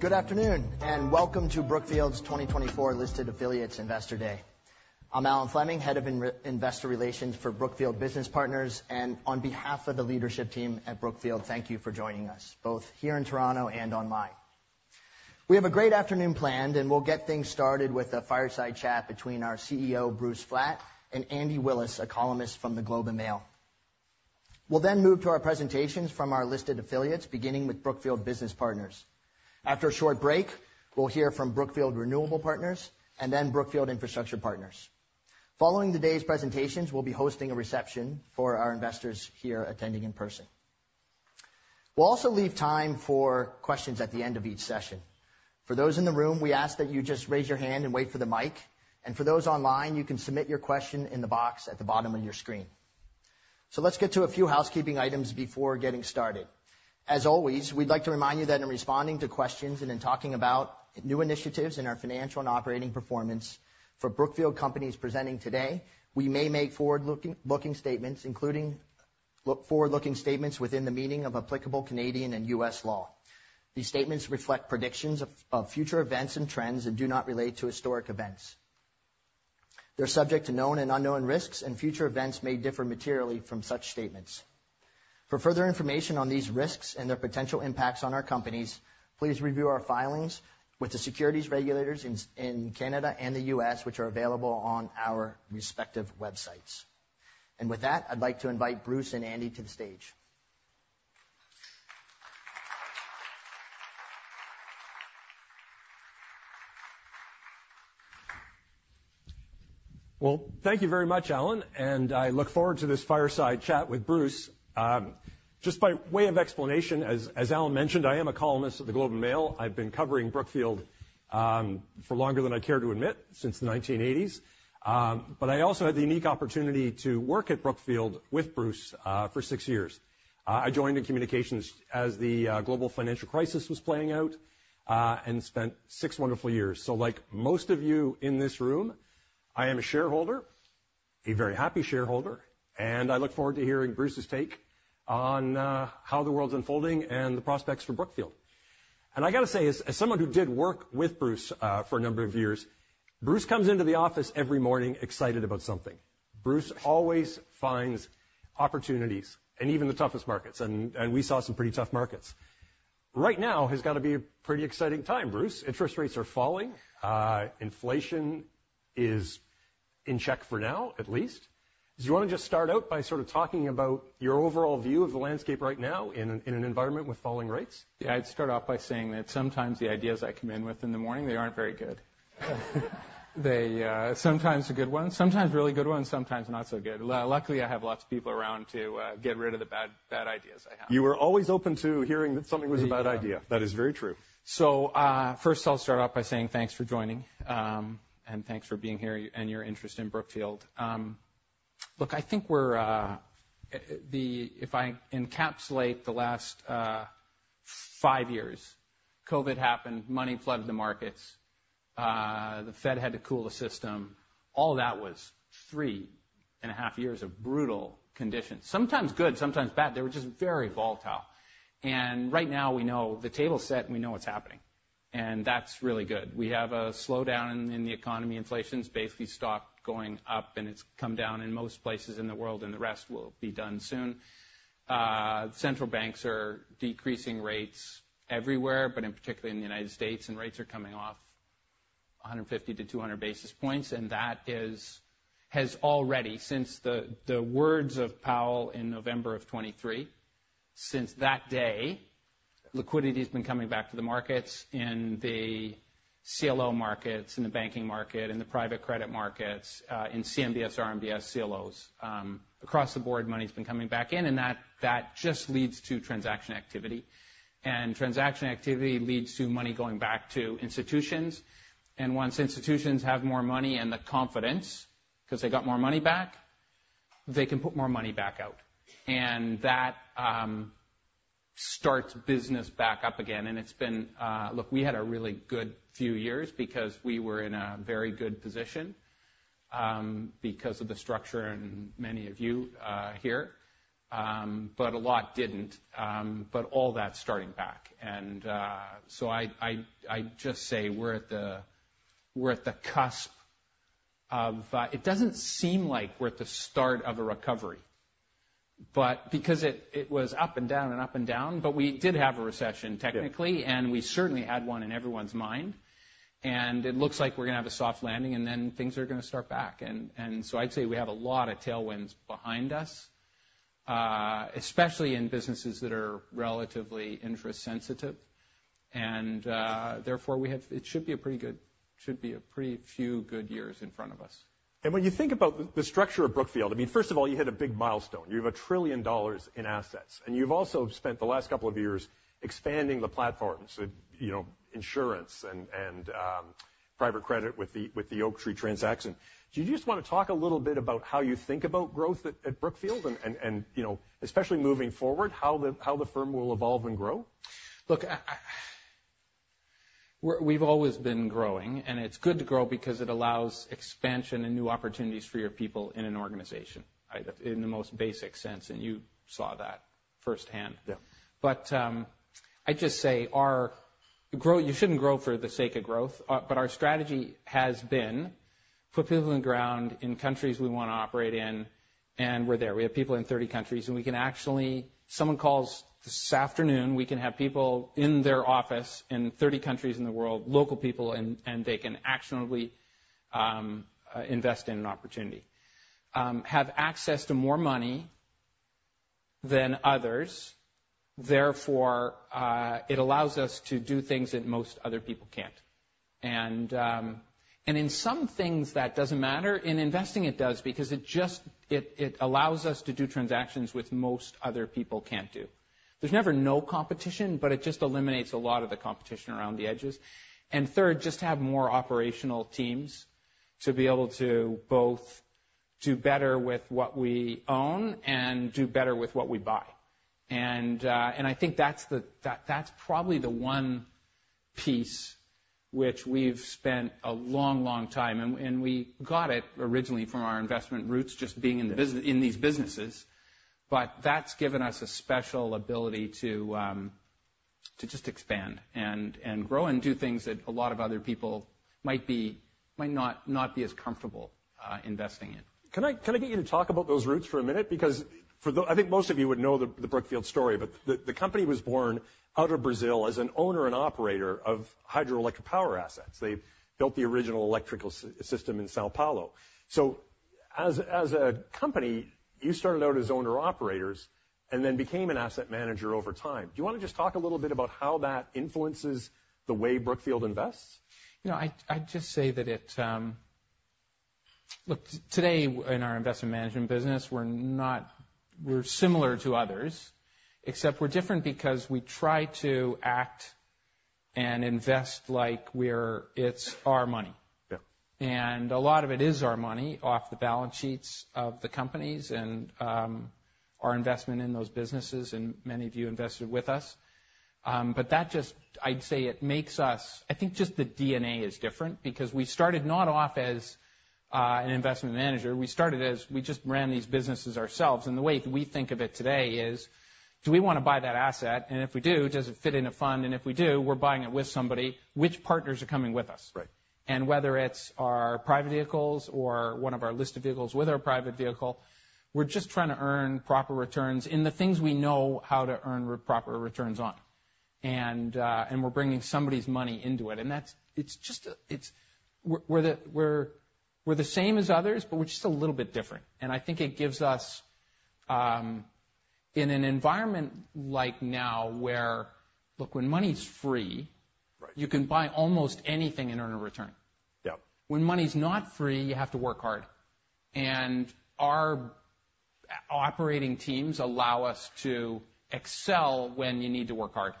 Good afternoon, and welcome to Brookfield's 2024 Listed Affiliates Investor Day. I'm Alan Fleming, Head of Investor Relations for Brookfield Business Partners, and on behalf of the leadership team at Brookfield, thank you for joining us, both here in Toronto and online. We have a great afternoon planned, and we'll get things started with a fireside chat between our CEO, Bruce Flatt, and Andy Willis, a columnist from The Globe and Mail. We'll then move to our presentations from our listed affiliates, beginning with Brookfield Business Partners. After a short break, we'll hear from Brookfield Renewable Partners and then Brookfield Infrastructure Partners. Following the day's presentations, we'll be hosting a reception for our investors here attending in person. We'll also leave time for questions at the end of each session. For those in the room, we ask that you just raise your hand and wait for the mic, and for those online, you can submit your question in the box at the bottom of your screen. So let's get to a few housekeeping items before getting started. As always, we'd like to remind you that in responding to questions and in talking about new initiatives in our financial and operating performance, for Brookfield companies presenting today, we may make forward-looking statements, including forward-looking statements within the meaning of applicable Canadian and U.S. law. These statements reflect predictions of future events and trends and do not relate to historic events. They're subject to known and unknown risks, and future events may differ materially from such statements. For further information on these risks and their potential impacts on our companies, please review our filings with the securities regulators in Canada and the U.S., which are available on our respective websites, and with that, I'd like to invite Bruce and Andy to the stage. Thank you very much, Alan, and I look forward to this fireside chat with Bruce. Just by way of explanation, as Alan mentioned, I am a columnist at The Globe and Mail. I've been covering Brookfield for longer than I care to admit, since the 1980s. But I also had the unique opportunity to work at Brookfield with Bruce for six years. I joined in communications as the global financial crisis was playing out and spent six wonderful years. So like most of you in this room, I am a shareholder, a very happy shareholder, and I look forward to hearing Bruce's take on how the world's unfolding and the prospects for Brookfield. And I gotta say, as someone who did work with Bruce for a number of years, Bruce comes into the office every morning excited about something. Bruce always finds opportunities in even the toughest markets, and we saw some pretty tough markets. Right now has got to be a pretty exciting time, Bruce. Interest rates are falling. Inflation is in check for now, at least. Do you wanna just start out by sort of talking about your overall view of the landscape right now in an environment with falling rates? Yeah, I'd start off by saying that sometimes the ideas I come in with in the morning, they aren't very good. They, sometimes they're good ones, sometimes really good ones, sometimes not so good. Luckily, I have lots of people around to get rid of the bad, bad ideas I have. You were always open to hearing that something was a bad idea. That is very true. First, I'll start off by saying thanks for joining, and thanks for being here and your interest in Brookfield. Look, I think we're, if I encapsulate the last five years, COVID happened, money flooded the markets, the Fed had to cool the system. All that was three and a half years of brutal conditions, sometimes good, sometimes bad. They were just very volatile. And right now, we know the table's set, and we know what's happening, and that's really good. We have a slowdown in the economy. Inflation's basically stopped going up, and it's come down in most places in the world, and the rest will be done soon. Central banks are de creasing rates everywhere, but in particular in the United States, and rates are coming off 150 to 200 basis points, and that has already, since the words of Powell in November of 2023, since that day, liquidity has been coming back to the markets, in the CLO markets, in the banking market, in the private credit markets, in CMBS, RMBS, CLOs. Across the board, money's been coming back in, and that just leads to transaction activity. And transaction activity leads to money going back to institutions, and once institutions have more money and the confidence, 'cause they got more money back, they can put more money back out. And that starts business back up again, and it's been. Look, we had a really good few years because we were in a very good position because of the structure and many of you here, but a lot didn't, but all that's starting back, and so I'd just say we're at the cusp of... It doesn't seem like we're at the start of a recovery, but because it was up and down and up and down, but we did have a recession, technically. And we certainly had one in everyone's mind. And it looks like we're gonna have a soft landing, and then things are gonna start back. And so I'd say we have a lot of tailwinds behind us, especially in businesses that are relatively interest sensitive, and therefore, we have. It should be a pretty few good years in front of us. When you think about the structure of Brookfield, I mean, first of all, you hit a big milestone. You have $1 trillion in assets, and you've also spent the last couple of years expanding the platform, so, you know, insurance and private credit with the Oaktree transaction. Do you just wanna talk a little bit about how you think about growth at Brookfield, and you know, especially moving forward, how the firm will evolve and grow? Look, we've always been growing, and it's good to grow because it allows expansion and new opportunities for your people in an organization, right, in the most basic sense, and you saw that firsthand. Yeah. But, I'd just say. You shouldn't grow for the sake of growth, but our strategy has been put people on the ground in countries we wanna operate in, and we're there. We have people in 30 countries, and we can actually, someone calls this afternoon, we can have people in their office in 30 countries in the world, local people, and they can actionably invest in an opportunity. They have access to more money than others, therefore it allows us to do things that most other people can't. And in some things, that doesn't matter. In investing, it does, because it just allows us to do transactions, which most other people can't do. There's never no competition, but it just eliminates a lot of the competition around the edges. And third, just to have more operational teams to be able to both do better with what we own and do better with what we buy. And I think that's the one piece which we've spent a long, long time, and we got it originally from our investment roots, just being in these businesses. But that's given us a special ability to just expand and grow and do things that a lot of other people might not be as comfortable investing in. Can I get you to talk about those roots for a minute? Because I think most of you would know the Brookfield story, but the company was born out of Brazil as an owner and operator of hydroelectric power assets. They built the original electrical system in São Paulo. So as a company, you started out as owner-operators and then became an asset manager over time. Do you wanna just talk a little bit about how that influences the way Brookfield invests? You know, I'd just say that it. Look, today in our investment management business, we're not, we're similar to others, except we're different because we try to act and invest like we're, it's our money. And a lot of it is our money off the balance sheets of the companies and our investment in those businesses, and many of you invested with us. But that just, I'd say, it makes us. I think just the DNA is different because we started not off as an investment manager. We started as we just ran these businesses ourselves, and the way we think of it today is, do we wanna buy that asset? And if we do, does it fit in a fund? And if we do, we're buying it with somebody. Which partners are coming with us? Right. And whether it's our private vehicles or one of our listed vehicles with our private vehicle, we're just trying to earn proper returns in the things we know how to earn proper returns on. And, and we're bringing somebody's money into it, and that's. It's just a, we're the same as others, but we're just a little bit different, and I think it gives us, in an environment like now, where. Look, when money's free, you can buy almost anything and earn a return. When money's not free, you have to work hard, and our operating teams allow us to excel when you need to work hard,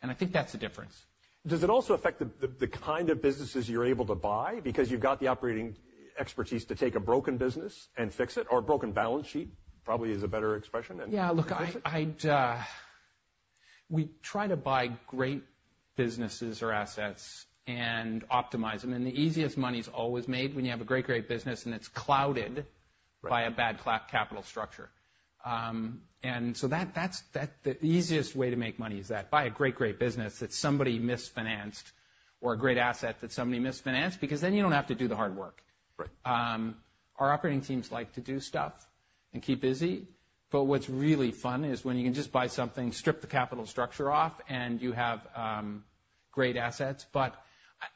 and I think that's the difference. Does it also affect the kind of businesses you're able to buy because you've got the operating expertise to take a broken business and fix it, or a broken balance sheet, probably is a better expression, and fix it? Yeah, look, we try to buy great businesses or assets and optimize them, and the easiest money's always made when you have a great, great business, and it's clouded by a bad capital structure. And so that's the easiest way to make money is to buy a great, great business that somebody misfinanced or a great asset that somebody misfinanced because then you don't have to do the hard work. Right. Our operating teams like to do stuff and keep busy, but what's really fun is when you can just buy something, strip the capital structure off, and you have great assets. But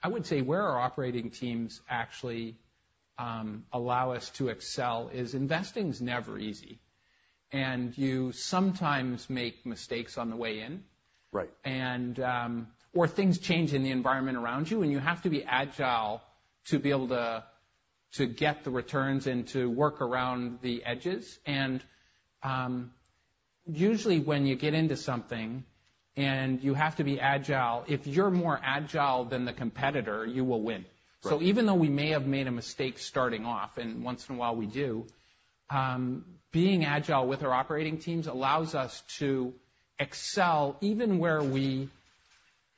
I would say where our operating teams actually allow us to excel. Investing is never easy, and you sometimes make mistakes on the way in. Or things change in the environment around you, and you have to be agile to be able to get the returns and to work around the edges. Usually, when you get into something, and you have to be agile, if you're more agile than the competitor, you will win. So even though we may have made a mistake starting off, and once in a while we do, being agile with our operating teams allows us to excel even where we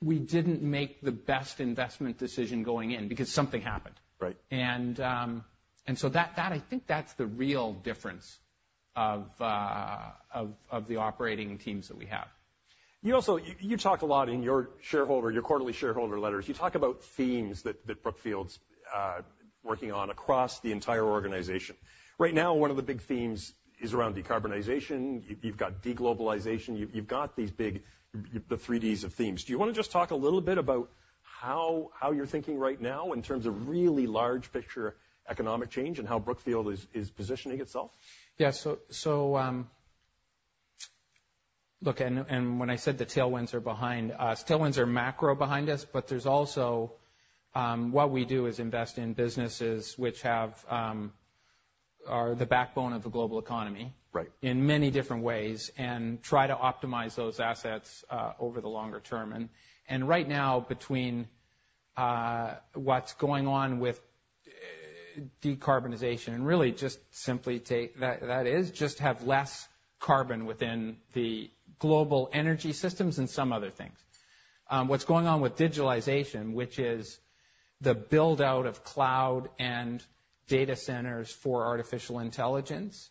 didn't make the best investment decision going in because something happened. Right. So that, I think that's the real difference of the operating teams that we have. You also talked a lot in your quarterly shareholder letters. You talk about themes that Brookfield's working on across the entire organization. Right now, one of the big themes is around decarbonization. You've got deglobalization. You've got these big, the three Ds of themes. Do you wanna just talk a little bit about how you're thinking right now in terms of really large picture economic change and how Brookfield is positioning itself? Yeah, so, look, and when I said the tailwinds are behind us, tailwinds are macro behind us, but there's also what we do is invest in businesses which are the backbone of the global economy in many different ways, and try to optimize those assets over the longer term. And right now, between what's going on with decarbonization, and really just simply take that, that is just have less carbon within the global energy systems and some other things. What's going on with digitalization, which is the build-out of cloud and data centers for artificial intelligence,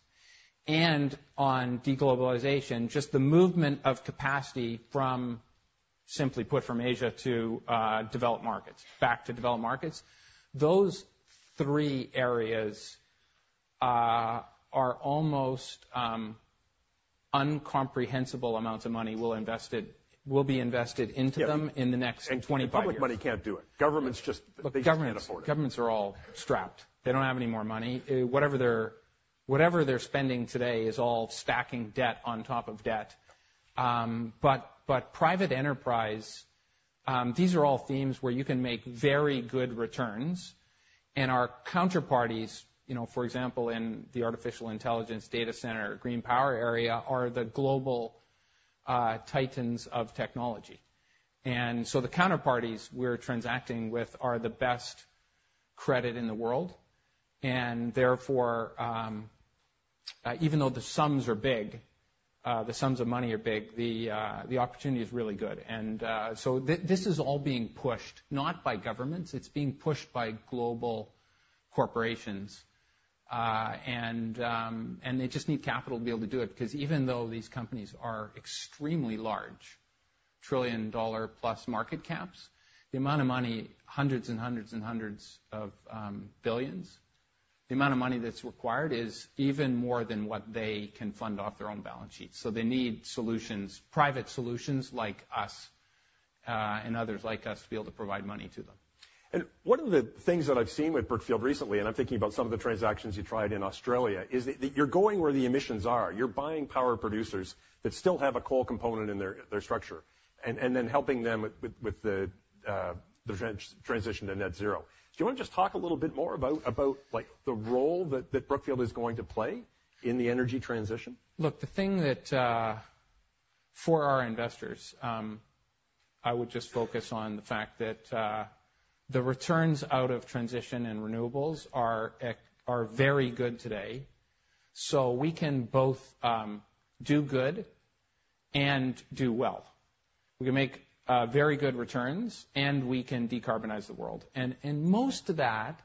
and on deglobalization, just the movement of capacity from, simply put, from Asia to developed markets back to developed markets. Those three areas are almost incomprehensible amounts of money will be invested into them in the next 25 years. Public money can't do it. Governments just, they just can't afford it. Governments are all strapped. They don't have any more money. Whatever they're spending today is all stacking debt on top of debt. But private enterprise, these are all themes where you can make very good returns, and our counterparties, you know, for example, in the artificial intelligence data center, green power area, are the global titans of technology. And so the counterparties we're transacting with are the best credit in the world, and therefore, even though the sums are big, the sums of money are big, the opportunity is really good. And so this is all being pushed not by governments, it's being pushed by global corporations. They just need capital to be able to do it, because even though these companies are extremely large, $1 trillion-market caps, the amount of money, hundreds and hundreds and hundreds of billions, the amount of money that's required is even more than what they can fund off their own balance sheets. So they need solutions, private solutions like us, and others like us, to be able to provide money to them. One of the things that I've seen with Brookfield recently, and I'm thinking about some of the transactions you tried in Australia, is that you're going where the emissions are. You're buying power producers that still have a coal component in their structure, and then helping them with the transition to net zero. Do you want to just talk a little bit more about, like, the role that Brookfield is going to play in the energy transition? Look, the thing that for our investors, I would just focus on the fact that the returns out of transition and renewables are very good today. So we can both do good and do well. We can make very good returns, and we can decarbonize the world. And most of that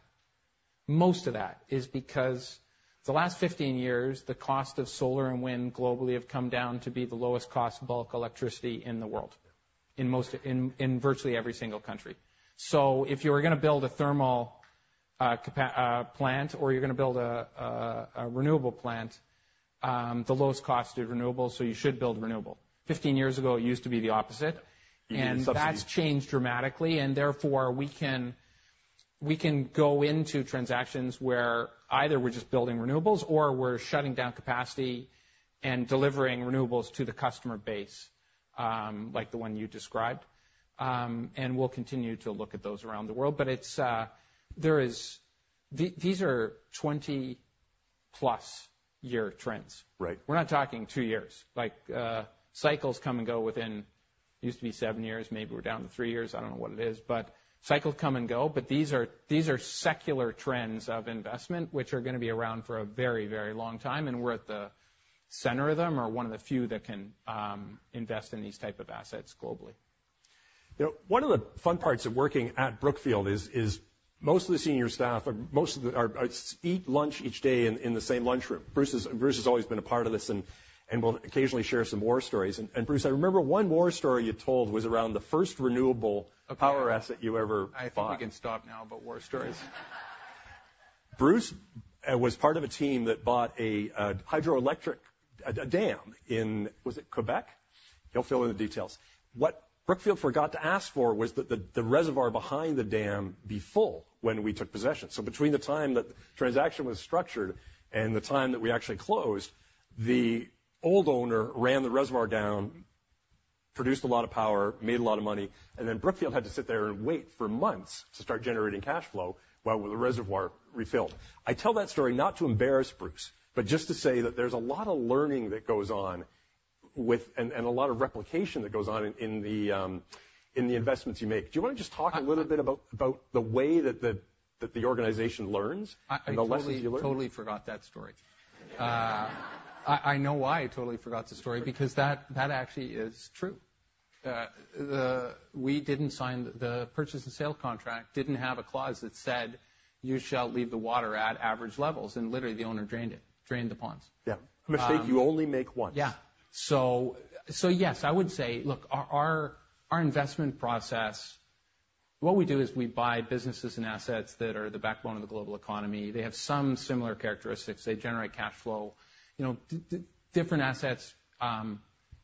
is because the last 15 years, the cost of solar and wind globally have come down to be the lowest cost bulk electricity in the world, in virtually every single country. So if you were gonna build a thermal capacity plant, or you're gonna build a renewable plant, the lowest cost is renewables, so you should build renewable. 15 years ago, it used to be the opposite. You need a subsidy. And that's changed dramatically, and therefore, we can go into transactions where either we're just building renewables or we're shutting down capacity and delivering renewables to the customer base, like the one you described. And we'll continue to look at those around the world. But it's. These are 20+ year trends. Right. We're not talking two years. Like, cycles come and go within, used to be seven years, maybe we're down to three years, I don't know what it is, but cycles come and go. But these are, these are secular trends of investment, which are gonna be around for a very, very long time, and we're at the center of them or one of the few that can invest in these type of assets globally. You know, one of the fun parts of working at Brookfield is most of the senior staff eat lunch each day in the same lunchroom. Bruce has always been a part of this and will occasionally share some war stories. And Bruce, I remember one war story you told was around the first renewable-power asset you ever bought. I think we can stop now about war stories. Bruce was part of a team that bought a hydroelectric dam in, was it Quebec? You'll fill in the details. What Brookfield forgot to ask for was the reservoir behind the dam be full when we took possession, so between the time that the transaction was structured and the time that we actually closed, the old owner ran the reservoir down, produced a lot of power, made a lot of money, and then Brookfield had to sit there and wait for months to start generating cash flow while the reservoir refilled. I tell that story not to embarrass Bruce, but just to say that there's a lot of learning that goes on, and a lot of replication that goes on in the investments you make. Do you wanna just talk a little bit about the way that the organization learns and the lessons you learn? I totally, totally forgot that story. I know why I totally forgot the story, because that actually is true. We didn't sign. The purchase and sale contract didn't have a clause that said, "You shall leave the water at average levels," and literally, the owner drained it, drained the ponds. Yeah, a mistake you only make once. Yeah. So yes, I would say, look, our investment process, what we do is we buy businesses and assets that are the backbone of the global economy. They have some similar characteristics. They generate cash flow. You know, different assets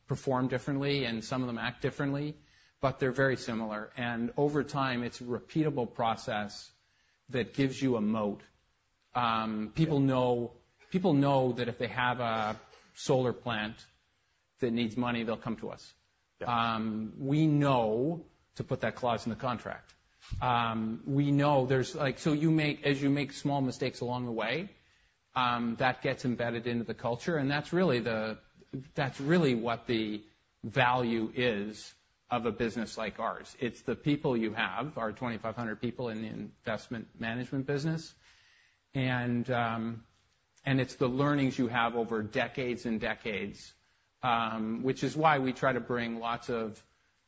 perform differently, and some of them act differently, but they're very similar, and over time, it's a repeatable process that gives you a moat. People know, people know that if they have a solar plant that needs money, they'll come to us. We know to put that clause in the contract. We know there's... Like, so you make, as you make small mistakes along the way... that gets embedded into the culture, and that's really the, that's really what the value is of a business like ours. It's the people you have, our 2,500 people in the investment management business, and, and it's the learnings you have over decades and decades, which is why we try to bring lots of,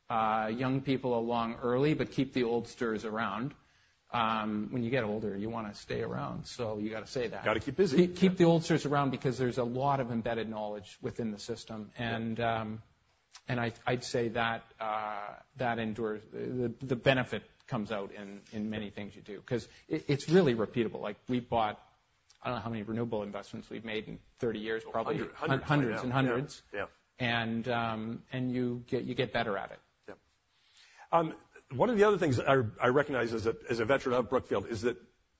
young people along early, but keep the oldsters around. When you get older, you wanna stay around, so you gotta stay around. Gotta keep busy. Keep the oldsters around, because there's a lot of embedded knowledge within the system. And I'd say that that endures. The benefit comes out in many things you do, 'cause it's really repeatable. Like, we've bought. I don't know how many renewable investments we've made in 30 years, probably, hundreds, hundreds and hundreds. You get better at it. Yeah. One of the other things I recognize as a veteran of Brookfield is that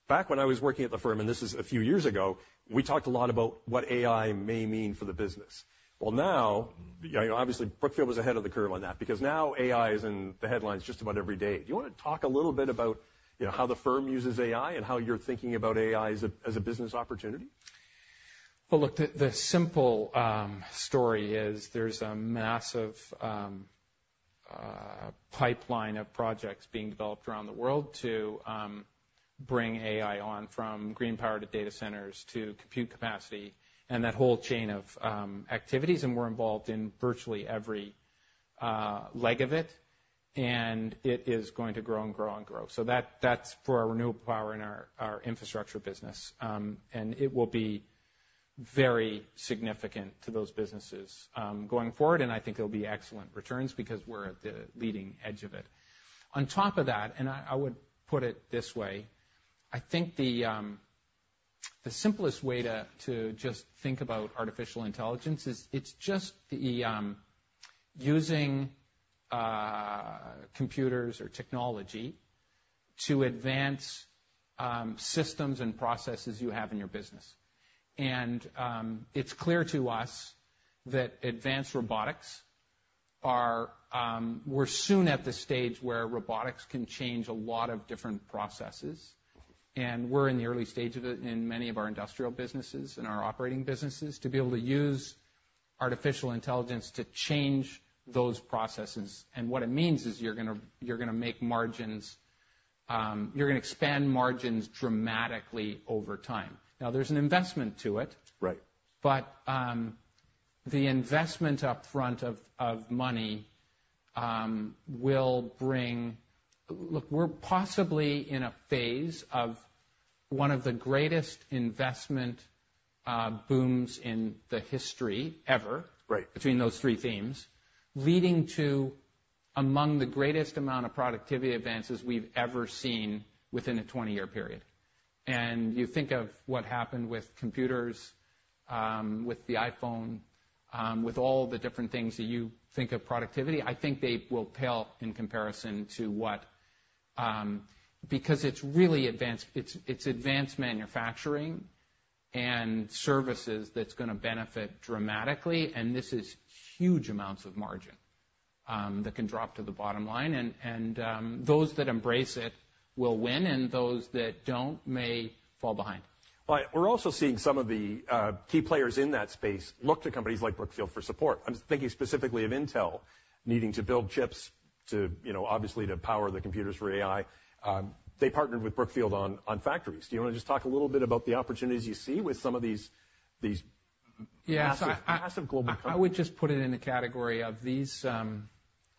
back when I was working at the firm, and this is a few years ago, we talked a lot about what AI may mean for the business. Well, now, you know, obviously Brookfield was ahead of the curve on that, because now AI is in the headlines just about every day. Do you wanna talk a little bit about, you know, how the firm uses AI and how you're thinking about AI as a business opportunity? Well, look, the simple story is there's a massive pipeline of projects being developed around the world to bring AI on from green power to data centers to compute capacity and that whole chain of activities, and we're involved in virtually every leg of it, and it is going to grow and grow and grow. So that, that's for our renewable power and our infrastructure business. And it will be very significant to those businesses going forward, and I think there'll be excellent returns because we're at the leading edge of it. On top of that, and I would put it this way, I think the simplest way to just think about artificial intelligence is it's just the using computers or technology to advance systems and processes you have in your business. It's clear to us that advanced robotics are. We're soon at the stage where robotics can change a lot of different processes, and we're in the early stage of it in many of our industrial businesses and our operating businesses, to be able to use artificial intelligence to change those processes. And what it means is you're gonna make margins, you're gonna expand margins dramatically over time. Now, there's an investment to it. But, the investment up front of money will bring... Look, we're possibly in a phase of one of the greatest investment booms in the history ever between those three themes, leading to among the greatest amount of productivity advances we've ever seen within a 20-year period. And you think of what happened with computers, with the iPhone, with all the different things that you think of productivity, I think they will pale in comparison to what? Because it's really advanced, it's advanced manufacturing and services that's gonna benefit dramatically, and this is huge amounts of margin that can drop to the bottom line. And those that embrace it will win, and those that don't may fall behind. But we're also seeing some of the key players in that space look to companies like Brookfield for support. I'm thinking specifically of Intel needing to build chips to, you know, obviously to power the computers for AI. They partnered with Brookfield on factories. Do you wanna just talk a little bit about the opportunities you see with some of these massive, massive global companies? I would just put it in the category of these.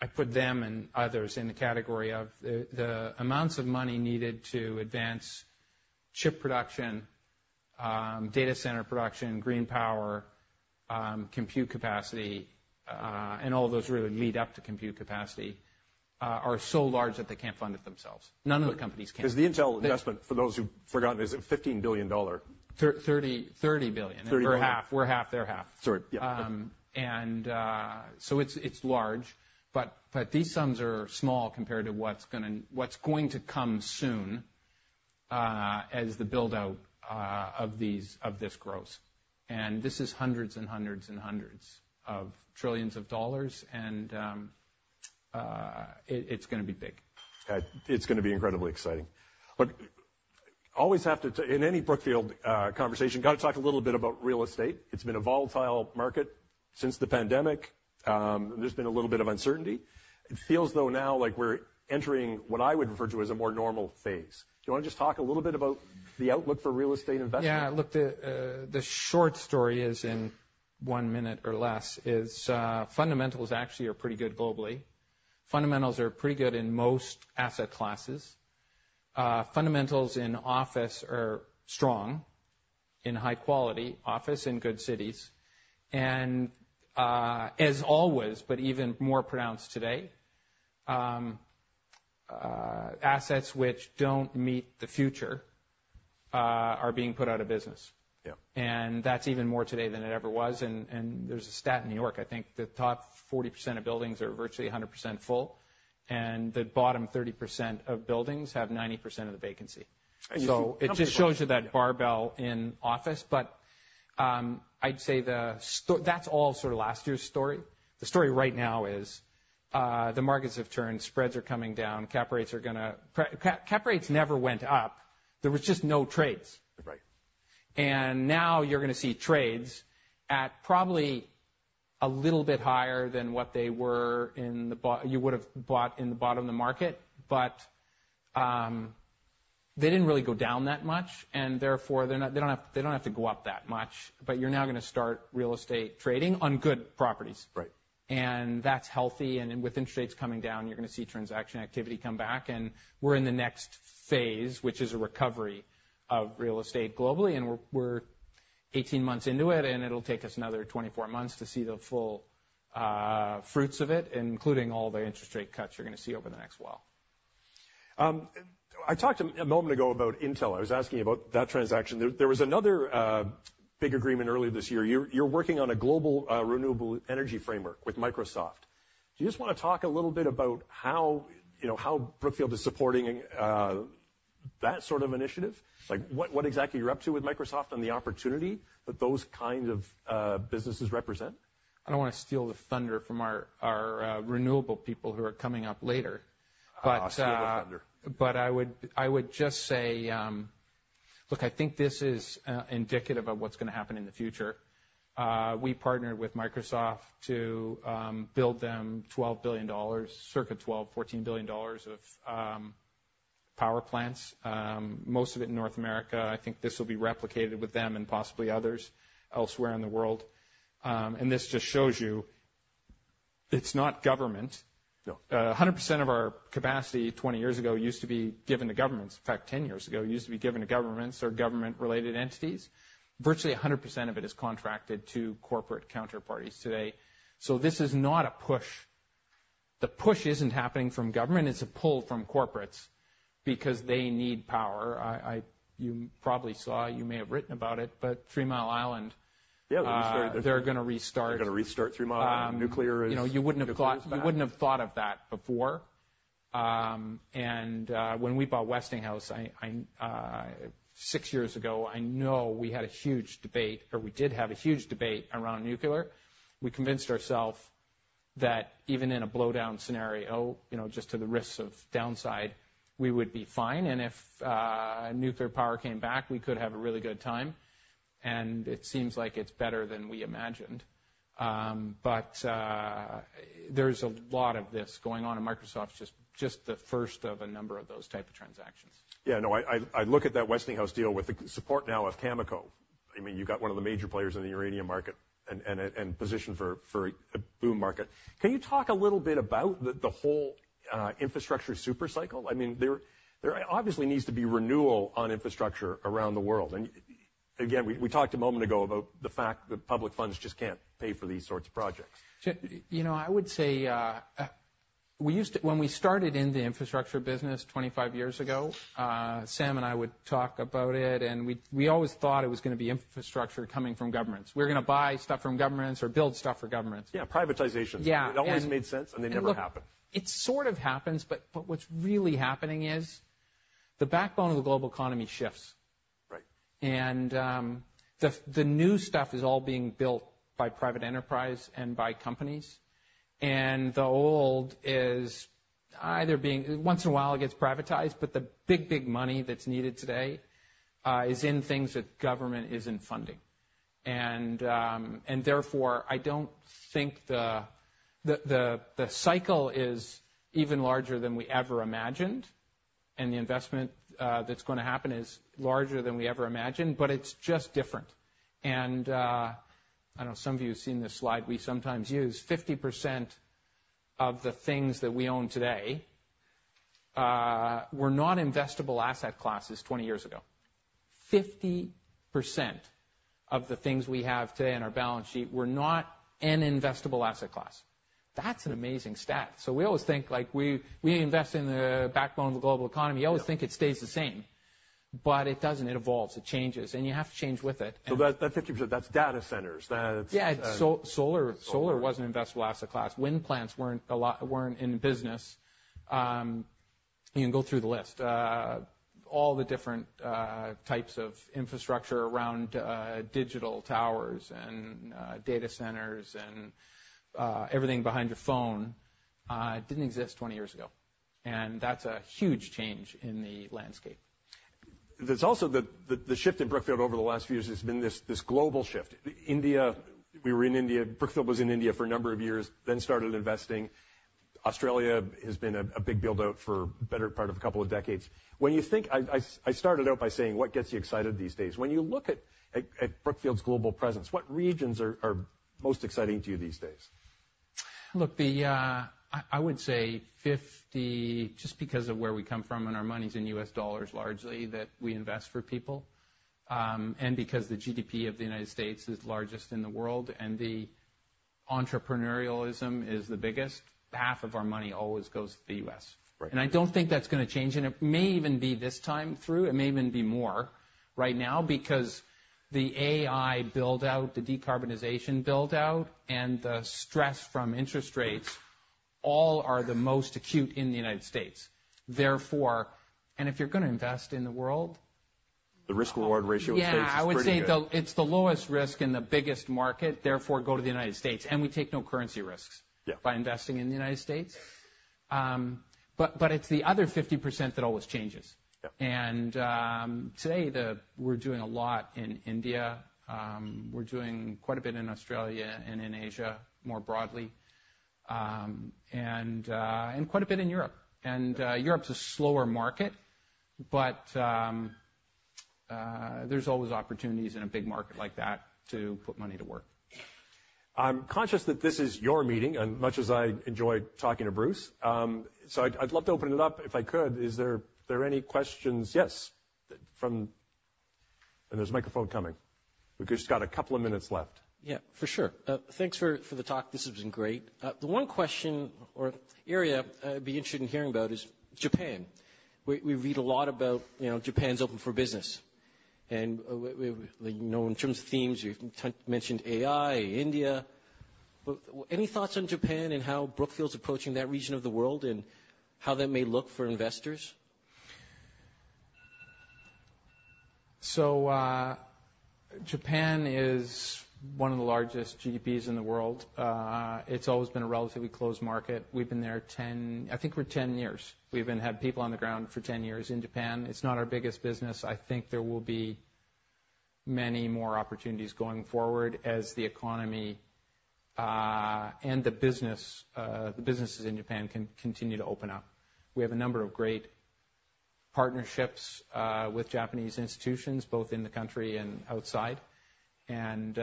I put them and others in the category of the amounts of money needed to advance chip production, data center production, green power, compute capacity, and all those really lead up to compute capacity, are so large that they can't fund it themselves. None of the companies can. 'Cause the Intel investment, for those who've forgotten, is a $15 billion dollar- $33 billion. $30 billion. We're half, they're half. Sorry. Yeah. It's large, but these sums are small compared to what's going to come soon as the build-out of this grows. This is hundreds and hundreds and hundreds of trillions of dollars, and it's gonna be big. It's gonna be incredibly exciting. But always have to, in any Brookfield conversation, gotta talk a little bit about real estate. It's been a volatile market since the pandemic. There's been a little bit of uncertainty. It feels, though, now like we're entering what I would refer to as a more normal phase. Do you wanna just talk a little bit about the outlook for real estate investment? Yeah. Look, the short story is, in one minute or less, is, fundamentals actually are pretty good globally. Fundamentals are pretty good in most asset classes. Fundamentals in office are strong, in high-quality office, in good cities. And, as always, but even more pronounced today, assets which don't meet the future are being put out of business. That's even more today than it ever was, and there's a stat in New York. I think the top 40% of buildings are virtually 100% full, and the bottom 30% of buildings have 90% of the vacancy. And you see- So it just shows you that barbell in office, but. I'd say that's all sort of last year's story. The story right now is, the markets have turned, spreads are coming down, cap rates are gonna cap rates never went up. There was just no trades. Now you're gonna see trades at probably a little bit higher than what they were in the bottom. You would have bought in the bottom of the market, but they didn't really go down that much, and therefore, they're not. They don't have to go up that much. You're now gonna start real estate trading on good properties. Right.And that's healthy, and with interest rates coming down, you're gonna see transaction activity come back, and we're in the next phase, which is a recovery of real estate globally, and we're eighteen months into it, and it'll take us another 24 months to see the full fruits of it, including all the interest rate cuts you're gonna see over the next while. I talked a moment ago about Intel. I was asking you about that transaction. There was another big agreement earlier this year. You're working on a global renewable energy framework with Microsoft. Do you just wanna talk a little bit about how, you know, how Brookfield is supporting that sort of initiative? Like, what exactly you're up to with Microsoft and the opportunity that those kind of businesses represent? I don't wanna steal the thunder from our renewable people who are coming up later. But, Ah, steal the thunder. But I would just say, Look, I think this is indicative of what's gonna happen in the future. We partnered with Microsoft to build them $12 billion, circa $12 billion-$14 billion of power plants, most of it in North America. I think this will be replicated with them and possibly others elsewhere in the world. And this just shows you, it's not government. No. 100% of our capacity 20 years ago used to be given to governments. In fact, 10 years ago, it used to be given to governments or government-related entities. Virtually 100% of it is contracted to corporate counterparties today. So this is not a push. The push isn't happening from government; it's a pull from corporates because they need power. You probably saw, you may have written about it, but Three Mile Island- Yeah, they restarted. They're gonna restart. They're gonna restart Three Mile Island. Nuclear is- You know, you wouldn't have thought, you wouldn't have thought of that before. And when we bought Westinghouse six years ago, I know we had a huge debate, or we did have a huge debate around nuclear. We convinced ourselves that even in a blowdown scenario, you know, just to the risks of downside, we would be fine, and if nuclear power came back, we could have a really good time. And it seems like it's better than we imagined. But there's a lot of this going on, and Microsoft's just the first of a number of those type of transactions. Yeah. No, I look at that Westinghouse deal with the support now of Cameco. I mean, you've got one of the major players in the uranium market and positioned for a boom market. Can you talk a little bit about the whole infrastructure super cycle? I mean, there obviously needs to be renewal on infrastructure around the world. And, again, we talked a moment ago about the fact that public funds just can't pay for these sorts of projects. You know, I would say, we used to. When we started in the infrastructure business 25 years ago, Sam and I would talk about it, and we always thought it was gonna be infrastructure coming from governments. We're gonna buy stuff from governments or build stuff for governments. Yeah, privatization. Yeah. It always made sense, and they never happened. It sort of happens, but what's really happening is the backbone of the global economy shifts. Right. The new stuff is all being built by private enterprise and by companies, and the old is either being... Once in a while, it gets privatized, but the big, big money that's needed today is in things that government isn't funding. And therefore, I don't think the cycle is even larger than we ever imagined, and the investment that's gonna happen is larger than we ever imagined, but it's just different. I know some of you have seen this slide we sometimes use. 50% of the things that we own today were not investable asset classes 20 years ago. 50% of the things we have today on our balance sheet were not an investable asset class. That's an amazing stat. So we always think, like, we invest in the backbone of the global economy. Yeah. We always think it stays the same, but it doesn't. It evolves, it changes, and you have to change with it. So that 50%, that's data centers. That's Yeah, solar wasn't an investable asset class. Wind plants weren't in business. You can go through the list. All the different types of infrastructure around digital towers and data centers, and everything behind your phone didn't exist 20 years ago, and that's a huge change in the landscape. There's also the shift in Brookfield over the last few years has been this global shift. India, we were in India, Brookfield was in India for a number of years, then started investing. Australia has been a big build-out for the better part of a couple of decades. When you think... I started out by saying, "What gets you excited these days?" When you look at Brookfield's global presence, what regions are most exciting to you these days? Look, I would say 50, just because of where we come from, and our money's inU.S. dollars, largely, that we invest for people, and because the GDP of the United States is largest in the world, and the entrepreneurialism is the biggest. Half of our money always goes to the U.S. And I don't think that's gonna change, and it may even be this time through. It may even be more right now, because the AI build-out, the decarbonization build-out, and the stress from interest rates all are the most acute in the United States. Therefore, and if you're gonna invest in the world- The risk/reward ratio in the States is pretty good. Yeah, I would say it's the lowest risk in the biggest market, therefore, go to the United States, and we take no currency risks by investing in the United States. But it's the other 50% that always changes. Today, we're doing a lot in India. We're doing quite a bit in Australia and in Asia, more broadly, and quite a bit in Europe. Europe's a slower market, but there's always opportunities in a big market like that to put money to work. I'm conscious that this is your meeting, and much as I enjoy talking to Bruce, so I'd love to open it up, if I could. Are there any questions? Yes, from... And there's a microphone coming. We've just got a couple of minutes left. Yeah, for sure. Thanks for the talk. This has been great. The one question or area I'd be interested in hearing about is Japan. We read a lot about, you know, Japan's open for business, and we, you know, in terms of themes, you mentioned AI, India. But any thoughts on Japan and how Brookfield's approaching that region of the world, and how that may look for investors? Japan is one of the largest GDPs in the world. It's always been a relatively closed market. We've been there 10 years, I think. We've even had people on the ground for 10 years in Japan. It's not our biggest business. I think there will be many more opportunities going forward as the economy and the business, the businesses in Japan can continue to open up. We have a number of great partnerships with Japanese institutions, both in the country and outside, and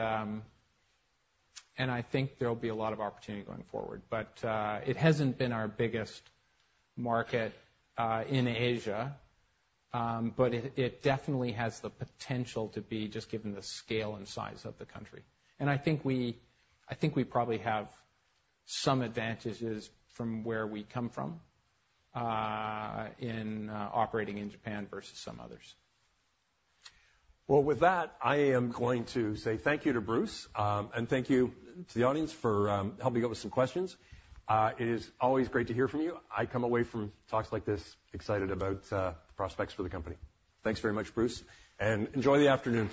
I think there'll be a lot of opportunity going forward. But it hasn't been our biggest market in Asia, but it definitely has the potential to be, just given the scale and size of the country. I think we probably have some advantages from where we come from in operating in Japan versus some others. With that, I am going to say thank you to Bruce, and thank you to the audience for helping out with some questions. It is always great to hear from you. I come away from talks like this excited about prospects for the company. Thanks very much, Bruce, and enjoy the afternoon.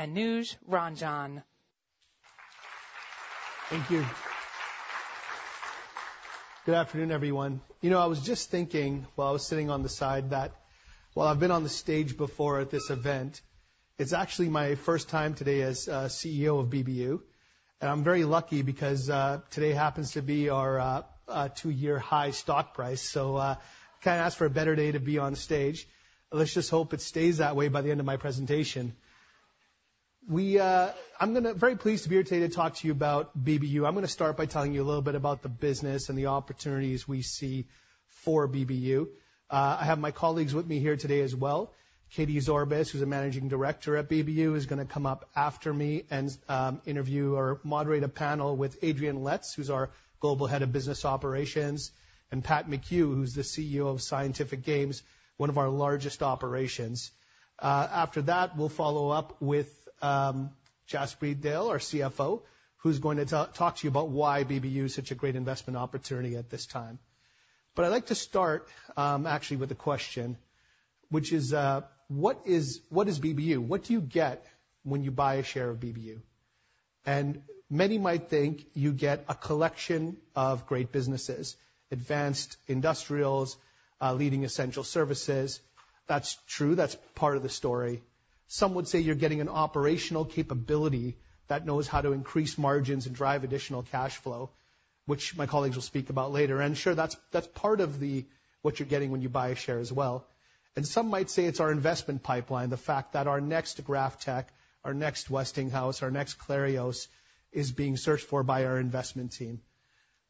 Anuj Ranjan. Thank you. Good afternoon, everyone. You know, I was just thinking, while I was sitting on the side, that while I've been on the stage before at this event, it's actually my first time today as CEO of BBU, and I'm very lucky because today happens to be our two-year high stock price. So, can't ask for a better day to be on stage. Let's just hope it stays that way by the end of my presentation. I'm very pleased to be here today to talk to you about BBU. I'm gonna start by telling you a little bit about the business and the opportunities we see for BBU. I have my colleagues with me here today as well. Katie Zorbas, who's a managing director at BBU, is gonna come up after me and interview or moderate a panel with Adrian Letts, who's our Global Head of Business Operations, and Pat McHugh, who's the CEO of Scientific Games, one of our largest operations. After that, we'll follow up with Jaspreet Dehl, our CFO, who's going to talk to you about why BBU is such a great investment opportunity at this time, but I'd like to start actually with a question, which is, what is BBU? What do you get when you buy a share of BBU?, and many might think you get a collection of great businesses, advanced industrials, leading essential services. That's true. That's part of the story. Some would say you're getting an operational capability that knows how to increase margins and drive additional cash flow, which my colleagues will speak about later. And sure, that's part of what you're getting when you buy a share as well. And some might say it's our investment pipeline, the fact that our next GrafTech, our next Westinghouse, our next Clarios, is being searched for by our investment team.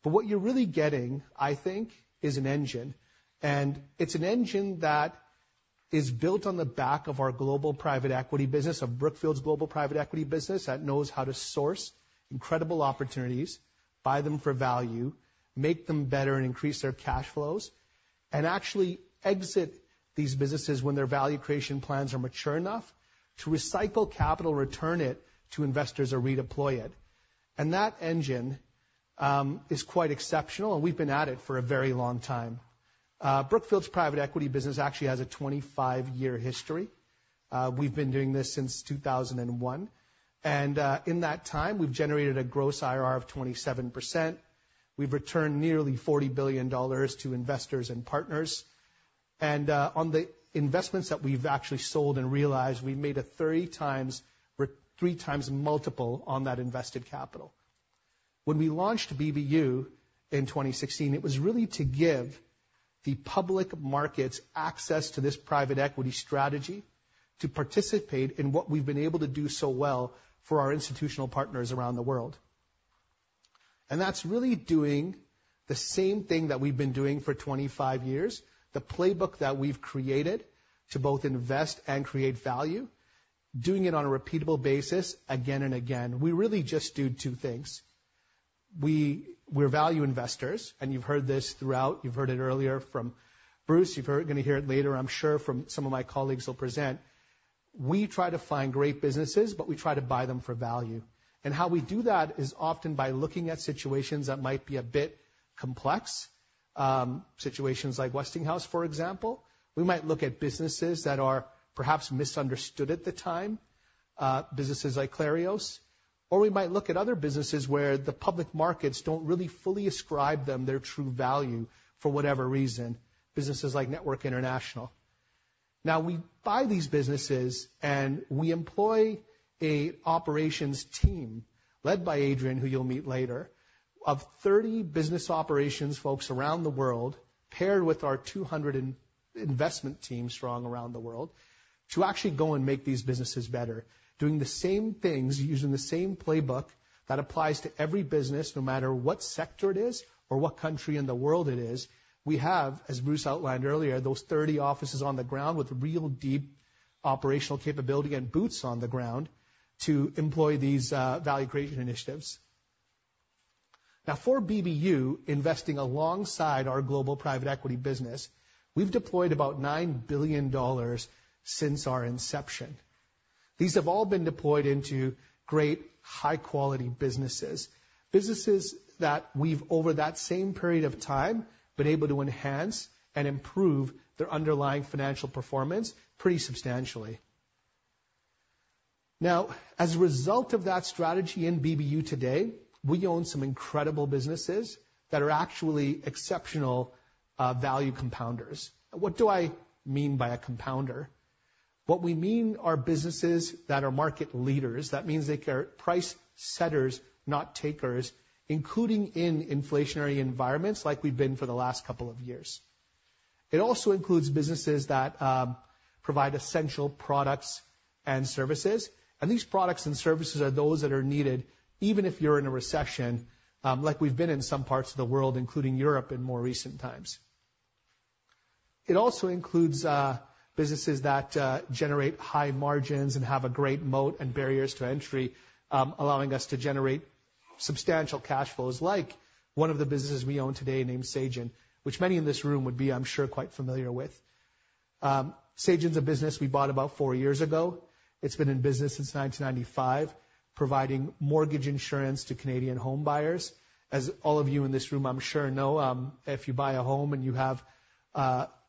But what you're really getting, I think, is an engine, and it's an engine that is built on the back of our global private equity business, of Brookfield's global private equity business, that knows how to source incredible opportunities, buy them for value, make them better and increase their cash flows, and actually exit these businesses when their value creation plans are mature enough to recycle capital, return it to investors or redeploy it. And that engine is quite exceptional, and we've been at it for a very long time. Brookfield's private equity business actually has a 25-year history. We've been doing this since 2001, and in that time, we've generated a gross IRR of 27%. We've returned nearly $40 billion to investors and partners, and on the investments that we've actually sold and realized, we've made a 3x multiple on that invested capital. When we launched BBU in 2016, it was really to give the public markets access to this private equity strategy to participate in what we've been able to do so well for our institutional partners around the world. And that's really doing the same thing that we've been doing for 25 years, the playbook that we've created to both invest and create value, doing it on a repeatable basis again and again. We really just do two things. We're value investors, and you've heard this throughout. You've heard it earlier from Bruce. You're gonna hear it later, I'm sure, from some of my colleagues who'll present. We try to find great businesses, but we try to buy them for value. And how we do that is often by looking at situations that might be a bit complex, situations like Westinghouse, for example. We might look at businesses that are perhaps misunderstood at the time, businesses like Clarios, or we might look at other businesses where the public markets don't really fully ascribe them their true value for whatever reason, businesses like Network International. Now, we buy these businesses, and we employ an operations team, led by Adrian, who you'll meet later, of 30 business operations folks around the world, paired with our 200-strong investment team around the world, to actually go and make these businesses better, doing the same things, using the same playbook that applies to every business, no matter what sector it is or what country in the world it is. We have, as Bruce outlined earlier, those 30 offices on the ground with real deep operational capability and boots on the ground to employ these value creation initiatives. Now, for BBU, investing alongside our global private equity business, we've deployed about $9 billion since our inception. These have all been deployed into great, high-quality businesses, businesses that we've, over that same period of time, been able to enhance and improve their underlying financial performance pretty substantially. Now, as a result of that strategy in BBU today, we own some incredible businesses that are actually exceptional value compounders. What do I mean by a compounder? What we mean are businesses that are market leaders. That means they are price setters, not takers, including in inflationary environments like we've been for the last couple of years. It also includes businesses that provide essential products and services, and these products and services are those that are needed even if you're in a recession, like we've been in some parts of the world, including Europe, in more recent times. It also includes businesses that generate high margins and have a great moat and barriers to entry, allowing us to generate substantial cash flows, like one of the businesses we own today named Sagen, which many in this room would be, I'm sure, quite familiar with. Sagen's a business we bought about four years ago. It's been in business since 1995, providing mortgage insurance to Canadian homebuyers. As all of you in this room, I'm sure know, if you buy a home and you have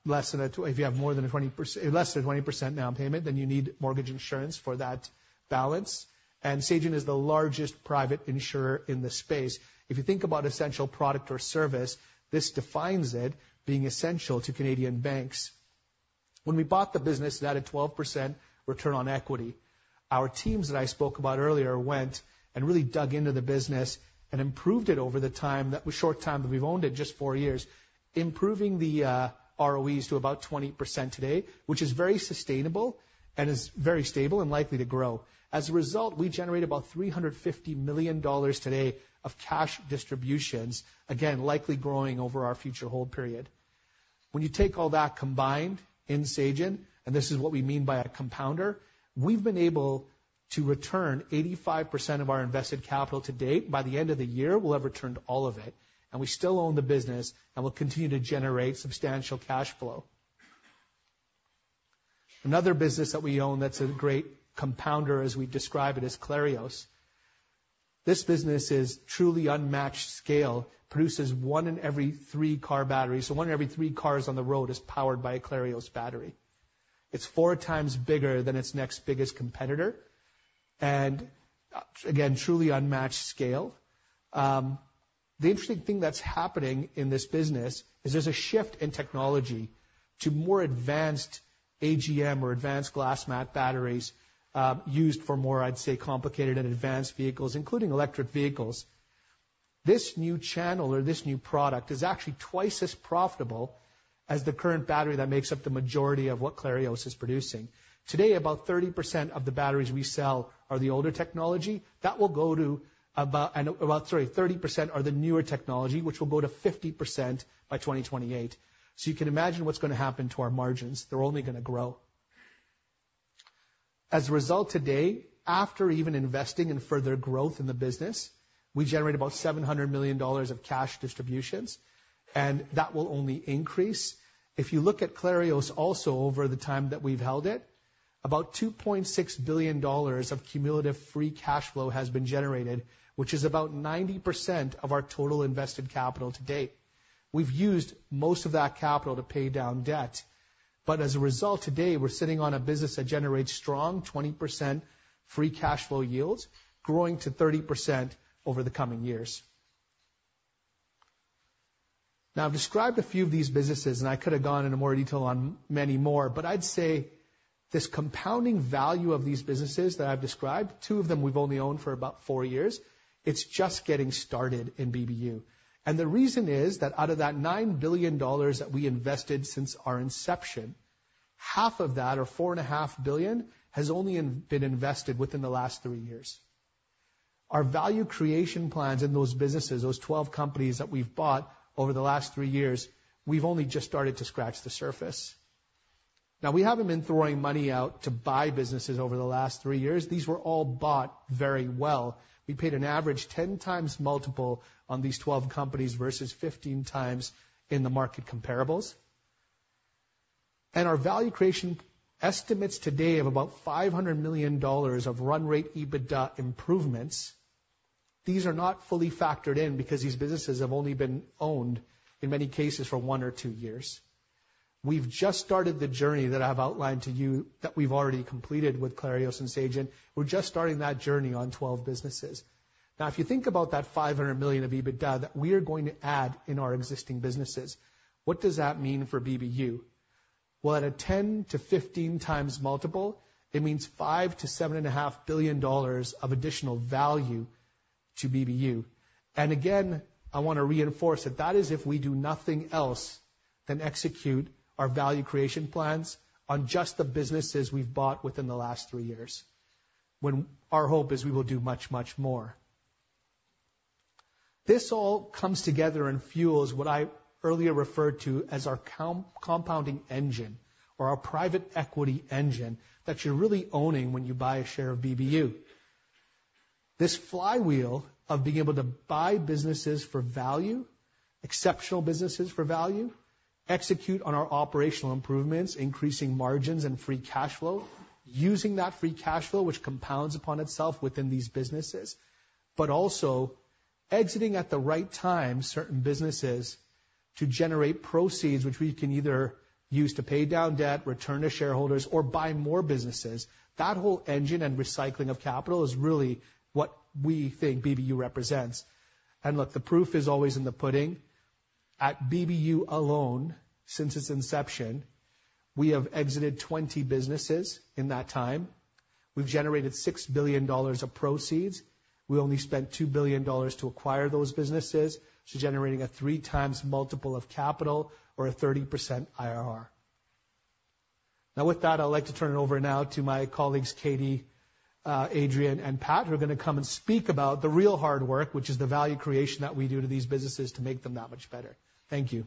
less than a 20% down payment, then you need mortgage insurance for that balance, and Sagen is the largest private insurer in the space. If you think about essential product or service, this defines it, being essential to Canadian banks. When we bought the business, it had a 12% return on equity. Our teams that I spoke about earlier went and really dug into the business and improved it over the time, that short time that we've owned it, just four years, improving the ROEs to about 20% today, which is very sustainable and is very stable and likely to grow. As a result, we generate about $350 million today of cash distributions, again, likely growing over our future hold period. When you take all that combined in Sagen, and this is what we mean by a compounder, we've been able to return 85% of our invested capital to date. By the end of the year, we'll have returned all of it, and we still own the business and will continue to generate substantial cash flow. Another business that we own that's a great compounder, as we describe it, is Clarios. This business is truly unmatched scale, produces one in every three car batteries, so one in every three cars on the road is powered by a Clarios battery. It's 4x bigger than its next biggest competitor, and again, truly unmatched scale. The interesting thing that's happening in this business is there's a shift in technology to more advanced AGM or advanced glass mat batteries, used for more, I'd say, complicated and advanced vehicles, including electric vehicles. This new channel or this new product is actually twice as profitable as the current battery that makes up the majority of what Clarios is producing. Today, about 30% of the batteries we sell are the older technology. That will go to about... Sorry, 30% are the newer technology, which will go to 50% by 2028. So you can imagine what's gonna happen to our margins. They're only gonna grow. As a result, today, after even investing in further growth in the business, we generate about $700 million of cash distributions, and that will only increase. If you look at Clarios also over the time that we've held it, about $2.6 billion of cumulative free cash flow has been generated, which is about 90% of our total invested capital to date. We've used most of that capital to pay down debt, but as a result, today we're sitting on a business that generates strong 20% free cash flow yields, growing to 30% over the coming years. Now, I've described a few of these businesses, and I could have gone into more detail on many more, but I'd say this compounding value of these businesses that I've described, two of them we've only owned for about four years, it's just getting started in BBU. And the reason is that out of that $9 billion that we invested since our inception, half of that, or $4.5 billion, has only been invested within the last three years. Our value creation plans in those businesses, those 12 companies that we've bought over the last three years, we've only just started to scratch the surface. Now, we haven't been throwing money out to buy businesses over the last three years. These were all bought very well. We paid an average 10x multiple on these 12 companies versus 15x in the market comparables. And our value creation estimates today of about $500 million of run rate EBITDA improvements. These are not fully factored in because these businesses have only been owned, in many cases, for one or two years. We've just started the journey that I've outlined to you that we've already completed with Clarios and Sagen. We're just starting that journey on 12 businesses. Now, if you think about that $500 million of EBITDA that we are going to add in our existing businesses, what does that mean for BBU? Well, at a 10x-15x multiple, it means $5 billion-$7.5 billion of additional value to BBU. And again, I want to reinforce that that is if we do nothing else than execute our value creation plans on just the businesses we've bought within the last three years, when our hope is we will do much, much more. This all comes together and fuels what I earlier referred to as our compounding engine or our private equity engine that you're really owning when you buy a share of BBU. This flywheel of being able to buy businesses for value, exceptional businesses for value, execute on our operational improvements, increasing margins and free cash flow, using that free cash flow, which compounds upon itself within these businesses, but also exiting at the right time certain businesses to generate proceeds which we can either use to pay down debt, return to shareholders, or buy more businesses. That whole engine and recycling of capital is really what we think BBU represents. And look, the proof is always in the pudding. At BBU alone, since its inception, we have exited 20 businesses in that time. We've generated $6 billion of proceeds. We only spent $2 billion to acquire those businesses, so generating a 3x multiple of capital or a 30% IRR. Now, with that, I'd like to turn it over now to my colleagues, Katie, Adrian, and Pat, who are gonna come and speak about the real hard work, which is the value creation that we do to these businesses to make them that much better. Thank you.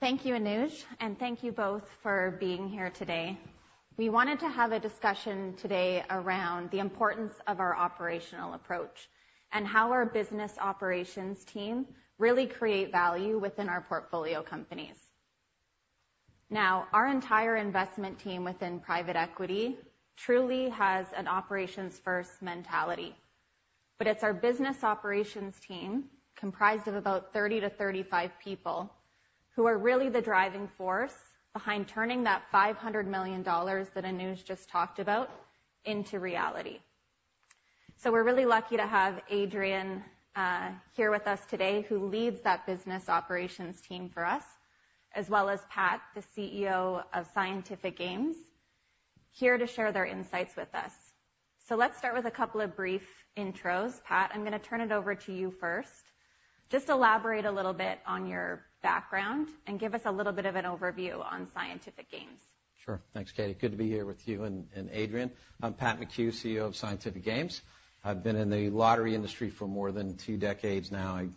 Thank you, Anuj, and thank you both for being here today. We wanted to have a discussion today around the importance of our operational approach and how our business operations team really create value within our portfolio companies. Now, our entire investment team within private equity truly has an operations-first mentality. But it's our business operations team, comprised of about 30-35 people, who are really the driving force behind turning that $500 million that Anuj just talked about into reality. So we're really lucky to have Adrian here with us today, who leads that business operations team for us, as well as Pat, the CEO of Scientific Games, here to share their insights with us. So let's start with a couple of brief intros. Pat, I'm gonna turn it over to you first. Just elaborate a little bit on your background, and give us a little bit of an overview on Scientific Games. Sure. Thanks, Katie. Good to be here with you and Adrian. I'm Pat McHugh, CEO of Scientific Games. I've been in the lottery industry for more than two decades now. I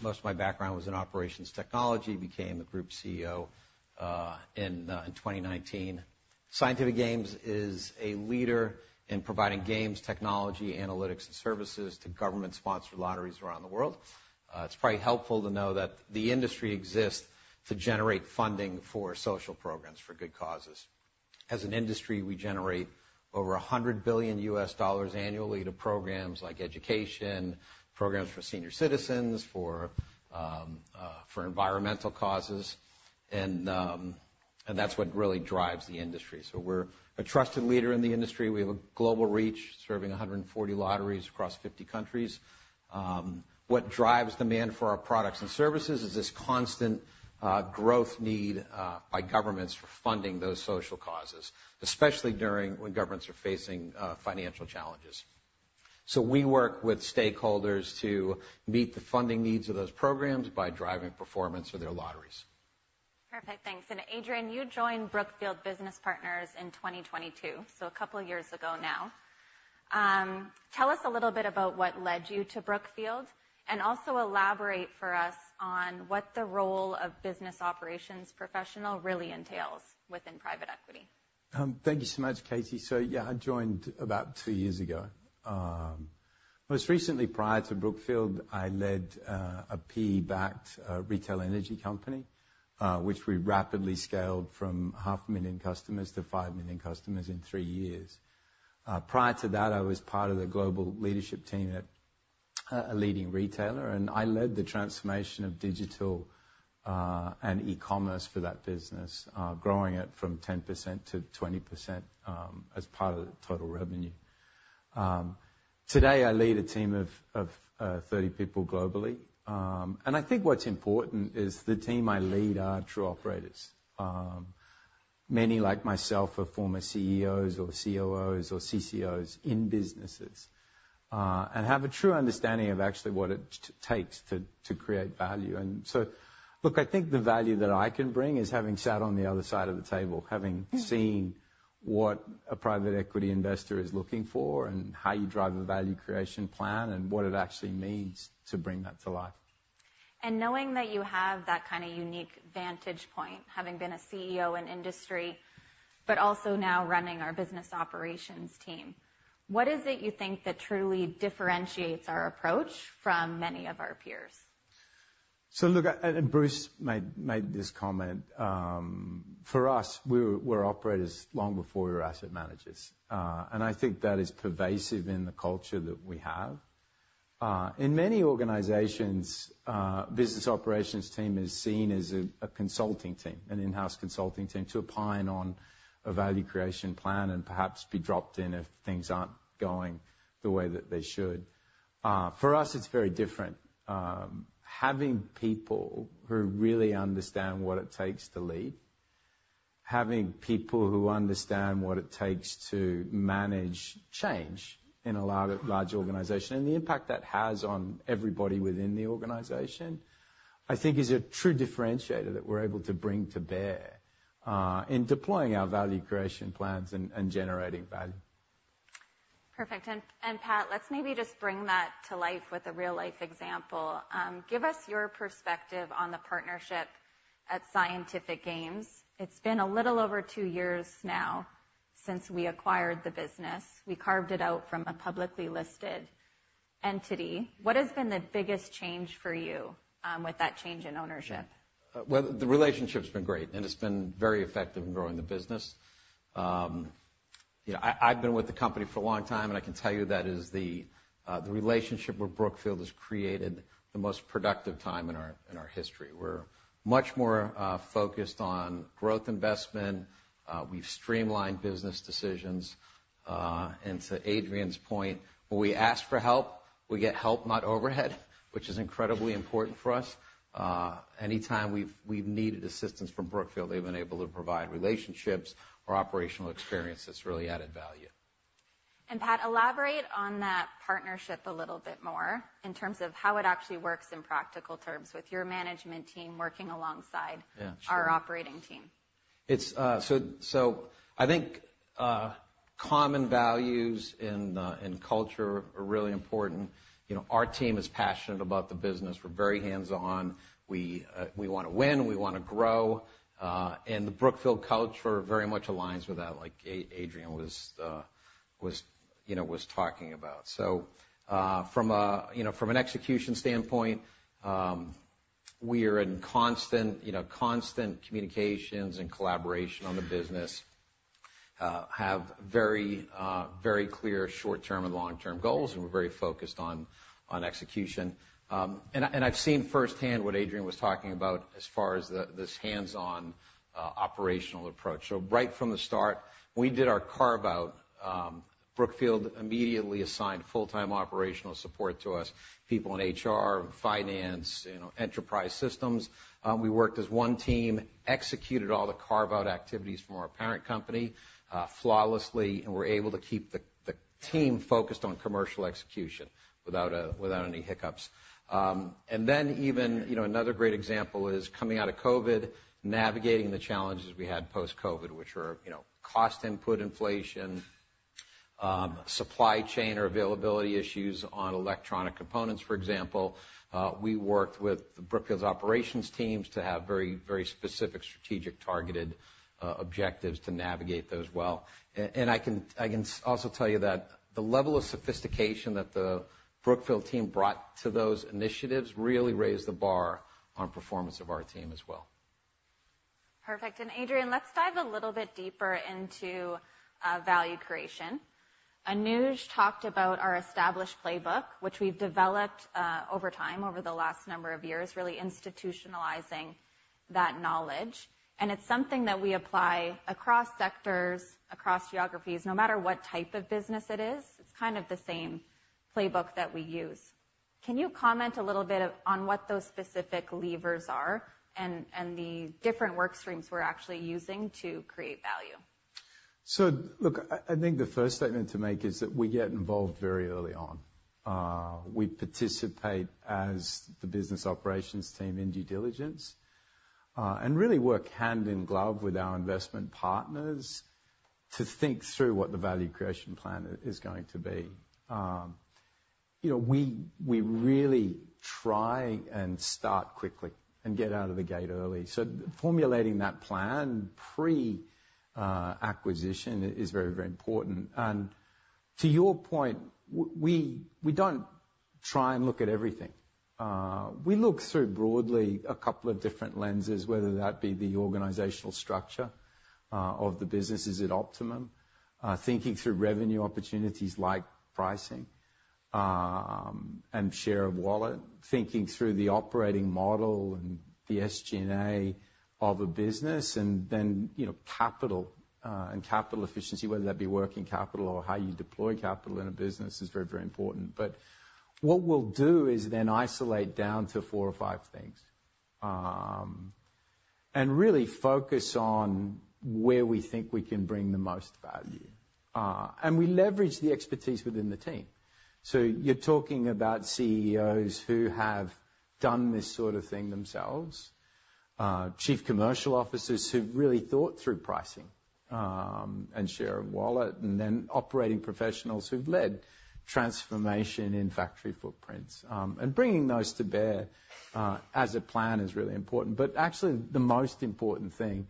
most of my background was in operations technology, became the group CEO in 2019. Scientific Games is a leader in providing games, technology, analytics, and services to government-sponsored lotteries around the world. It's probably helpful to know that the industry exists to generate funding for social programs for good causes. As an industry, we generate over $100 billion annually to programs like education, programs for senior citizens, for environmental causes, and that's what really drives the industry. So we're a trusted leader in the industry. We have a global reach, serving 140 lotteries across 50 countries. What drives demand for our products and services is this constant growth need by governments for funding those social causes, especially during when governments are facing financial challenges. So we work with stakeholders to meet the funding needs of those programs by driving performance of their lotteries. Perfect. Thanks. And Adrian, you joined Brookfield Business Partners in 2022, so a couple of years ago now. Tell us a little bit about what led you to Brookfield, and also elaborate for us on what the role of business operations professional really entails within private equity? Thank you so much, Katie. So yeah, I joined about two years ago. Most recently, prior to Brookfield, I led a PE-backed retail energy company, which we rapidly scaled from 500,000 customers to 5 million customers in three years. Prior to that, I was part of the global leadership team at a leading retailer, and I led the transformation of digital and e-commerce for that business, growing it from 10%-20% as part of the total revenue. Today, I lead a team of 30 people globally. And I think what's important is the team I lead are true operators. Many, like myself, are former CEOs or COOs or CCOs in businesses, and have a true understanding of actually what it takes to create value. And so look, I think the value that I can bring is having sat on the other side of the table, having seen what a private equity investor is looking for, and how you drive a value creation plan, and what it actually means to bring that to life. Knowing that you have that kind of unique vantage point, having been a CEO in industry, but also now running our business operations team, what is it you think that truly differentiates our approach from many of our peers? So look, Bruce made this comment. For us, we were operators long before we were asset managers. I think that is pervasive in the culture that we have. In many organizations, business operations team is seen as a consulting team, an in-house consulting team to opine on a value creation plan and perhaps be dropped in if things aren't going the way that they should. For us, it's very different. Having people who really understand what it takes to lead, having people who understand what it takes to manage change in a lot of large organization, and the impact that has on everybody within the organization, I think is a true differentiator that we're able to bring to bear in deploying our value creation plans and generating value. Perfect. And Pat, let's maybe just bring that to life with a real-life example. Give us your perspective on the partnership at Scientific Games. It's been a little over two years now since we acquired the business. We carved it out from a publicly listed entity. What has been the biggest change for you, with that change in ownership? Well, the relationship's been great, and it's been very effective in growing the business. You know, I've been with the company for a long time, and I can tell you that is the relationship with Brookfield has created the most productive time in our history. We're much more focused on growth investment. We've streamlined business decisions. And to Adrian's point, when we ask for help, we get help, not overhead, which is incredibly important for us. Anytime we've needed assistance from Brookfield, they've been able to provide relationships or operational experience that's really added value. Pat, elaborate on that partnership a little bit more in terms of how it actually works in practical terms with your management team working alongside- Yeah, sure. Our operating team. It's so I think common values in culture are really important. You know, our team is passionate about the business. We're very hands-on. We wanna win, we wanna grow, and the Brookfield culture very much aligns with that, like Adrian was talking about. So from a, you know, from an execution standpoint, we are in constant communications and collaboration on the business, have very very clear short-term and long-term goals, and we're very focused on execution. And I've seen firsthand what Adrian was talking about as far as this hands-on operational approach. So right from the start, when we did our carve out, Brookfield immediately assigned full-time operational support to us, people in HR, finance, you know, enterprise systems. We worked as one team, executed all the carve-out activities from our parent company flawlessly, and were able to keep the team focused on commercial execution without any hiccups. And then even, you know, another great example is coming out of COVID, navigating the challenges we had post-COVID, which were, you know, cost input inflation, supply chain or availability issues on electronic components, for example. We worked with Brookfield's operations teams to have very, very specific, strategic, targeted objectives to navigate those well. And I can also tell you that the level of sophistication that the Brookfield team brought to those initiatives really raised the bar on performance of our team as well. Perfect. And Adrian, let's dive a little bit deeper into value creation. Anuj talked about our established playbook, which we've developed over time, over the last number of years, really institutionalizing that knowledge, and it's something that we apply across sectors, across geographies. No matter what type of business it is, it's kind of the same playbook that we use. Can you comment a little bit on what those specific levers are and the different work streams we're actually using to create value? So look, I think the first statement to make is that we get involved very early on. We participate as the business operations team in due diligence, and really work hand in glove with our investment partners to think through what the value creation plan is going to be. You know, we really try and start quickly and get out of the gate early, so formulating that plan pre acquisition is very, very important. And to your point, we don't try and look at everything. We look through broadly a couple of different lenses, whether that be the organizational structure of the business, is it optimum? Thinking through revenue opportunities like pricing, and share of wallet, thinking through the operating model and the SG&A of a business, and then, you know, capital, and capital efficiency, whether that be working capital or how you deploy capital in a business is very, very important. But what we'll do is then isolate down to four or five things, and really focus on where we think we can bring the most value. And we leverage the expertise within the team. So you're talking about CEOs who have done this sort of thing themselves, chief commercial officers who've really thought through pricing, and share of wallet, and then operating professionals who've led transformation in factory footprints. And bringing those to bear, as a plan is really important. But actually, the most important thing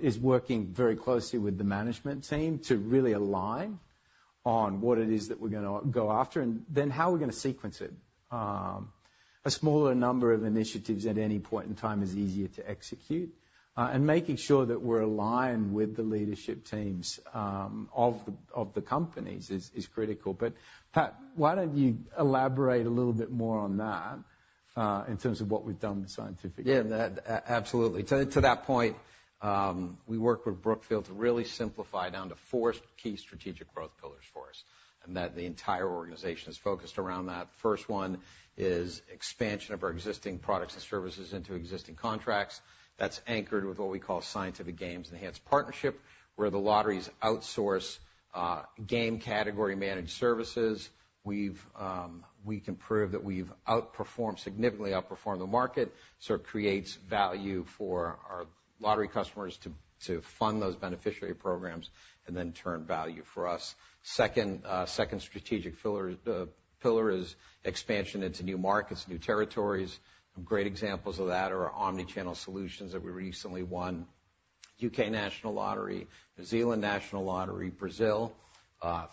is working very closely with the management team to really align on what it is that we're gonna go after, and then how we're gonna sequence it. A smaller number of initiatives at any point in time is easier to execute, and making sure that we're aligned with the leadership teams of the companies is critical. But Pat, why don't you elaborate a little bit more on that in terms of what we've done with Scientific Games? Yeah, that absolutely. To that point, we worked with Brookfield to really simplify down to four key strategic growth pillars for us, and that the entire organization is focused around that. First one is expansion of our existing products and services into existing contracts. That's anchored with what we call Scientific Games Enhanced Partnership, where the lotteries outsource game category managed services. We've, we can prove that we've outperformed, significantly outperformed the market. So it creates value for our lottery customers to fund those beneficiary programs and then turn value for us. Second, second strategic pillar is expansion into new markets, new territories. Great examples of that are our omni-channel solutions that we recently won, UK National Lottery, New Zealand National Lottery, Brazil.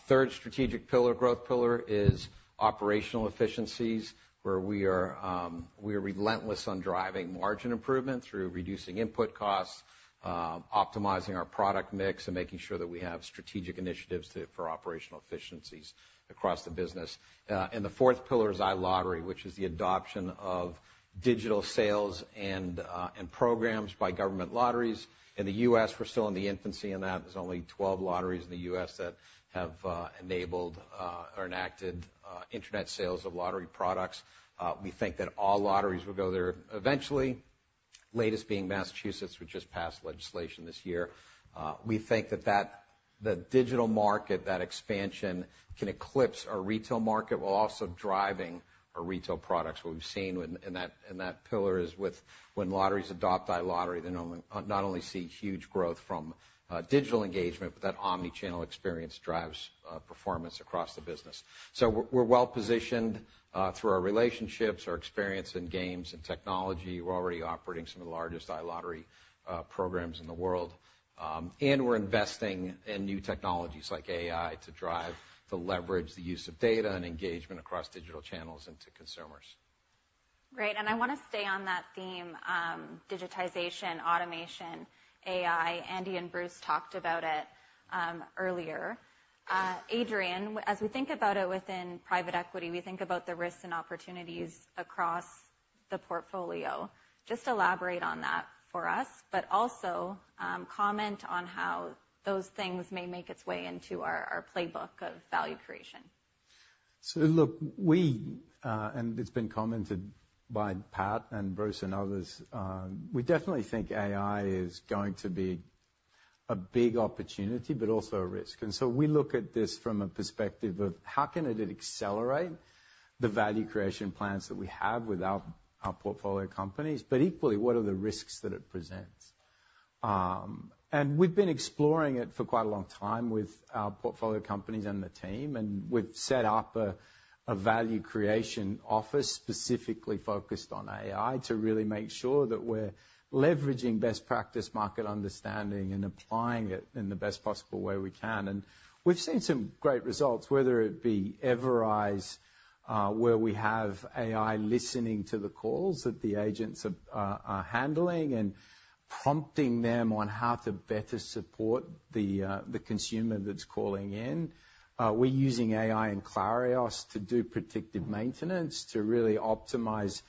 Third strategic pillar, growth pillar, is operational efficiencies, where we are, we are relentless on driving margin improvement through reducing input costs, optimizing our product mix, and making sure that we have strategic initiatives for operational efficiencies across the business. And the fourth pillar is iLottery, which is the adoption of digital sales and programs by government lotteries. In the U.S., we're still in the infancy in that. There's only 12 lotteries in the U.S. that have enabled or enacted internet sales of lottery products. We think that all lotteries will go there eventually, latest being Massachusetts, which just passed legislation this year. We think that the digital market, that expansion, can eclipse our retail market while also driving our retail products. What we've seen with... In that, in that pillar is with when lotteries adopt iLottery, they not only, not only see huge growth from digital engagement, but that omni-channel experience drives performance across the business. So we're, we're well-positioned through our relationships, our experience in games and technology. We're already operating some of the largest iLottery programs in the world. And we're investing in new technologies like AI to drive, to leverage the use of data and engagement across digital channels into consumers. Great, and I want to stay on that theme, digitization, automation, AI. Andy and Bruce talked about it, earlier. Adrian, as we think about it within private equity, we think about the risks and opportunities across the portfolio. Just elaborate on that for us, but also, comment on how those things may make its way into our, our playbook of value creation. So look, we, and it's been commented by Pat and Bruce and others, we definitely think AI is going to be a big opportunity, but also a risk. And so we look at this from a perspective of how can it accelerate the value creation plans that we have with our portfolio companies, but equally, what are the risks that it presents? And we've been exploring it for quite a long time with our portfolio companies and the team, and we've set up a value creation office specifically focused on AI to really make sure that we're leveraging best practice market understanding and applying it in the best possible way we can. And we've seen some great results, whether it be Everise, where we have AI listening to the calls that the agents are handling and prompting them on how to better support the consumer that's calling in. We're using AI in Clarios to do predictive maintenance, to really optimize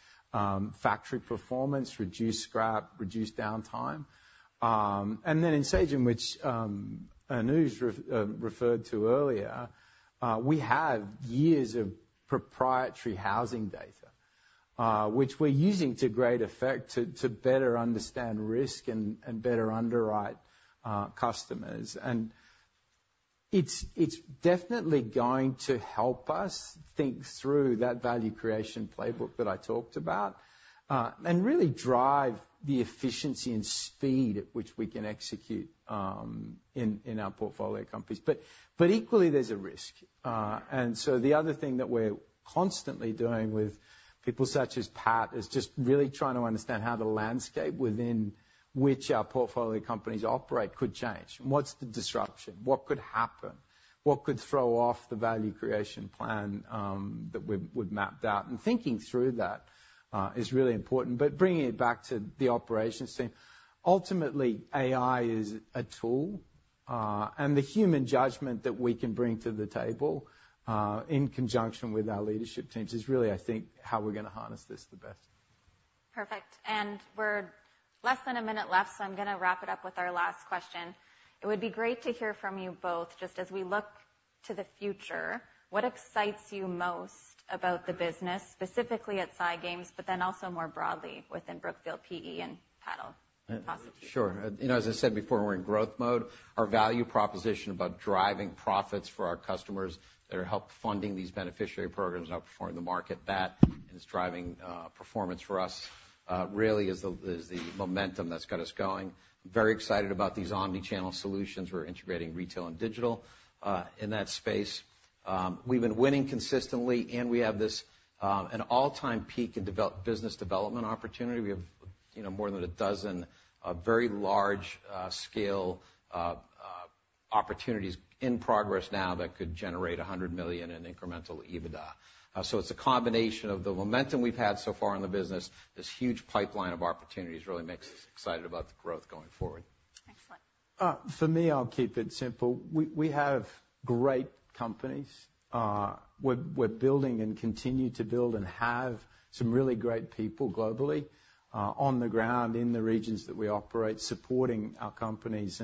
factory performance, reduce scrap, reduce downtime. And then in Sagen, which Anuj referred to earlier, we have years of proprietary housing data, which we're using to great effect to better understand risk and better underwrite customers. And it's definitely going to help us think through that value creation playbook that I talked about and really drive the efficiency and speed at which we can execute in our portfolio companies. But equally, there's a risk. And so the other thing that we're constantly doing with people such as Pat is just really trying to understand how the landscape within which our portfolio companies operate could change. What's the disruption? What could happen? What could throw off the value creation plan that we've mapped out? And thinking through that is really important. But bringing it back to the operations team, ultimately, AI is a tool, and the human judgment that we can bring to the table in conjunction with our leadership teams is really, I think, how we're gonna harness this the best. Perfect. And we're less than a minute left, so I'm gonna wrap it up with our last question. It would be great to hear from you both, just as we look to the future, what excites you most about the business, specifically at Scientific Games, but then also more broadly within Brookfield PE and panel? Pass it to you. Sure. You know, as I said before, we're in growth mode. Our value proposition about driving profits for our customers that are helped funding these beneficiary programs and outperforming the market, that is driving performance for us really is the momentum that's got us going. I'm very excited about these omni-channel solutions. We're integrating retail and digital in that space. We've been winning consistently, and we have this an all-time peak in business development opportunity. We have, you know, more than a dozen very large scale opportunities in progress now that could generate 100 million in incremental EBITDA. So it's a combination of the momentum we've had so far in the business, this huge pipeline of opportunities really makes us excited about the growth going forward. Excellent. For me, I'll keep it simple. We have great companies. We're building and continue to build and have some really great people globally on the ground, in the regions that we operate, supporting our companies.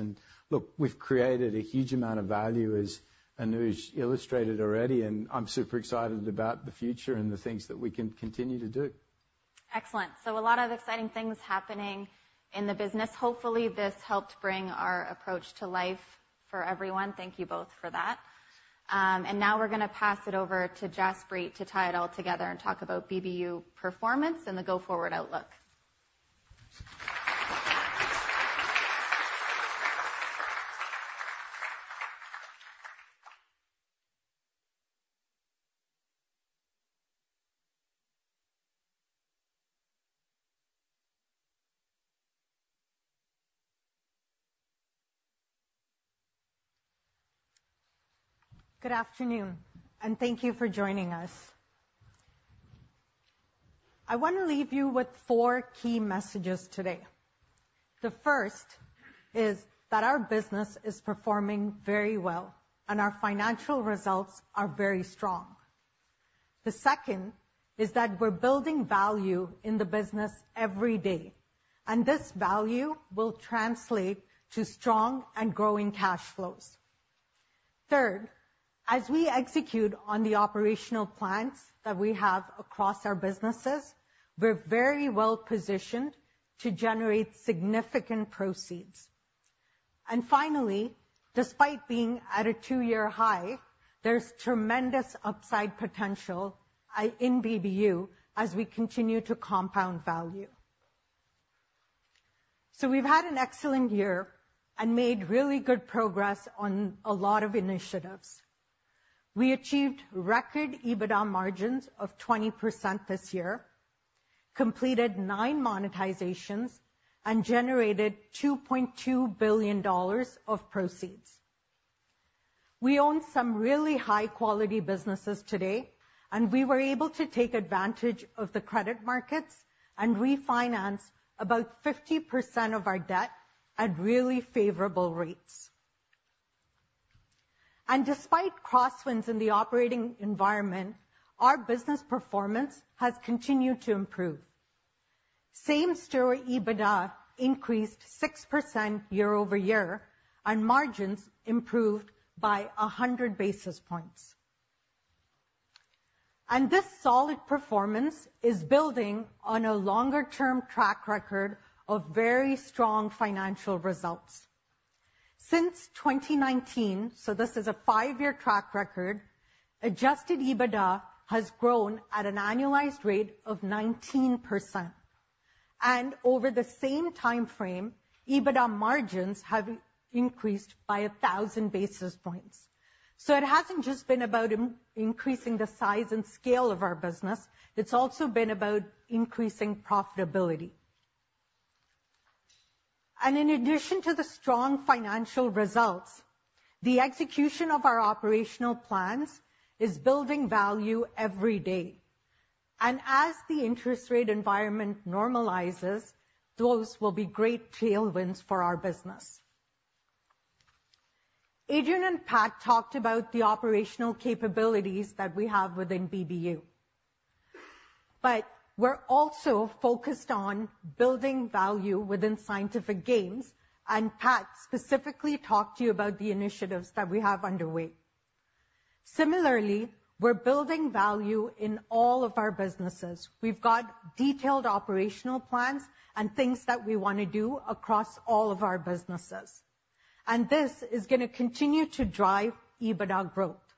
Look, we've created a huge amount of value, as Anuj illustrated already, and I'm super excited about the future and the things that we can continue to do. Excellent. So a lot of exciting things happening in the business. Hopefully, this helped bring our approach to life for everyone. Thank you both for that, and now we're gonna pass it over to Jaspreet to tie it all together and talk about BBU performance and the go-forward outlook. Good afternoon, and thank you for joining us. I want to leave you with four key messages today. The first is that our business is performing very well, and our financial results are very strong. The second is that we're building value in the business every day, and this value will translate to strong and growing cash flows. Third, as we execute on the operational plans that we have across our businesses, we're very well positioned to generate significant proceeds. And finally, despite being at a two-year high, there's tremendous upside potential in BBU as we continue to compound value. So we've had an excellent year and made really good progress on a lot of initiatives. We achieved record EBITDA margins of 20% this year, completed nine monetizations, and generated $2.2 billion of proceeds. We own some really high-quality businesses today, and we were able to take advantage of the credit markets and refinance about 50% of our debt at really favorable rates. And despite crosswinds in the operating environment, our business performance has continued to improve. Same-store EBITDA increased 6% year-over-year, and margins improved by 100 basis points. And this solid performance is building on a longer-term track record of very strong financial results. Since 2019, so this is a five-year track record, adjusted EBITDA has grown at an annualized rate of 19%, and over the same time frame, EBITDA margins have increased by 1,000 basis points. So it hasn't just been about increasing the size and scale of our business, it's also been about increasing profitability. And in addition to the strong financial results, the execution of our operational plans is building value every day. As the interest rate environment normalizes, those will be great tailwinds for our business. Adrian and Pat talked about the operational capabilities that we have within BBU, but we're also focused on building value within Scientific Games, and Pat specifically talked to you about the initiatives that we have underway. Similarly, we're building value in all of our businesses. We've got detailed operational plans and things that we wanna do across all of our businesses, and this is gonna continue to drive EBITDA growth.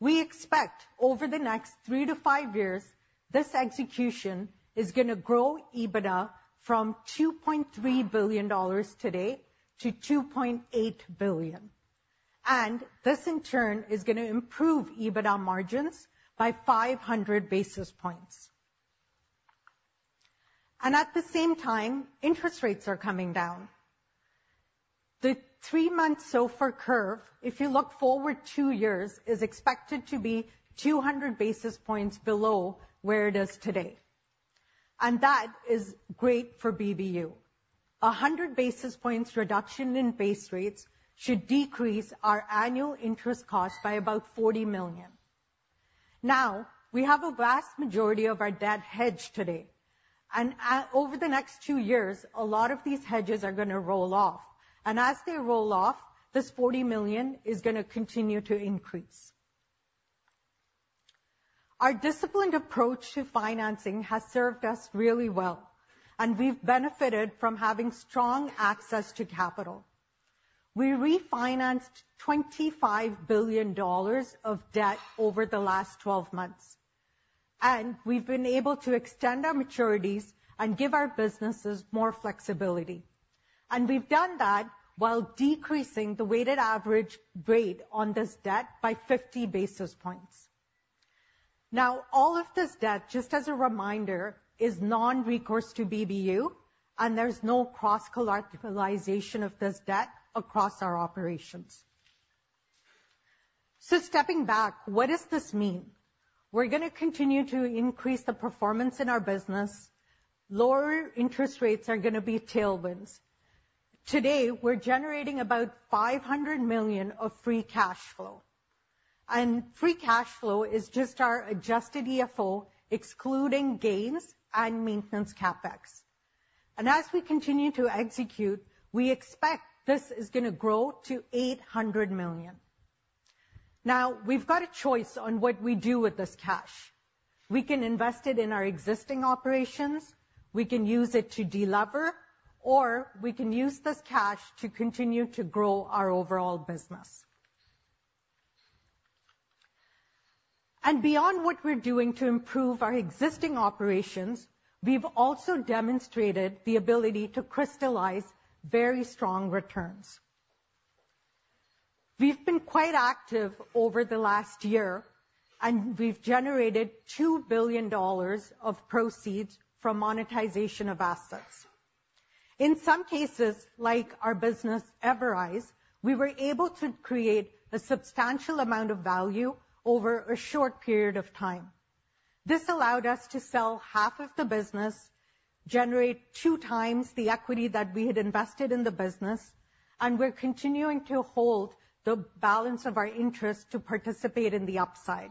We expect over the next three to five years, this execution is gonna grow EBITDA from $2.3 billion today to $2.8 billion. And this, in turn, is gonna improve EBITDA margins by 500 basis points. And at the same time, interest rates are coming down. The three-month SOFR curve, if you look forward two years, is expected to be 200 basis points below where it is today... and that is great for BBU. 100 basis points reduction in base rates should decrease our annual interest cost by about $40 million. Now, we have a vast majority of our debt hedged today, and over the next two years, a lot of these hedges are gonna roll off. And as they roll off, this $40 million is gonna continue to increase. Our disciplined approach to financing has served us really well, and we've benefited from having strong access to capital. We refinanced $25 billion of debt over the last 12 months, and we've been able to extend our maturities and give our businesses more flexibility. And we've done that while decreasing the weighted average rate on this debt by 50 basis points. Now, all of this debt, just as a reminder, is non-recourse to BBU, and there's no cross-collateralization of this debt across our operations. So stepping back, what does this mean? We're gonna continue to increase the performance in our business. Lower interest rates are gonna be tailwinds. Today, we're generating about $500 million of free cash flow, and free cash flow is just our adjusted EFO, excluding gains and maintenance CapEx. And as we continue to execute, we expect this is gonna grow to $800 million. Now, we've got a choice on what we do with this cash. We can invest it in our existing operations, we can use it to delever, or we can use this cash to continue to grow our overall business. And beyond what we're doing to improve our existing operations, we've also demonstrated the ability to crystallize very strong returns. We've been quite active over the last year, and we've generated $2 billion of proceeds from monetization of assets. In some cases, like our business Everise, we were able to create a substantial amount of value over a short period of time. This allowed us to sell half of the business, generate 2x the equity that we had invested in the business, and we're continuing to hold the balance of our interest to participate in the upside.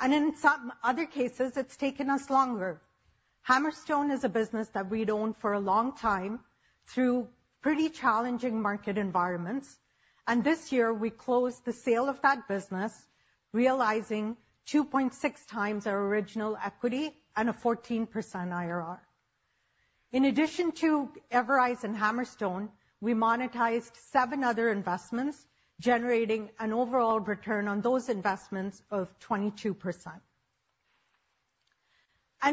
And in some other cases, it's taken us longer. Hammerstone is a business that we'd owned for a long time through pretty challenging market environments, and this year, we closed the sale of that business, realizing 2.6x our original equity and a 14% IRR. In addition to Everise and Hammerstone, we monetized seven other investments, generating an overall return on those investments of 22%.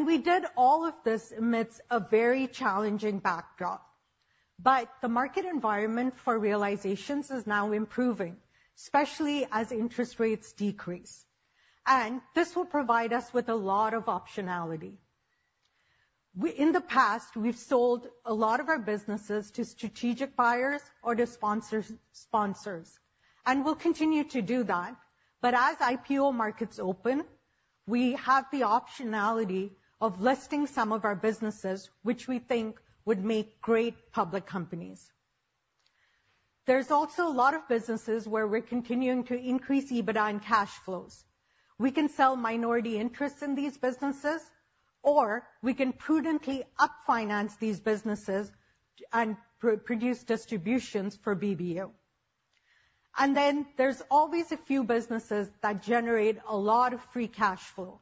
We did all of this amidst a very challenging backdrop. The market environment for realizations is now improving, especially as interest rates decrease, and this will provide us with a lot of optionality. We in the past, we've sold a lot of our businesses to strategic buyers or to sponsors, and we'll continue to do that. As IPO markets open, we have the optionality of listing some of our businesses, which we think would make great public companies. There's also a lot of businesses where we're continuing to increase EBITDA and cash flows. We can sell minority interests in these businesses, or we can prudently up-finance these businesses and produce distributions for BBU. And then there's always a few businesses that generate a lot of free cash flow,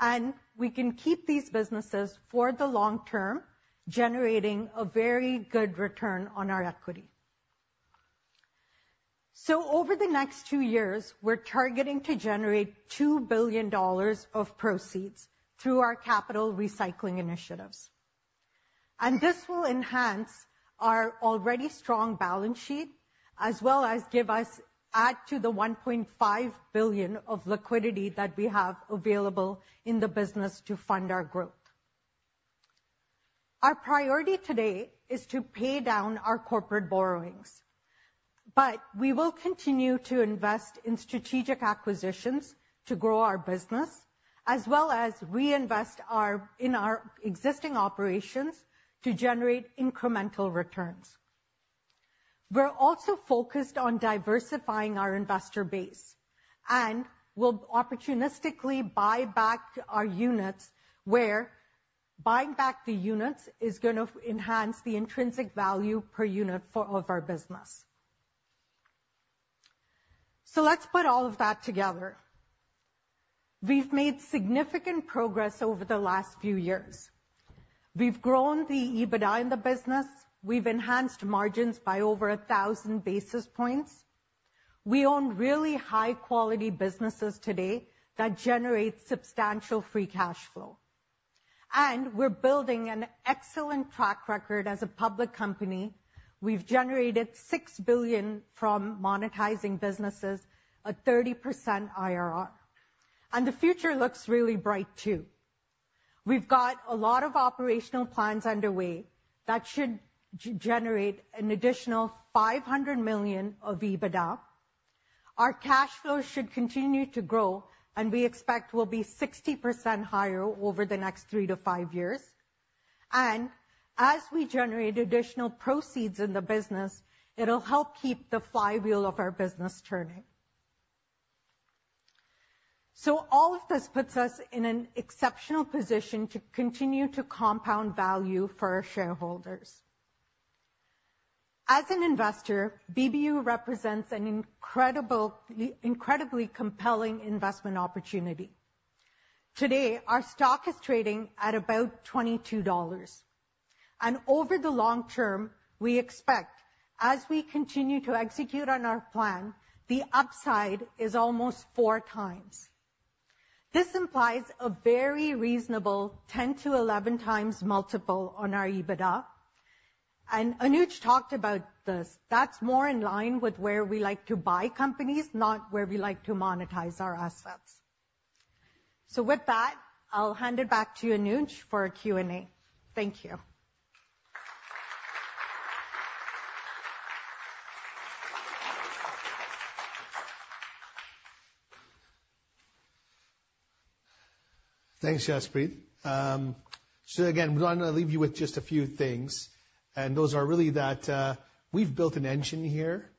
and we can keep these businesses for the long-term, generating a very good return on our equity. So over the next two years, we're targeting to generate $2 billion of proceeds through our capital recycling initiatives. And this will enhance our already strong balance sheet, as well as give us, add to the $1.5 billion of liquidity that we have available in the business to fund our growth. Our priority today is to pay down our corporate borrowings, but we will continue to invest in strategic acquisitions to grow our business, as well as reinvest in our existing operations to generate incremental returns. We're also focused on diversifying our investor base, and we'll opportunistically buy back our units, where buying back the units is gonna enhance the intrinsic value per unit for all of our business. So let's put all of that together. We've made significant progress over the last few years. We've grown the EBITDA in the business. We've enhanced margins by over 1,000 basis points. We own really high-quality businesses today that generate substantial free cash flow. And we're building an excellent track record as a public company. We've generated $6 billion from monetizing businesses, a 30% IRR. And the future looks really bright, too. We've got a lot of operational plans underway that should generate an additional $500 million of EBITDA. Our cash flow should continue to grow, and we expect will be 60% higher over the next three to five years. As we generate additional proceeds in the business, it'll help keep the flywheel of our business turning. So all of this puts us in an exceptional position to continue to compound value for our shareholders. As an investor, BBU represents an incredible, incredibly compelling investment opportunity. Today, our stock is trading at about $22, and over the long-term, we expect, as we continue to execute on our plan, the upside is almost 4x. This implies a very reasonable 10x-11x multiple on our EBITDA, and Anuj talked about this. That's more in line with where we like to buy companies, not where we like to monetize our assets. So with that, I'll hand it back to you, Anuj, for our Q&A. Thank you. Thanks, Jaspreet. So again, we want to leave you with just a few things, and those are really that we've built an engine here,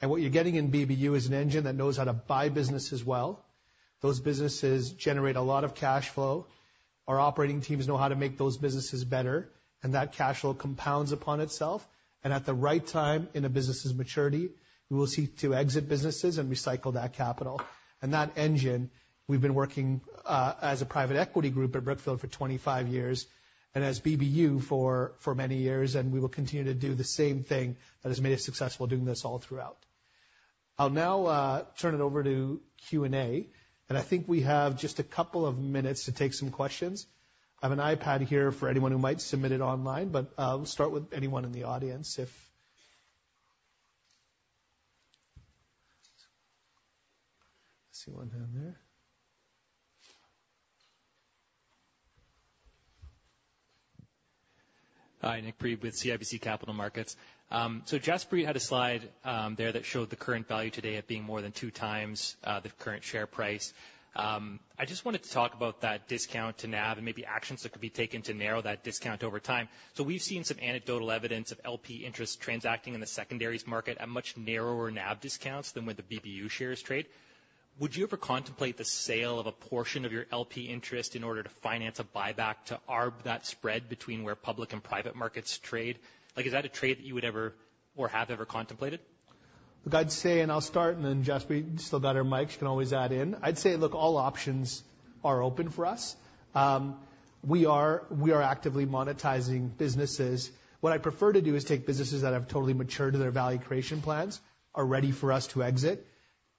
and what you're getting in BBU is an engine that knows how to buy businesses well. Those businesses generate a lot of cash flow. Our operating teams know how to make those businesses better, and that cash flow compounds upon itself, and at the right time in a business's maturity, we will seek to exit businesses and recycle that capital. And that engine, we've been working as a private equity group at Brookfield for 25 years, and as BBU for many years, and we will continue to do the same thing that has made us successful doing this all throughout. I'll now turn it over to Q&A, and I think we have just a couple of minutes to take some questions. I have an iPad here for anyone who might submit it online, but we'll start with anyone in the audience. I see one down there. Hi, Nick Priebe with CIBC Capital Markets. So Jaspreet had a slide, there, that showed the current value today at being more than, the current share price. I just wanted to talk about that discount to NAV, and maybe actions that could be taken to narrow that discount over time. So we've seen some anecdotal evidence of LP interest transacting in the secondaries market at much narrower NAV discounts than where the BBU shares trade. Would you ever contemplate the sale of a portion of your LP interest in order to finance a buyback to arb that spread between where public and private markets trade? Like, is that a trade that you would ever or have ever contemplated? Look, I'd say, and I'll start, and then Jaspreet, still got her mic, she can always add in. I'd say, look, all options are open for us. We are actively monetizing businesses. What I prefer to do is take businesses that have totally matured to their value creation plans, are ready for us to exit,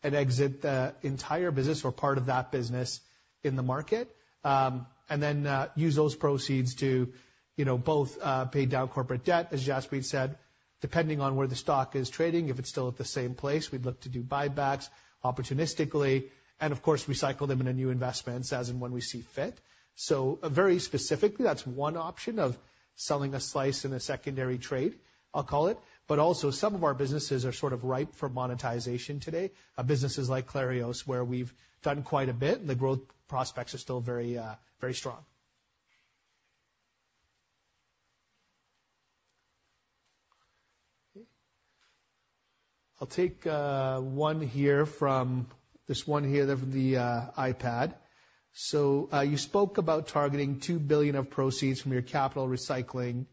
and exit the entire business or part of that business in the market. And then use those proceeds to, you know, both pay down corporate debt, as Jaspreet said, depending on where the stock is trading. If it's still at the same place, we'd look to do buybacks opportunistically, and of course, recycle them in a new investments as and when we see fit. So, very specifically, that's one option of selling a slice in a secondary trade, I'll call it, but also some of our businesses are sort of ripe for monetization today, businesses like Clarios, where we've done quite a bit, and the growth prospects are still very, very strong. Okay. I'll take one here from, this one here, from the iPad. You spoke about targeting $2 billion of proceeds from your capital recycling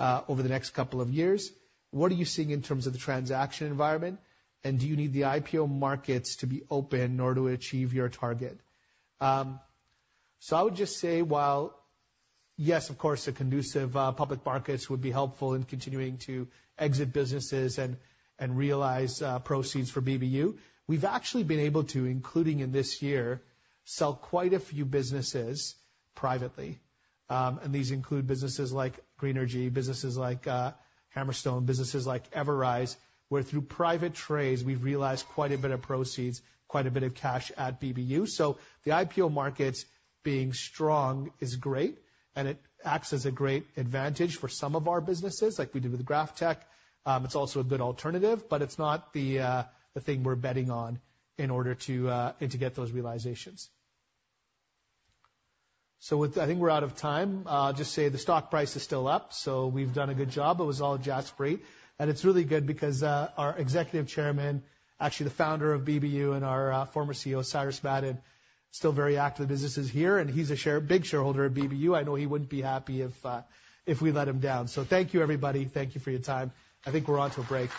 over the next couple of years. What are you seeing in terms of the transaction environment? And do you need the IPO markets to be open in order to achieve your target? So I would just say, while, yes, of course, the conducive public markets would be helpful in continuing to exit businesses and realize proceeds for BBU, we've actually been able to, including in this year, sell quite a few businesses privately. And these include businesses like Greenergy, businesses like Hammerstone, businesses like Everise, where through private trades, we've realized quite a bit of proceeds, quite a bit of cash at BBU. So the IPO markets being strong is great, and it acts as a great advantage for some of our businesses, like we did with GrafTech. It's also a good alternative, but it's not the thing we're betting on in order to and to get those realizations. So with that, I think we're out of time. Just say the stock price is still up, so we've done a good job. It was all Jaspreet, and it's really good because, our Executive Chairman, actually the founder of BBU and our former CEO, Cyrus Madon, still very active in businesses here, and he's a big shareholder at BBU. I know he wouldn't be happy if we let him down. So thank you, everybody. Thank you for your time. I think we're on to a break.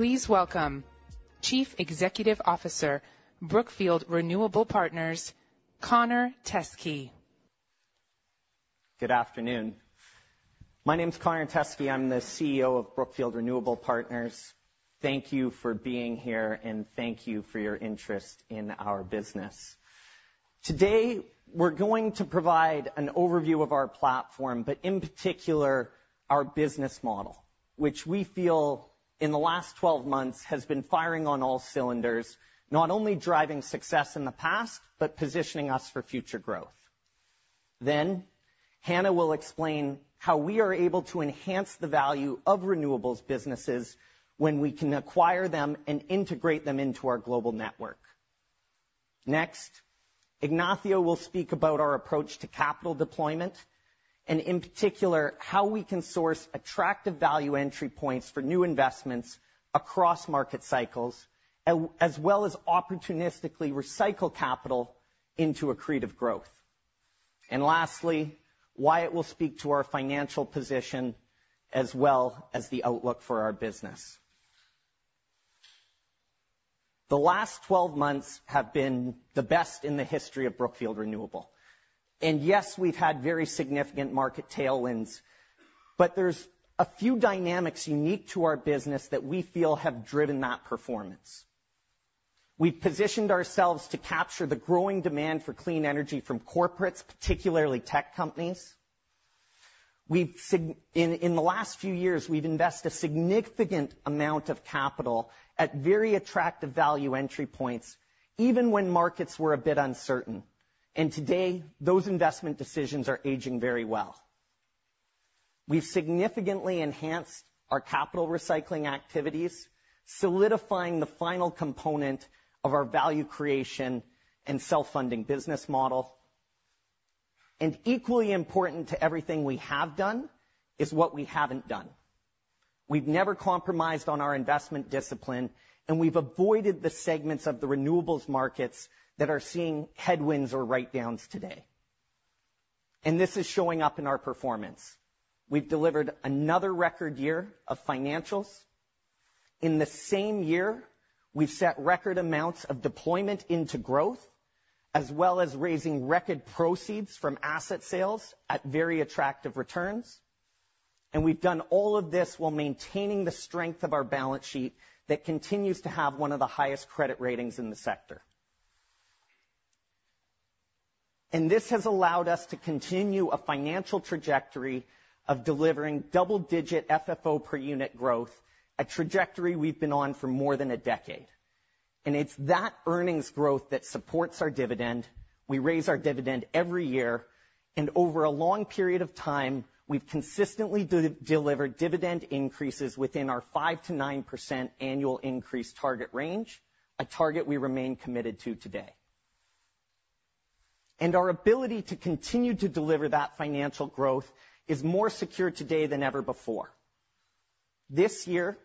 Please welcome Chief Executive Officer, Brookfield Renewable Partners, Connor Teskey. Good afternoon. My name is Connor Teskey. I'm the CEO of Brookfield Renewable Partners. Thank you for being here, and thank you for your interest in our business. Today, we're going to provide an overview of our platform, but in particular, our business model, which we feel in the last 12 months has been firing on all cylinders, not only driving success in the past, but positioning us for future growth. Then, Hannah will explain how we are able to enhance the value of renewables businesses when we can acquire them and integrate them into our global network. Next, Ignacio will speak about our approach to capital deployment, and in particular, how we can source attractive value entry points for new investments across market cycles, as well as opportunistically recycle capital into accretive growth. Lastly, Wyatt will speak to our financial position as well as the outlook for our business. The last 12 months have been the best in the history of Brookfield Renewable. Yes, we've had very significant market tailwinds, but there's a few dynamics unique to our business that we feel have driven that performance. We've positioned ourselves to capture the growing demand for clean energy from corporates, particularly tech companies. In the last few years, we've invested a significant amount of capital at very attractive value entry points, even when markets were a bit uncertain. Today, those investment decisions are aging very well. We've significantly enhanced our capital recycling activities, solidifying the final component of our value creation and self-funding business model. Equally important to everything we have done is what we haven't done. We've never compromised on our investment discipline, and we've avoided the segments of the renewables markets that are seeing headwinds or write-downs today. And this is showing up in our performance. We've delivered another record year of financials. In the same year, we've set record amounts of deployment into growth, as well as raising record proceeds from asset sales at very attractive returns. And we've done all of this while maintaining the strength of our balance sheet, that continues to have one of the highest credit ratings in the sector. And this has allowed us to continue a financial trajectory of delivering double-digit FFO per unit growth, a trajectory we've been on for more than a decade. And it's that earnings growth that supports our dividend. We raise our dividend every year, and over a long period of time, we've consistently delivered dividend increases within our 5%-9% annual increase target range, a target we remain committed to today. And our ability to continue to deliver that financial growth is more secure today than ever before. This year,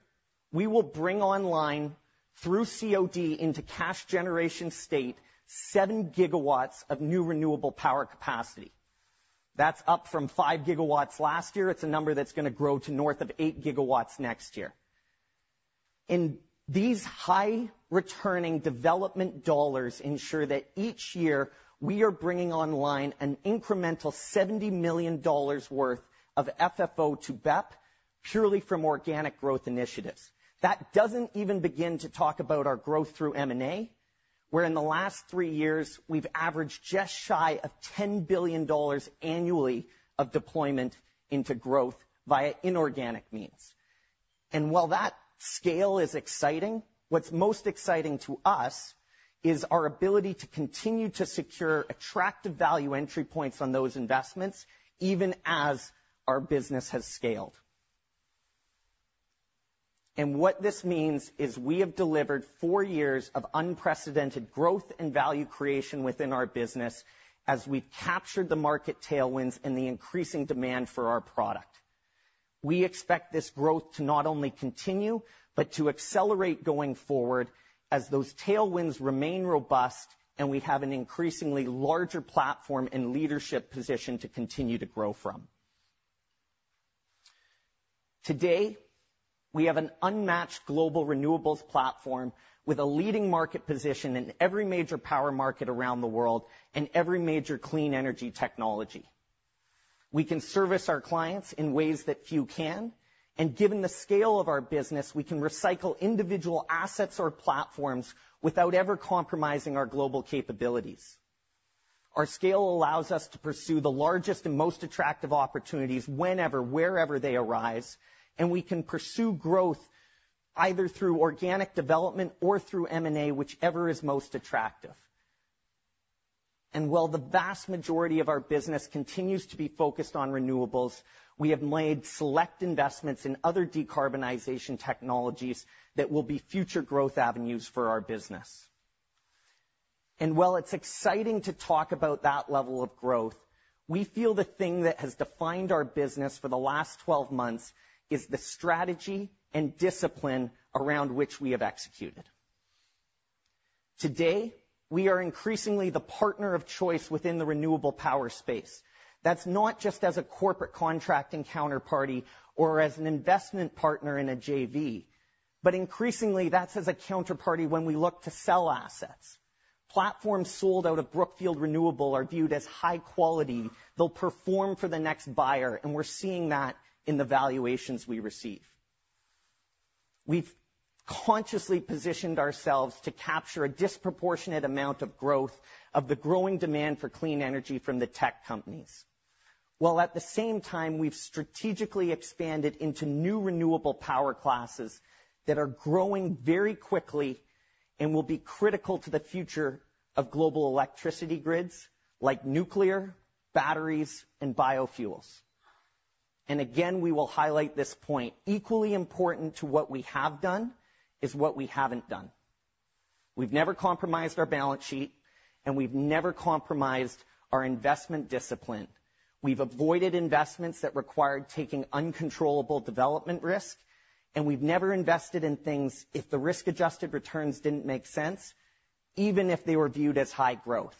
we will bring online, through COD into cash generation state, 7 GWs of new renewable power capacity. That's up from 5 GWs last year. It's a number that's going to grow to north of 8 GWs next year. And these high-returning development dollars ensure that each year, we are bringing online an incremental $70 million worth of FFO to BEP, purely from organic growth initiatives. That doesn't even begin to talk about our growth through M&A, where in the last three years, we've averaged just shy of $10 billion annually of deployment into growth via inorganic means. And while that scale is exciting, what's most exciting to us is our ability to continue to secure attractive value entry points on those investments, even as our business has scaled. And what this means is we have delivered four years of unprecedented growth and value creation within our business as we've captured the market tailwinds and the increasing demand for our product. We expect this growth to not only continue, but to accelerate going forward as those tailwinds remain robust, and we have an increasingly larger platform and leadership position to continue to grow from. Today, we have an unmatched global renewables platform with a leading market position in every major power market around the world and every major clean energy technology. We can service our clients in ways that few can, and given the scale of our business, we can recycle individual assets or platforms without ever compromising our global capabilities. Our scale allows us to pursue the largest and most attractive opportunities whenever, wherever they arise, and we can pursue growth either through organic development or through M&A, whichever is most attractive. And while the vast majority of our business continues to be focused on renewables, we have made select investments in other decarbonization technologies that will be future growth avenues for our business. While it's exciting to talk about that level of growth, we feel the thing that has defined our business for the last 12 months is the strategy and discipline around which we have executed. Today, we are increasingly the partner of choice within the renewable power space. That's not just as a corporate contracting counterparty or as an investment partner in a JV, but increasingly, that's as a counterparty when we look to sell assets. Platforms sold out of Brookfield Renewable are viewed as high quality. They'll perform for the next buyer, and we're seeing that in the valuations we receive. We've consciously positioned ourselves to capture a disproportionate amount of growth of the growing demand for clean energy from the tech companies, while at the same time, we've strategically expanded into new renewable power classes that are growing very quickly and will be critical to the future of global electricity grids, like nuclear, batteries, and biofuels. And again, we will highlight this point. Equally important to what we have done is what we haven't done. We've never compromised our balance sheet, and we've never compromised our investment discipline. We've avoided investments that required taking uncontrollable development risk, and we've never invested in things if the risk-adjusted returns didn't make sense, even if they were viewed as high growth.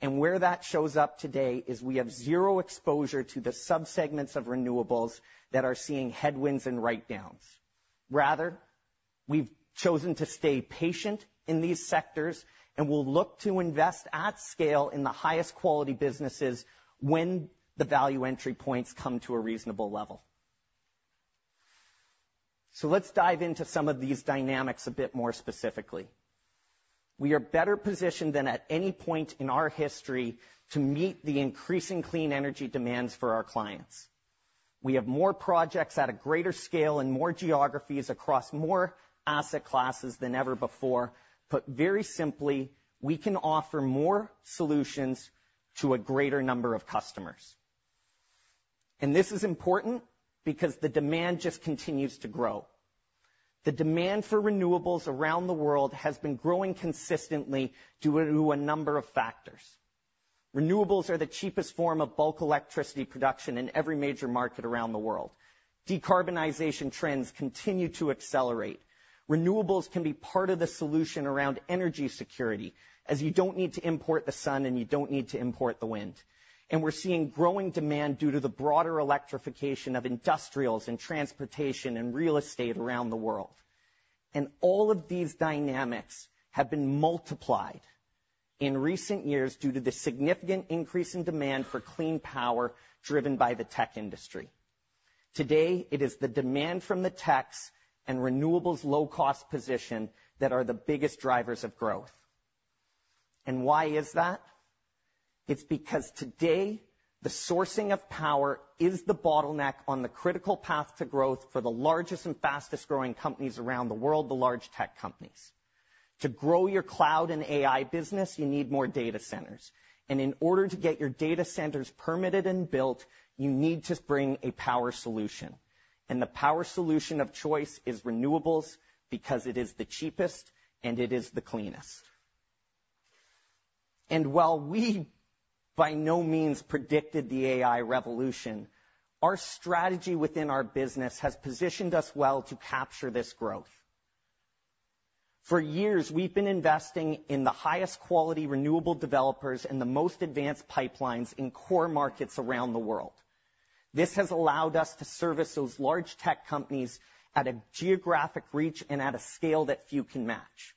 And where that shows up today is we have zero exposure to the subsegments of renewables that are seeing headwinds and write-downs. Rather, we've chosen to stay patient in these sectors, and we'll look to invest at scale in the highest quality businesses when the value entry points come to a reasonable level. So let's dive into some of these dynamics a bit more specifically. We are better-positioned than at any point in our history to meet the increasing clean energy demands for our clients. We have more projects at a greater scale and more geographies across more asset classes than ever before. Put very simply, we can offer more solutions to a greater number of customers. And this is important because the demand just continues to grow. The demand for renewables around the world has been growing consistently due to a number of factors. Renewables are the cheapest form of bulk electricity production in every major market around the world. Decarbonization trends continue to accelerate. Renewables can be part of the solution around energy security, as you don't need to import the sun, and you don't need to import the wind, and we're seeing growing demand due to the broader electrification of industrials and transportation and real estate around the world, and all of these dynamics have been multiplied in recent years due to the significant increase in demand for clean power, driven by the tech industry. Today, it is the demand from the techs and renewables' low-cost position that are the biggest drivers of growth, and why is that? It's because today, the sourcing of power is the bottleneck on the critical path to growth for the largest and fastest-growing companies around the world, the large tech companies. To grow your cloud and AI business, you need more data centers, and in order to get your data centers permitted and built, you need to bring a power solution, and the power solution of choice is renewables, because it is the cheapest, and it is the cleanest. And while we by no means predicted the AI revolution, our strategy within our business has positioned us well to capture this growth. For years, we've been investing in the highest quality renewable developers and the most advanced pipelines in core markets around the world. This has allowed us to service those large tech companies at a geographic reach and at a scale that few can match.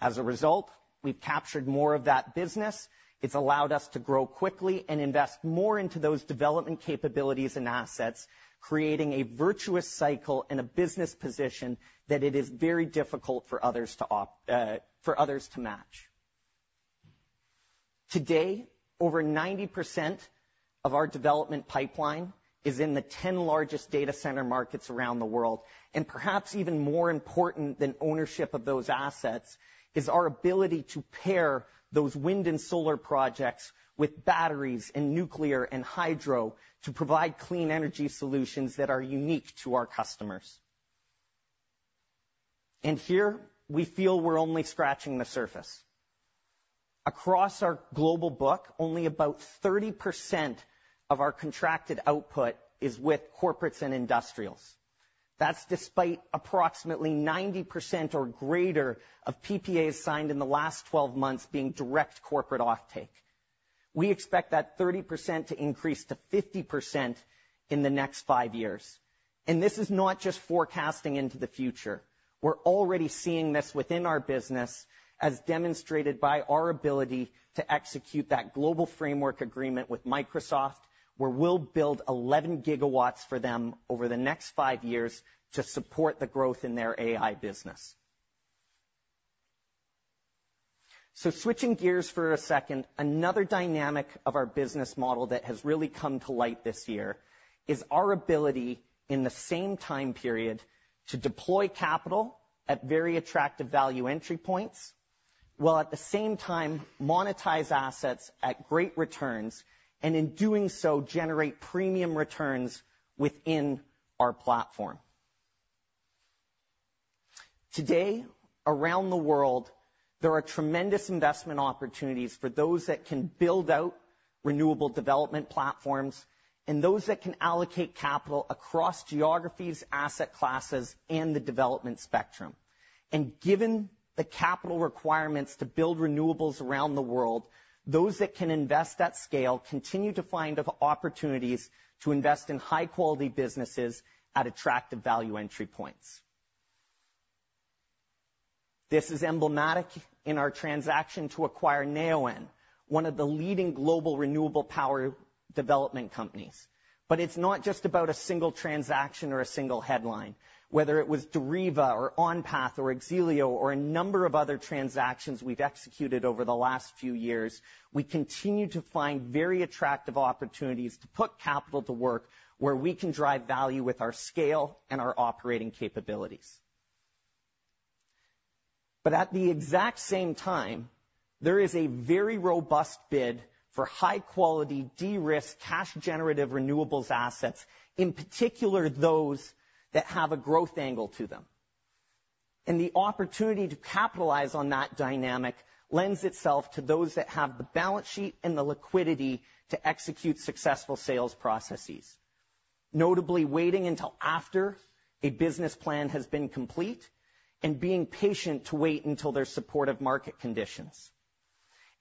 As a result, we've captured more of that business. It's allowed us to grow quickly and invest more into those development capabilities and assets, creating a virtuous cycle and a business position that it is very difficult for others to match. Today, over 90% of our development pipeline is in the 10 largest data center markets around the world, and perhaps even more important than ownership of those assets is our ability to pair those wind and solar projects with batteries and nuclear and hydro to provide clean energy solutions that are unique to our customers. And here, we feel we're only scratching the surface. Across our global book, only about 30% of our contracted output is with corporates and industrials. That's despite approximately 90% or greater of PPAs signed in the last 12 months being direct corporate offtake. We expect that 30% to increase to 50% in the next five years, and this is not just forecasting into the future. We're already seeing this within our business, as demonstrated by our ability to execute that global framework agreement with Microsoft, where we'll build 11 GWs for them over the next five years to support the growth in their AI business. Switching gears for a second, another dynamic of our business model that has really come to light this year is our ability, in the same time period, to deploy capital at very attractive value entry points, while at the same time, monetize assets at great returns, and in doing so, generate premium returns within our platform. Today, around the world, there are tremendous investment opportunities for those that can build out renewable development platforms and those that can allocate capital across geographies, asset classes, and the development spectrum, and given the capital requirements to build renewables around the world, those that can invest at scale continue to find opportunities to invest in high-quality businesses at attractive value entry points. This is emblematic in our transaction to acquire Neoen, one of the leading global renewable power development companies, but it's not just about a single transaction or a single headline. Whether it was Deriva or OnPath or X-Elio or a number of other transactions we've executed over the last few years, we continue to find very attractive opportunities to put capital to work where we can drive value with our scale and our operating capabilities. But at the exact same time, there is a very robust bid for high-quality, de-risk, cash-generative renewables assets, in particular, those that have a growth angle to them. And the opportunity to capitalize on that dynamic lends itself to those that have the balance sheet and the liquidity to execute successful sales processes. Notably, waiting until after a business plan has been complete, and being patient to wait until there's supportive market conditions.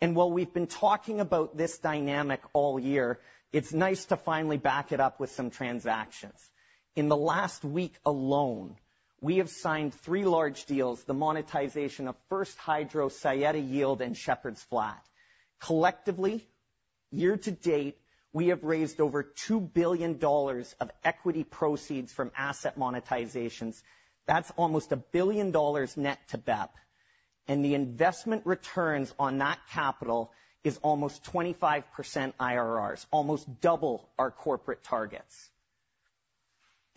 And while we've been talking about this dynamic all year, it's nice to finally back it up with some transactions. In the last week alone, we have signed three large deals, the monetization of First Hydro, Saeta Yield, and Shepherds Flat. Collectively, year-to-date, we have raised over $2 billion of equity proceeds from asset monetizations. That's almost $1 billion net to BEP, and the investment returns on that capital is almost 25% IRR, almost double our corporate targets,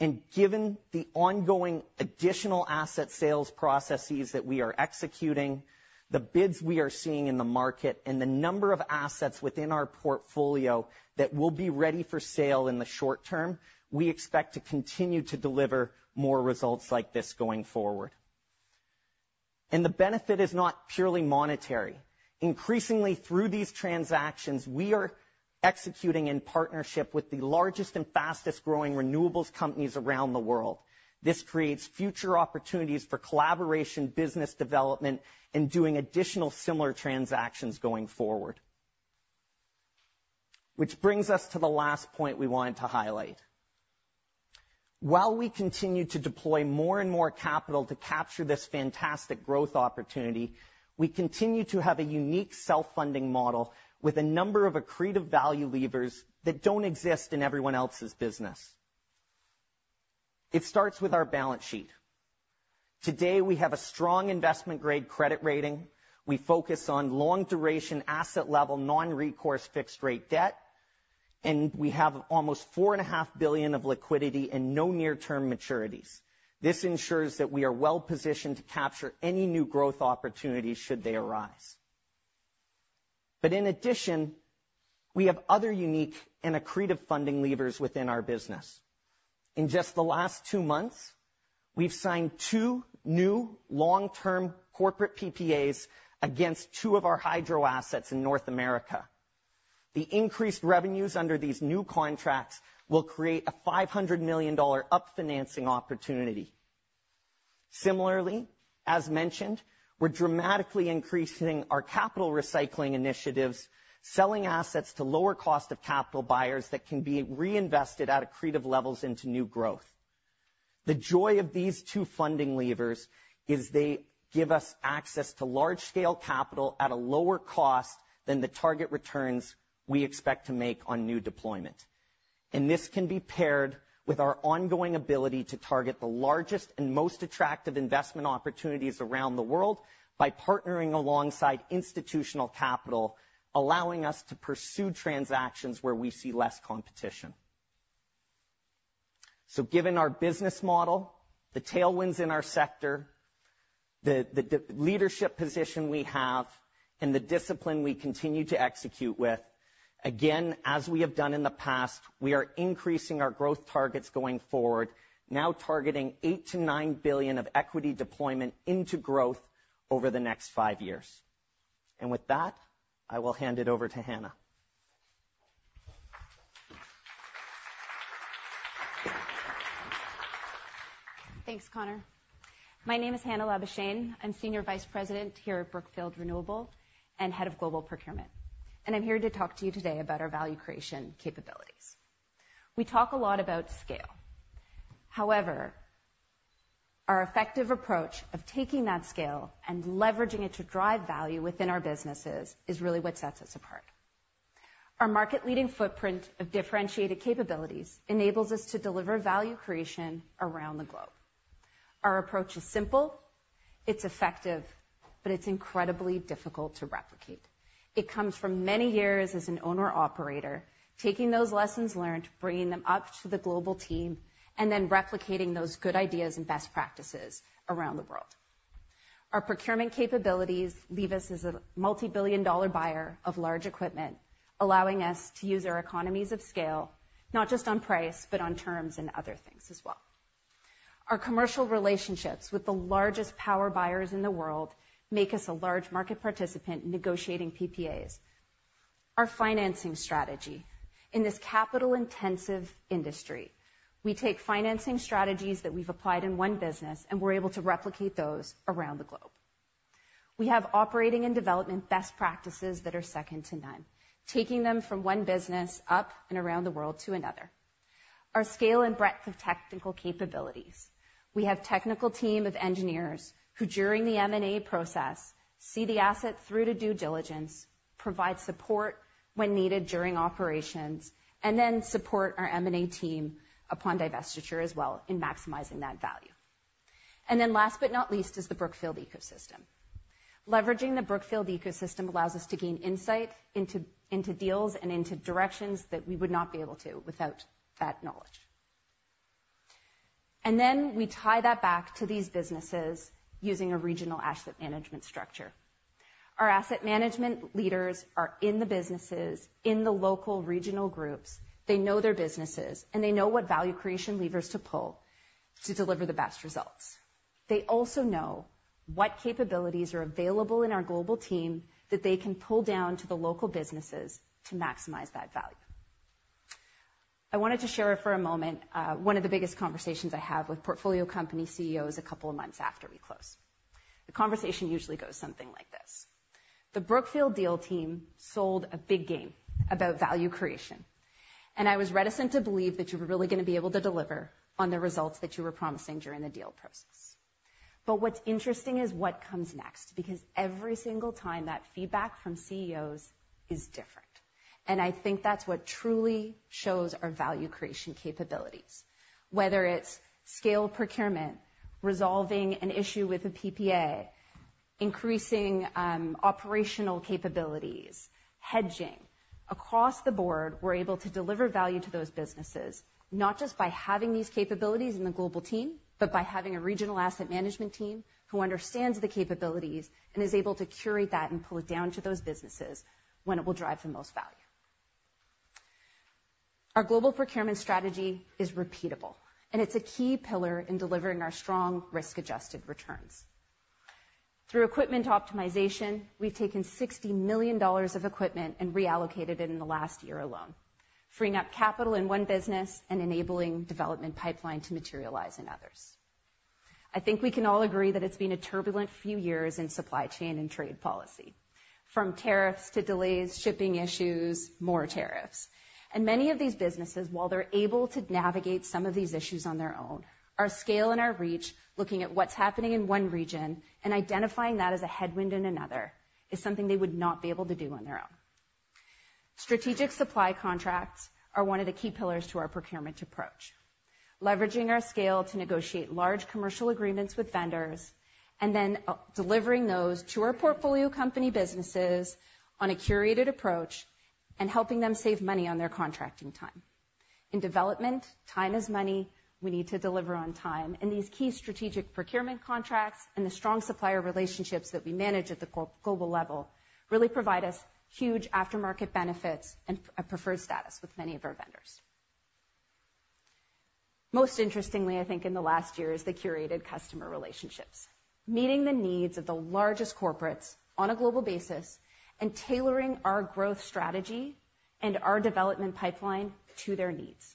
and given the ongoing additional asset sales processes that we are executing, the bids we are seeing in the market, and the number of assets within our portfolio that will be ready for sale in the short term, we expect to continue to deliver more results like this going forward, and the benefit is not purely monetary. Increasingly, through these transactions, we are executing in partnership with the largest and fastest-growing renewables companies around the world. This creates future opportunities for collaboration, business development, and doing additional similar transactions going forward. Which brings us to the last point we wanted to highlight. While we continue to deploy more and more capital to capture this fantastic growth opportunity, we continue to have a unique self-funding model with a number of accretive value levers that don't exist in everyone else's business. It starts with our balance sheet. Today, we have a strong investment-grade credit rating. We focus on long-duration, asset-level, non-recourse, fixed-rate debt, and we have almost $4.5 billion of liquidity and no near-term maturities. This ensures that we are well-positioned to capture any new growth opportunities, should they arise. But in addition, we have other unique and accretive funding levers within our business. In just the last two months, we've signed two new long-term corporate PPAs against two of our hydro assets in North America. The increased revenues under these new contracts will create a $500 million up-financing opportunity. Similarly, as mentioned, we're dramatically increasing our capital recycling initiatives, selling assets to lower cost of capital buyers that can be reinvested at accretive levels into new growth. The joy of these two funding levers is they give us access to large-scale capital at a lower cost than the target returns we expect to make on new deployment. And this can be paired with our ongoing ability to target the largest and most attractive investment opportunities around the world by partnering alongside institutional capital, allowing us to pursue transactions where we see less competition. So given our business model, the tailwinds in our sector, the leadership position we have, and the discipline we continue to execute with,... Again, as we have done in the past, we are increasing our growth targets going forward, now targeting $8 billion-$9 billion of equity deployment into growth over the next five years, and with that, I will hand it over to Hannah. Thanks, Connor. My name is Hannah Labuschagne. I'm Senior Vice President here at Brookfield Renewable and Head of Global Procurement, and I'm here to talk to you today about our value creation capabilities. We talk a lot about scale. However, our effective approach of taking that scale and leveraging it to drive value within our businesses is really what sets us apart. Our market-leading footprint of differentiated capabilities enables us to deliver value creation around the globe. Our approach is simple, it's effective, but it's incredibly difficult to replicate. It comes from many years as an owner-operator, taking those lessons learned, bringing them up to the global team, and then replicating those good ideas and best practices around the world. Our procurement capabilities leave us as a multibillion-dollar buyer of large equipment, allowing us to use our economies of scale, not just on price, but on terms and other things as well. Our commercial relationships with the largest power buyers in the world make us a large market participant in negotiating PPAs. Our financing strategy. In this capital-intensive industry, we take financing strategies that we've applied in one business, and we're able to replicate those around the globe. We have operating and development best practices that are second to none, taking them from one business up and around the world to another. Our scale and breadth of technical capabilities. We have technical team of engineers, who, during the M&A process, see the asset through to due diligence, provide support when needed during operations, and then support our M&A team upon divestiture as well in maximizing that value. Last but not least is the Brookfield ecosystem. Leveraging the Brookfield ecosystem allows us to gain insight into deals and directions that we would not be able to without that knowledge. We tie that back to these businesses using a regional asset management structure. Our asset management leaders are in the businesses, in the local regional groups. They know their businesses, and they know what value creation levers to pull to deliver the best results. They also know what capabilities are available in our global team that they can pull down to the local businesses to maximize that value. I wanted to share for a moment one of the biggest conversations I have with portfolio company CEOs a couple of months after we close. The conversation usually goes something like this: "The Brookfield deal team sold a big game about value creation, and I was reticent to believe that you were really gonna be able to deliver on the results that you were promising during the deal process." But what's interesting is what comes next, because every single time, that feedback from CEOs is different, and I think that's what truly shows our value creation capabilities. Whether it's scale procurement, resolving an issue with a PPA, increasing operational capabilities, hedging. Across the board, we're able to deliver value to those businesses, not just by having these capabilities in the global team, but by having a regional asset management team who understands the capabilities and is able to curate that and pull it down to those businesses when it will drive the most value. Our global procurement strategy is repeatable, and it's a key pillar in delivering our strong risk-adjusted returns. Through equipment optimization, we've taken $60 million of equipment and reallocated it in the last year alone, freeing up capital in one business and enabling development pipeline to materialize in others. I think we can all agree that it's been a turbulent few years in supply chain and trade policy, from tariffs to delays, shipping issues, more tariffs, and many of these businesses, while they're able to navigate some of these issues on their own, our scale and our reach, looking at what's happening in one region and identifying that as a headwind in another, is something they would not be able to do on their own. Strategic supply contracts are one of the key pillars to our procurement approach. Leveraging our scale to negotiate large commercial agreements with vendors, and then, delivering those to our portfolio company businesses on a curated approach and helping them save money on their contracting time. In development, time is money. We need to deliver on time, and these key strategic procurement contracts and the strong supplier relationships that we manage at the global level really provide us huge aftermarket benefits and a preferred status with many of our vendors. Most interestingly, I think, in the last year, is the curated customer relationships. Meeting the needs of the largest corporates on a global basis and tailoring our growth strategy and our development pipeline to their needs.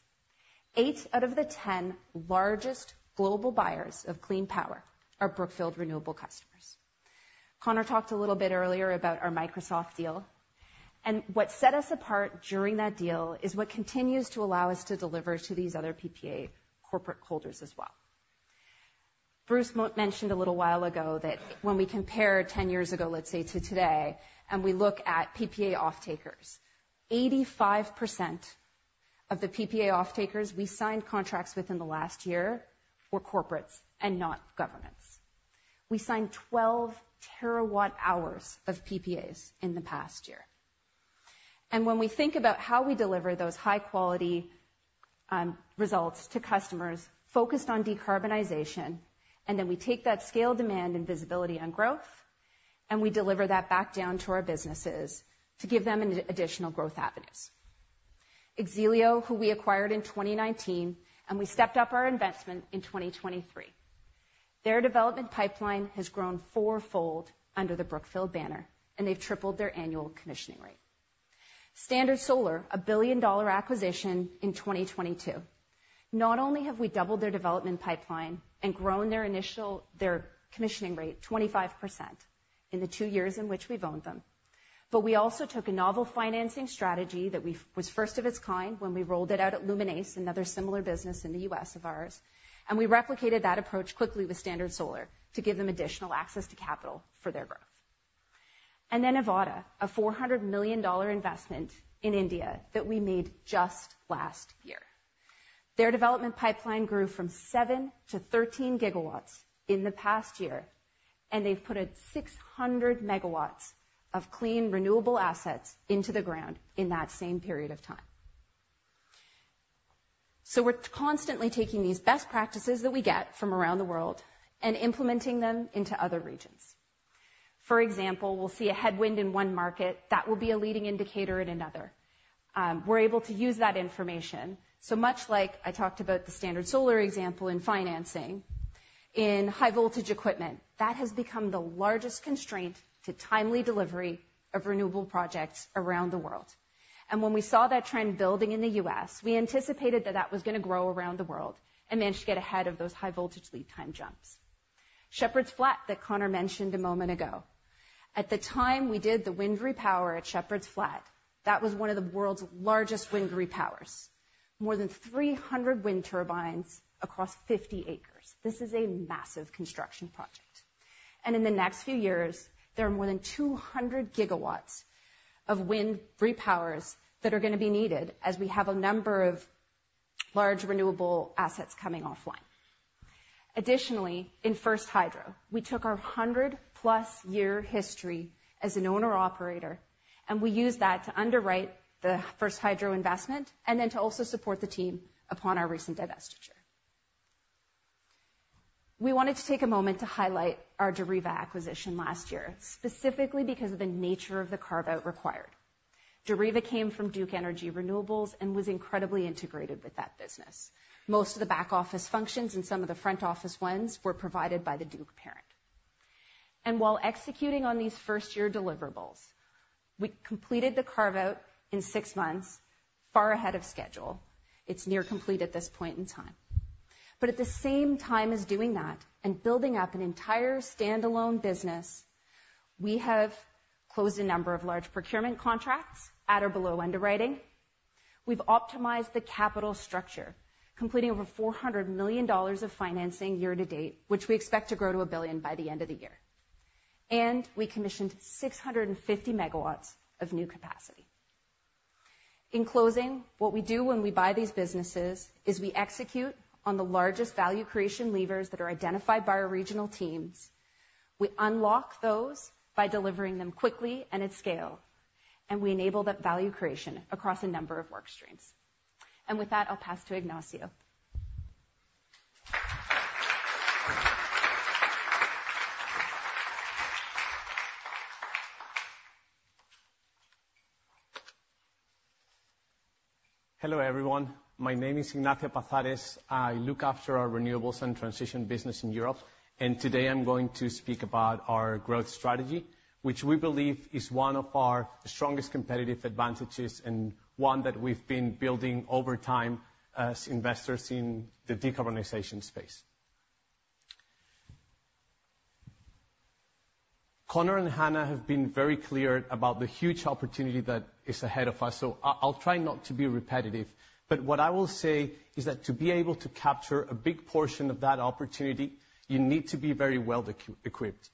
Eight out of the 10 largest global buyers of clean power are Brookfield Renewable customers. Connor talked a little bit earlier about our Microsoft deal, and what set us apart during that deal is what continues to allow us to deliver to these other PPA corporate holders as well. Bruce mentioned a little while ago that when we compare 10 years ago, let's say, to today, and we look at PPA off-takers, 85% of the PPA off-takers we signed contracts with in the last year were corporates and not governments. We signed 12 TWh of PPAs in the past year. When we think about how we deliver those high-quality results to customers focused on decarbonization, and then we take that scale, demand, and visibility on growth, and we deliver that back down to our businesses to give them an additional growth avenues. X-Elio, who we acquired in2023, and we stepped up our investment in 2023. Their development pipeline has grown fourfold under the Brookfield banner, and they've tripled their annual commissioning rate. Standard Solar, a $1 billion acquisition in 2022, not only have we doubled their development pipeline and grown their commissioning rate 25% in the two years in which we've owned them, but we also took a novel financing strategy that was first of its kind when we rolled it out at Luminace, another similar business in the U.S. of ours, and we replicated that approach quickly with Standard Solar to give them additional access to capital for their growth. Avaada, a $400 million investment in India that we made just last year. Their development pipeline grew from seven to 13 GW in the past year, and they've put 600 MW of clean, renewable assets into the ground in that same period of time. So we're constantly taking these best practices that we get from around the world and implementing them into other regions. For example, we'll see a headwind in one market, that will be a leading indicator in another. We're able to use that information. So much like I talked about the Standard Solar example in financing, in high voltage equipment, that has become the largest constraint to timely delivery of renewable projects around the world. And when we saw that trend building in the U.S., we anticipated that that was gonna grow around the world, and managed to get ahead of those high voltage lead time jumps. Shepherds Flat, that Connor mentioned a moment ago, at the time we did the wind repower at Shepherds Flat, that was one of the world's largest wind repowers. More than 300 wind turbines across 50 acres. This is a massive construction project. In the next few years, there are more than 200 GW of wind repowers that are gonna be needed as we have a number of large renewable assets coming offline. Additionally, in First Hydro, we took our 100+ year history as an owner-operator, and we used that to underwrite the First Hydro investment, and then to also support the team upon our recent divestiture. We wanted to take a moment to highlight our Deriva acquisition last year, specifically because of the nature of the carve-out required. Deriva came from Duke Energy Renewables and was incredibly integrated with that business. Most of the back office functions and some of the front office ones were provided by the Duke parent. While executing on these first-year deliverables, we completed the carve-out in six months, far ahead of schedule. It's near complete at this point in time. But at the same time as doing that and building up an entire standalone business, we have closed a number of large procurement contracts at or below underwriting. We've optimized the capital structure, completing over $400 million of financing year-to-date, which we expect to grow to $1 billion by the end of the year. And we commissioned 650 MWs of new capacity. In closing, what we do when we buy these businesses is we execute on the largest value creation levers that are identified by our regional teams. We unlock those by delivering them quickly and at scale, and we enable that value creation across a number of work streams. And with that, I'll pass to Ignacio. Hello, everyone. My name is Ignacio Paz-Ares. I look after our renewables and transition business in Europe, and today I'm going to speak about our growth strategy, which we believe is one of our strongest competitive advantages and one that we've been building over time as investors in the decarbonization space. Connor and Hannah have been very clear about the huge opportunity that is ahead of us, so I'll try not to be repetitive, but what I will say is that to be able to capture a big portion of that opportunity, you need to be very well equipped.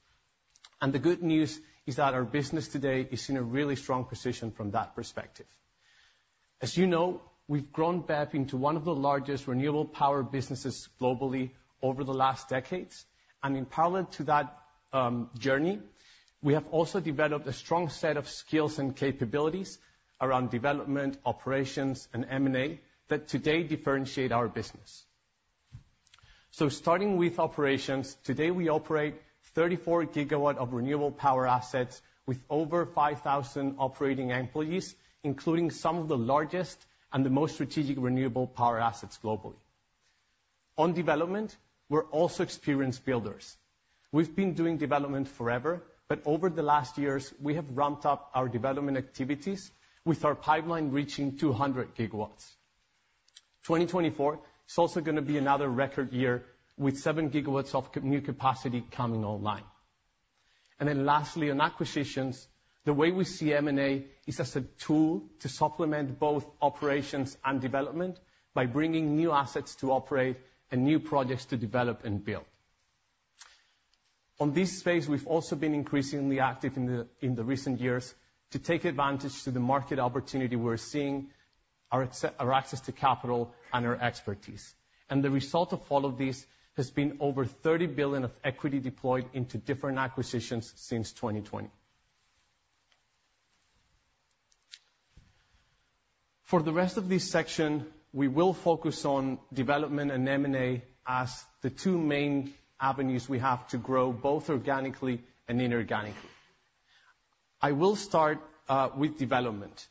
The good news is that our business today is in a really strong position from that perspective. As you know, we've grown BEP into one of the largest renewable power businesses globally over the last decades, and in parallel to that, journey, we have also developed a strong set of skills and capabilities around development, operations, and M&A that today differentiate our business. So starting with operations, today we operate 34 GWs of renewable power assets with over 5,000 operating employees, including some of the largest and the most strategic renewable power assets globally. On development, we're also experienced builders. We've been doing development forever, but over the last years, we have ramped up our development activities, with our pipeline reaching 200 GWs. 2024 is also gonna be another record year with 7 GWs of new capacity coming online. And then lastly, on acquisitions, the way we see M&A is as a tool to supplement both operations and development by bringing new assets to operate and new projects to develop and build. In this space, we've also been increasingly active in recent years to take advantage of the market opportunity we're seeing, our access to capital and our expertise. And the result of all of this has been over $30 billion of equity deployed into different acquisitions since 2020. For the rest of this section, we will focus on development and M&A as the two main avenues we have to grow, both organically and inorganically. I will start with development,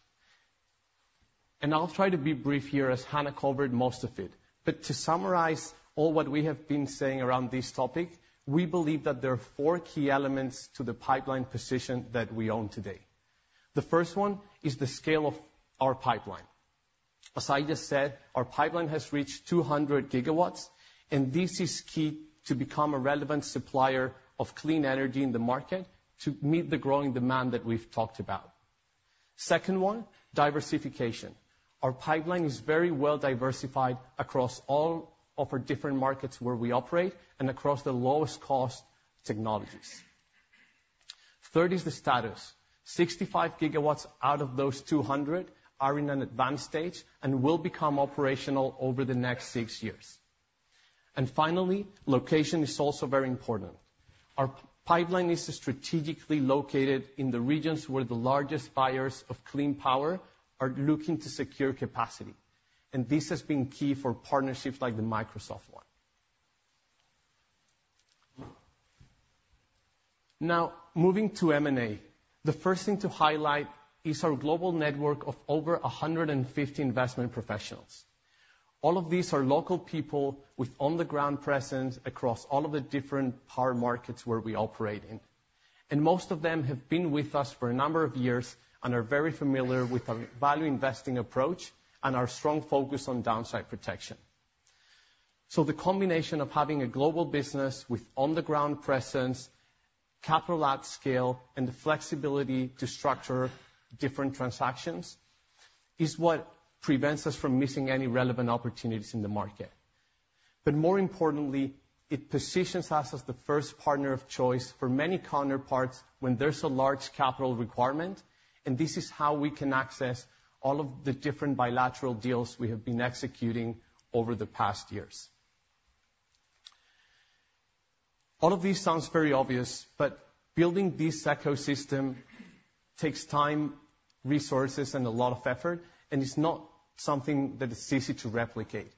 and I'll try to be brief here, as Hannah covered most of it. But to summarize all what we have been saying around this topic, we believe that there are four key elements to the pipeline position that we own today. The first one is the scale of our pipeline. As I just said, our pipeline has reached 200 GW, and this is key to become a relevant supplier of clean energy in the market to meet the growing demand that we've talked about. Second one, diversification. Our pipeline is very well-diversified across all of our different markets where we operate and across the lowest-cost technologies. Third is the status. 65 GWs out of those 200 GW are in an advanced stage and will become operational over the next six years. And finally, location is also very important. Our pipeline is strategically located in the regions where the largest buyers of clean power are looking to secure capacity, and this has been key for partnerships like the Microsoft one. Now, moving to M&A, the first thing to highlight is our global network of over 150 investment professionals. All of these are local people with on-the-ground presence across all of the different power markets where we operate in. And most of them have been with us for a number of years and are very familiar with our value investing approach and our strong focus on downside protection. So the combination of having a global business with on-the-ground presence, capital at scale, and the flexibility to structure different transactions, is what prevents us from missing any relevant opportunities in the market. But more importantly, it positions us as the first partner of choice for many counterparts when there's a large capital requirement, and this is how we can access all of the different bilateral deals we have been executing over the past years. All of this sounds very obvious, but building this ecosystem takes time, resources, and a lot of effort, and it's not something that is easy to replicate.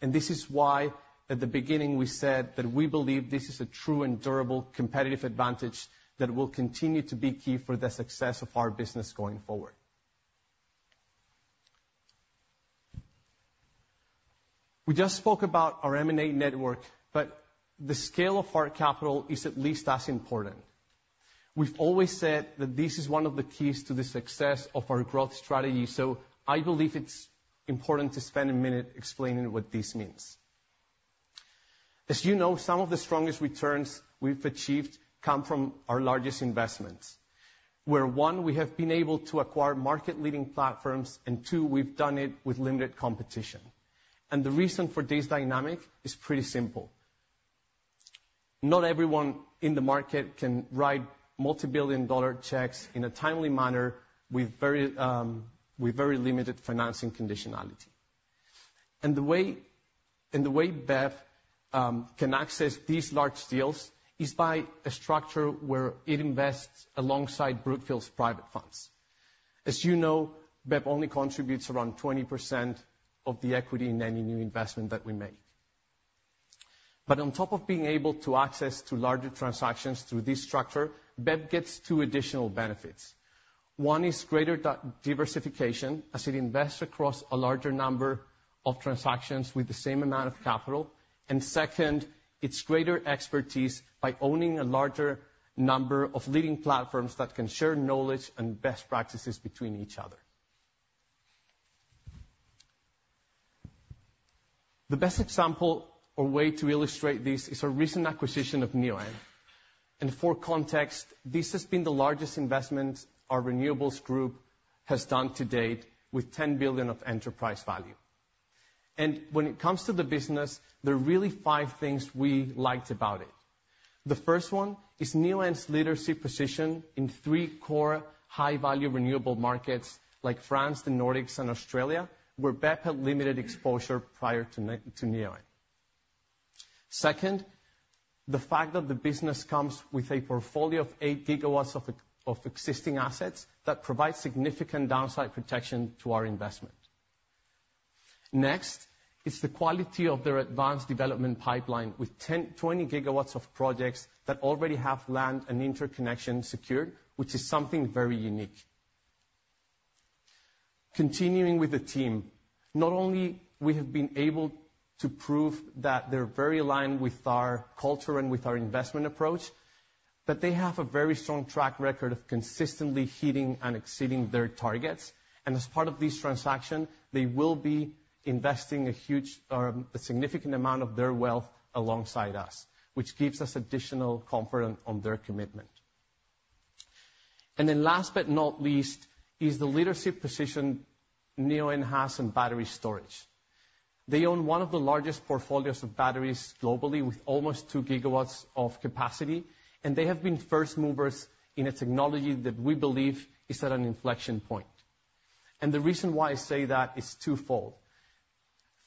And this is why, at the beginning, we said that we believe this is a true and durable competitive advantage that will continue to be key for the success of our business going forward. We just spoke about our M&A network, but the scale of our capital is at least as important. We've always said that this is one of the keys to the success of our growth strategy, so I believe it's important to spend a minute explaining what this means. As you know, some of the strongest returns we've achieved come from our largest investments, where, one, we have been able to acquire market-leading platforms, and two, we've done it with limited competition. And the reason for this dynamic is pretty simple. Not everyone in the market can write multibillion-dollar checks in a timely manner with very limited financing conditionality. And the way BEP can access these large deals is by a structure where it invests alongside Brookfield's private funds. As you know, BEP only contributes around 20% of the equity in any new investment that we make. But on top of being able to access to larger transactions through this structure, BEP gets two additional benefits. One is greater diversification, as it invests across a larger number of transactions with the same amount of capital. And second, it's greater expertise by owning a larger number of leading platforms that can share knowledge and best practices between each other. The best example or way to illustrate this is our recent acquisition of Neoen. And for context, this has been the largest investment our renewables group has done to date, with ten billion of enterprise value. And when it comes to the business, there are really five things we liked about it. The first one is Neoen's leadership position in three core high-value renewable markets, like France, the Nordics, and Australia, where BEP had limited exposure prior to Neoen. Second, the fact that the business comes with a portfolio of 8 GWs of of existing assets that provide significant downside protection to our investment. Next, is the quality of their advanced development pipeline, with 10 GWs-20 GWs of projects that already have land and interconnection secured, which is something very unique. Continuing with the team, not only we have been able to prove that they're very aligned with our culture and with our investment approach, but they have a very strong track record of consistently hitting and exceeding their targets. And as part of this transaction, they will be investing a huge, a significant amount of their wealth alongside us, which gives us additional comfort on their commitment. And then last but not least, is the leadership position Neoen has in battery storage. They own one of the largest portfolios of batteries globally, with almost 2 GWs of capacity, and they have been first movers in a technology that we believe is at an inflection point. And the reason why I say that is twofold.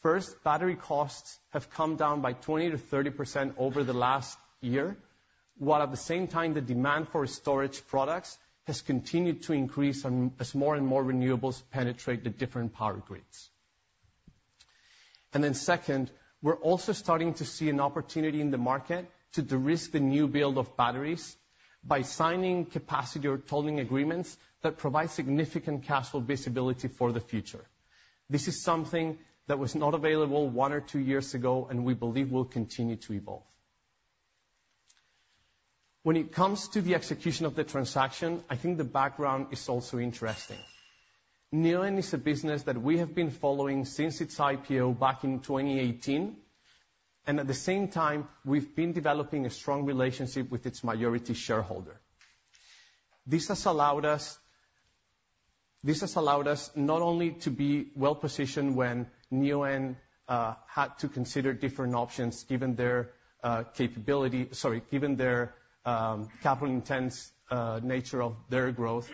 First, battery costs have come down by 20%-30% over the last year, while at the same time, the demand for storage products has continued to increase, as more and more renewables penetrate the different power grids. And then second, we're also starting to see an opportunity in the market to de-risk the new build of batteries by signing capacity or tolling agreements that provide significant cash flow visibility for the future. This is something that was not available one or two years ago, and we believe will continue to evolve. When it comes to the execution of the transaction, I think the background is also interesting. Neoen is a business that we have been following since its IPO back in 2018, and at the same time, we've been developing a strong relationship with its majority shareholder. This has allowed us not only to be well-positioned when Neoen had to consider different options, given their capital-intensive nature of their growth,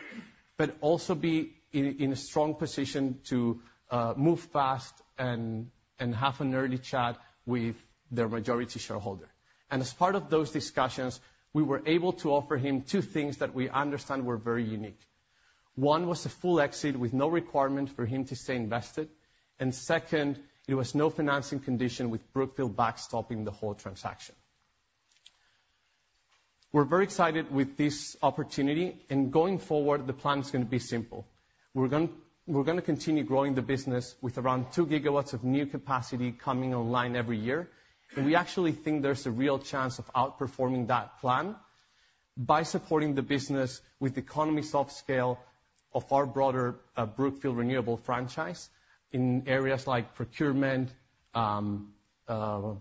but also be in a strong position to move fast and have an early chat with their majority shareholder, and as part of those discussions, we were able to offer him two things that we understand were very unique. One was a full exit with no requirement for him to stay invested, and second, there was no financing condition with Brookfield backstopping the whole transaction. We're very excited with this opportunity, and going forward, the plan is gonna be simple. We're going, we're gonna continue growing the business with around 2 GWs of new capacity coming online every year. And we actually think there's a real chance of outperforming that plan by supporting the business with the economies of scale of our broader, Brookfield Renewable franchise in areas like procurement, PPAs,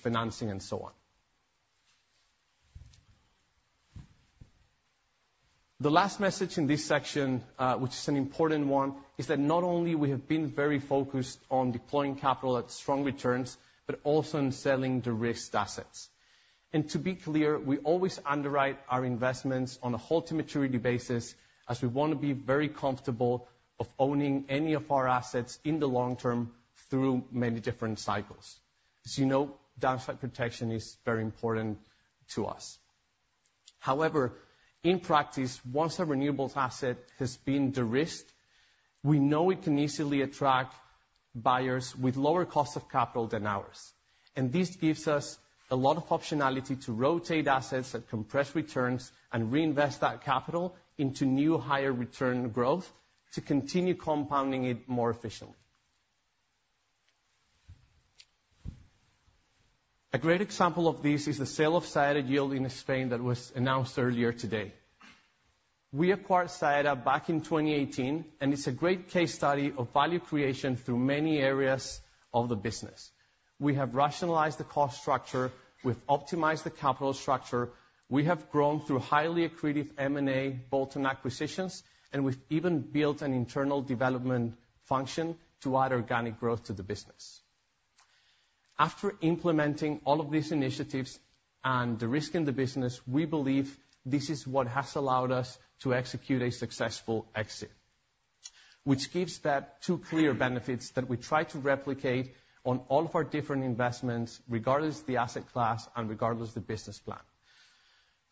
financing, and so on. The last message in this section, which is an important one, is that not only we have been very focused on deploying capital at strong returns, but also in selling de-risked assets. To be clear, we always underwrite our investments on a hold-to-maturity basis, as we wanna be very comfortable of owning any of our assets in the long-term through many different cycles. As you know, downside protection is very important to us. However, in practice, once a renewables asset has been de-risked, we know it can easily attract buyers with lower cost of capital than ours, and this gives us a lot of optionality to rotate assets that compress returns and reinvest that capital into new, higher return growth to continue compounding it more efficiently. A great example of this is the sale of Saeta Yield in Spain that was announced earlier today. We acquired Saeta back in 2018, and it's a great case study of value creation through many areas of the business. We have rationalized the cost structure, we've optimized the capital structure, we have grown through highly accretive M&A bolt-on acquisitions, and we've even built an internal development function to add organic growth to the business. After implementing all of these initiatives and de-risking the business, we believe this is what has allowed us to execute a successful exit, which gives us two clear benefits that we try to replicate on all of our different investments, regardless of the asset class and regardless of the business plan.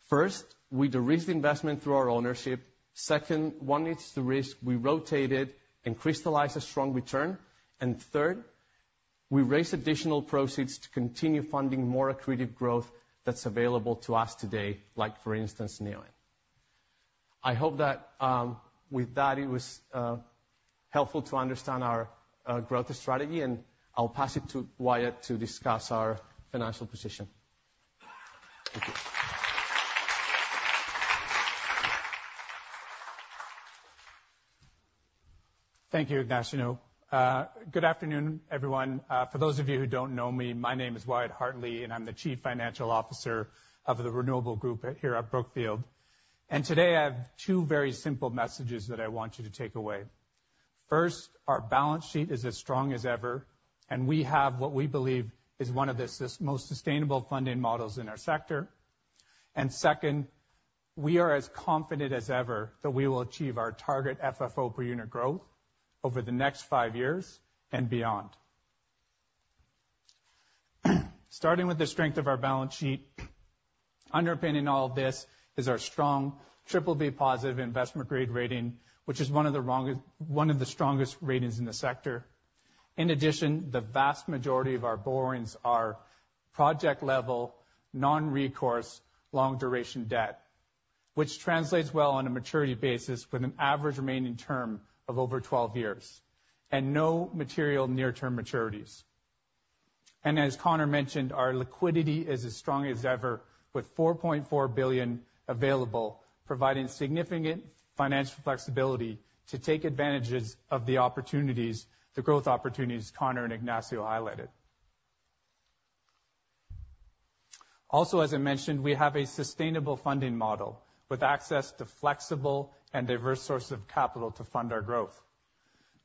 First, we de-risk the investment through our ownership. Second, once it's de-risked, we rotate it and crystallize a strong return, and third, we raise additional proceeds to continue funding more accretive growth that's available to us today, like, for instance, Neoen. I hope that with that, it was helpful to understand our growth strategy, and I'll pass it to Wyatt to discuss our financial position. Thank you. Thank you, Ignacio. Good afternoon, everyone. For those of you who don't know me, my name is Wyatt Hartley, and I'm the Chief Financial Officer of the Renewable Group at, here at Brookfield. And today, I have two very simple messages that I want you to take away. First, our balance sheet is as strong as ever, and we have what we believe is one of the most sustainable funding models in our sector. And second, we are as confident as ever that we will achieve our target FFO per unit growth over the next five years and beyond. Starting with the strength of our balance sheet, underpinning all of this is our strong BBB+ investment grade rating, which is one of the strongest ratings in the sector. In addition, the vast majority of our borrowings are project-level, non-recourse, long-duration debt, which translates well on a maturity basis, with an average remaining term of over 12 years, and no material near-term maturities, and as Connor mentioned, our liquidity is as strong as ever, with $4.4 billion available, providing significant financial flexibility to take advantages of the opportunities, the growth opportunities Connor and Ignacio highlighted. Also, as I mentioned, we have a sustainable funding model with access to flexible and diverse sources of capital to fund our growth.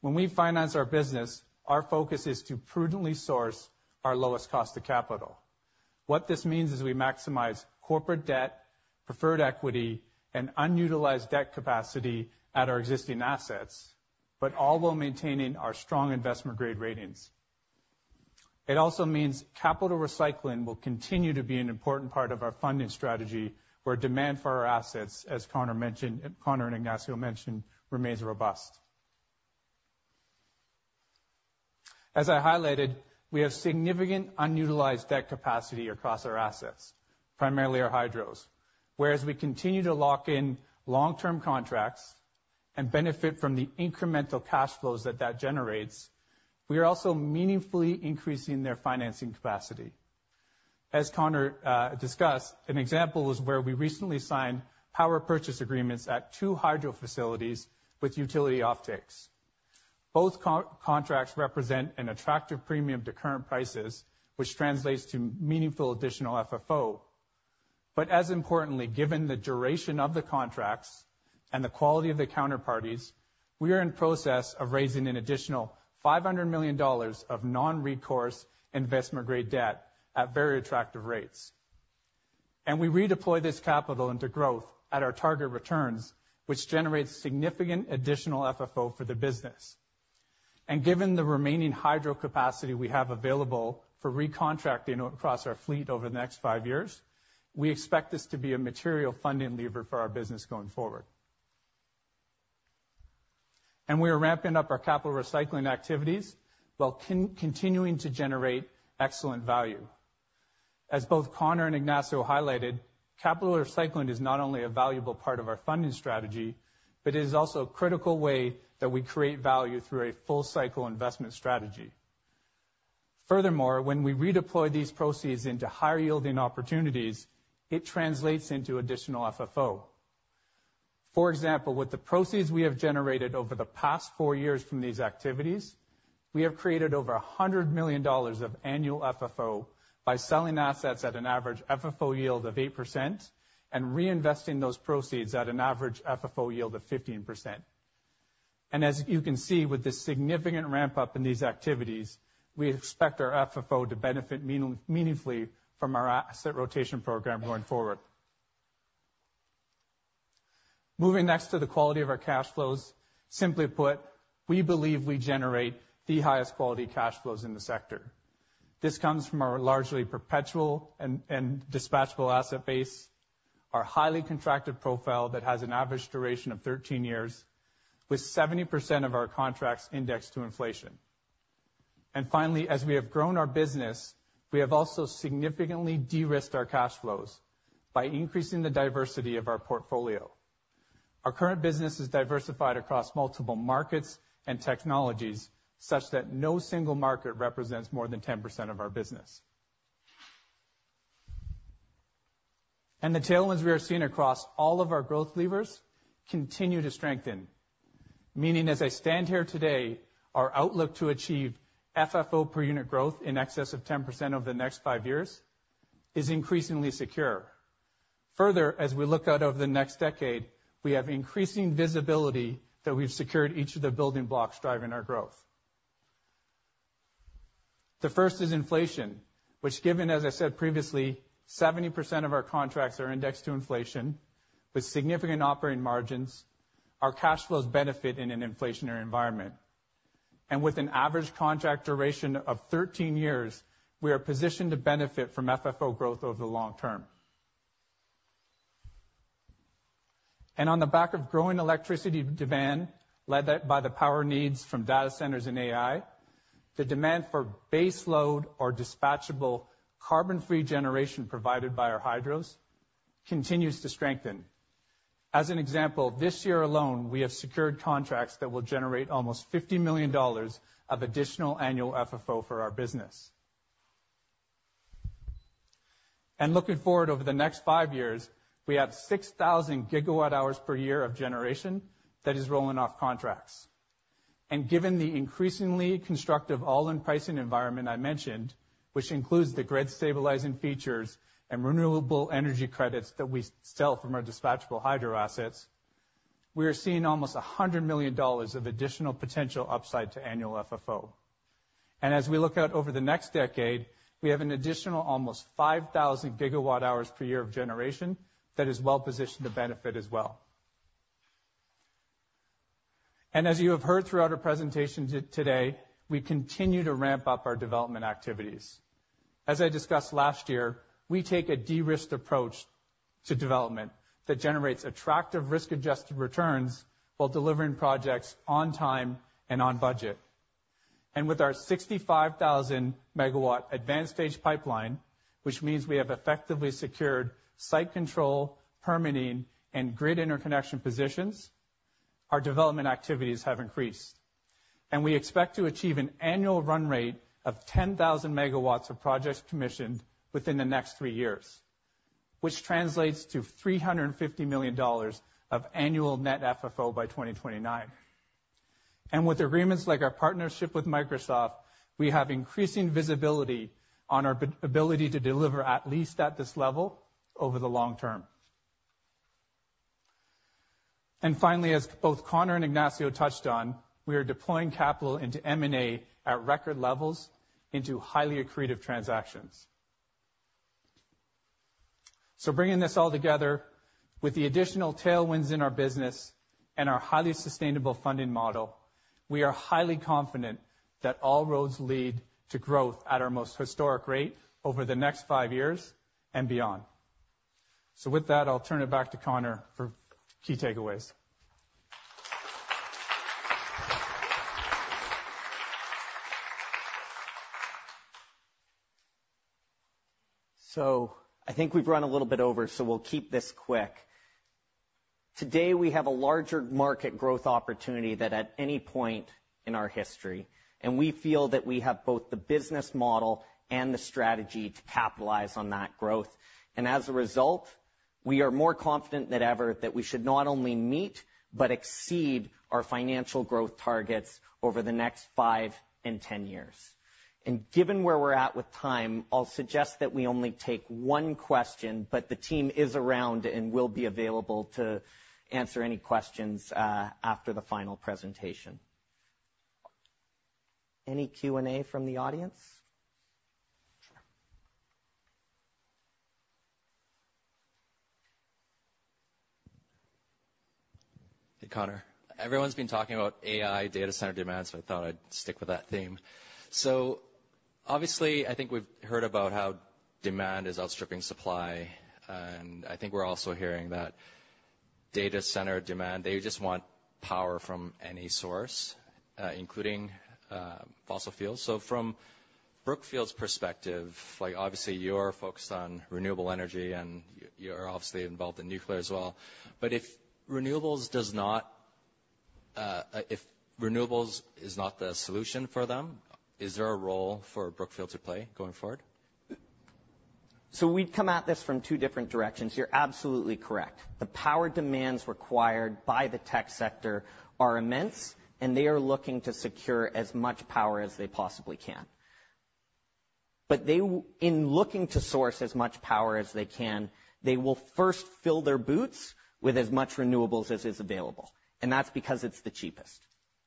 When we finance our business, our focus is to prudently source our lowest cost of capital. What this means is we maximize corporate debt, preferred equity, and unutilized debt capacity at our existing assets, but all while maintaining our strong investment-grade ratings. It also means capital recycling will continue to be an important part of our funding strategy, where demand for our assets, as Connor mentioned, Connor and Ignacio mentioned, remains robust. As I highlighted, we have significant unutilized debt capacity across our assets, primarily our hydros, whereas we continue to lock in long-term contracts and benefit from the incremental cash flows that that generates, we are also meaningfully increasing their financing capacity. As Connor discussed, an example was where we recently signed power purchase agreements at two hydro facilities with utility offtakes. Both contracts represent an attractive premium to current prices, which translates to meaningful additional FFO. But as importantly, given the duration of the contracts and the quality of the counterparties, we are in process of raising an additional $500 million of non-recourse investment-grade debt at very attractive rates. We redeploy this capital into growth at our target returns, which generates significant additional FFO for the business. Given the remaining hydro capacity we have available for recontracting across our fleet over the next five years, we expect this to be a material funding lever for our business going forward. We are ramping up our capital recycling activities while continuing to generate excellent value. As both Connor and Ignacio highlighted, capital recycling is not only a valuable part of our funding strategy, but it is also a critical way that we create value through a full-cycle investment strategy. Furthermore, when we redeploy these proceeds into higher-yielding opportunities, it translates into additional FFO. For example, with the proceeds we have generated over the past four years from these activities, we have created over $100 million of annual FFO by selling assets at an average FFO yield of 8% and reinvesting those proceeds at an average FFO yield of 15%. And as you can see, with this significant ramp-up in these activities, we expect our FFO to benefit meaningfully from our asset rotation program going forward. Moving next to the quality of our cash flows. Simply put, we believe we generate the highest quality cash flows in the sector. This comes from our largely perpetual and dispatchable asset base, our highly contracted profile that has an average duration of 13 years, with 70% of our contracts indexed to inflation. Finally, as we have grown our business, we have also significantly de-risked our cash flows by increasing the diversity of our portfolio. Our current business is diversified across multiple markets and technologies, such that no single market represents more than 10% of our business. The tailwinds we are seeing across all of our growth levers continue to strengthen. Meaning, as I stand here today, our outlook to achieve FFO per unit growth in excess of 10% over the next five years is increasingly secure. Further, as we look out over the next decade, we have increasing visibility that we've secured each of the building blocks driving our growth. The first is inflation, which, given, as I said previously, 70% of our contracts are indexed to inflation. With significant operating margins, our cash flows benefit in an inflationary environment. With an average contract duration of 13 years, we are positioned to benefit from FFO growth over the long-term. On the back of growing electricity demand, led by the power needs from data centers and AI, the demand for baseload or dispatchable carbon-free generation provided by our hydros continues to strengthen. As an example, this year alone, we have secured contracts that will generate almost $50 million of additional annual FFO for our business. Looking forward over the next 5 years, we have 6,000 GW hours per year of generation that is rolling off contracts. Given the increasingly constructive all-in pricing environment I mentioned, which includes the grid stabilizing features and renewable energy credits that we sell from our dispatchable hydro assets, we are seeing almost $100 million of additional potential upside to annual FFO. As we look out over the next decade, we have an additional almost 5,000 GW hours per year of generation that is well positioned to benefit as well. As you have heard throughout our presentation today, we continue to ramp up our development activities. As I discussed last year, we take a de-risked approach to development that generates attractive risk-adjusted returns while delivering projects on time and on budget. With our 65,000-MW advanced stage pipeline, which means we have effectively secured site control, permitting, and grid interconnection positions, our development activities have increased. We expect to achieve an annual run rate of 10,000 MWs of projects commissioned within the next three years, which translates to $350 million of annual net FFO by 2029. With agreements like our partnership with Microsoft, we have increasing visibility on our ability to deliver, at least at this level, over the long-term. And finally, as both Connor and Ignacio touched on, we are deploying capital into M&A at record levels into highly accretive transactions. So bringing this all together, with the additional tailwinds in our business and our highly sustainable funding model, we are highly confident that all roads lead to growth at our most historic rate over the next five years and beyond. So with that, I'll turn it back to Connor for key takeaways. So I think we've run a little bit over, so we'll keep this quick. Today, we have a larger market growth opportunity than at any point in our history, and we feel that we have both the business model and the strategy to capitalize on that growth. And as a result, we are more confident than ever that we should not only meet but exceed our financial growth targets over the next five and 10 years. And given where we're at with time, I'll suggest that we only take one question, but the team is around and will be available to answer any questions after the final presentation. Any Q&A from the audience? Hey, Connor. Everyone's been talking about AI data center demands, so I thought I'd stick with that theme. So obviously, I think we've heard about how demand is outstripping supply, and I think we're also hearing that data center demand, they just want power from any source, including fossil fuels. So from Brookfield's perspective, like, obviously, you're focused on renewable energy, and you, you're obviously involved in nuclear as well. But if renewables does not, if renewables is not the solution for them, is there a role for Brookfield to play going forward? So we'd come at this from two different directions. You're absolutely correct. The power demands required by the tech sector are immense, and they are looking to secure as much power as they possibly can. But they, in looking to source as much power as they can, they will first fill their boots with as much renewables as is available, and that's because it's the cheapest.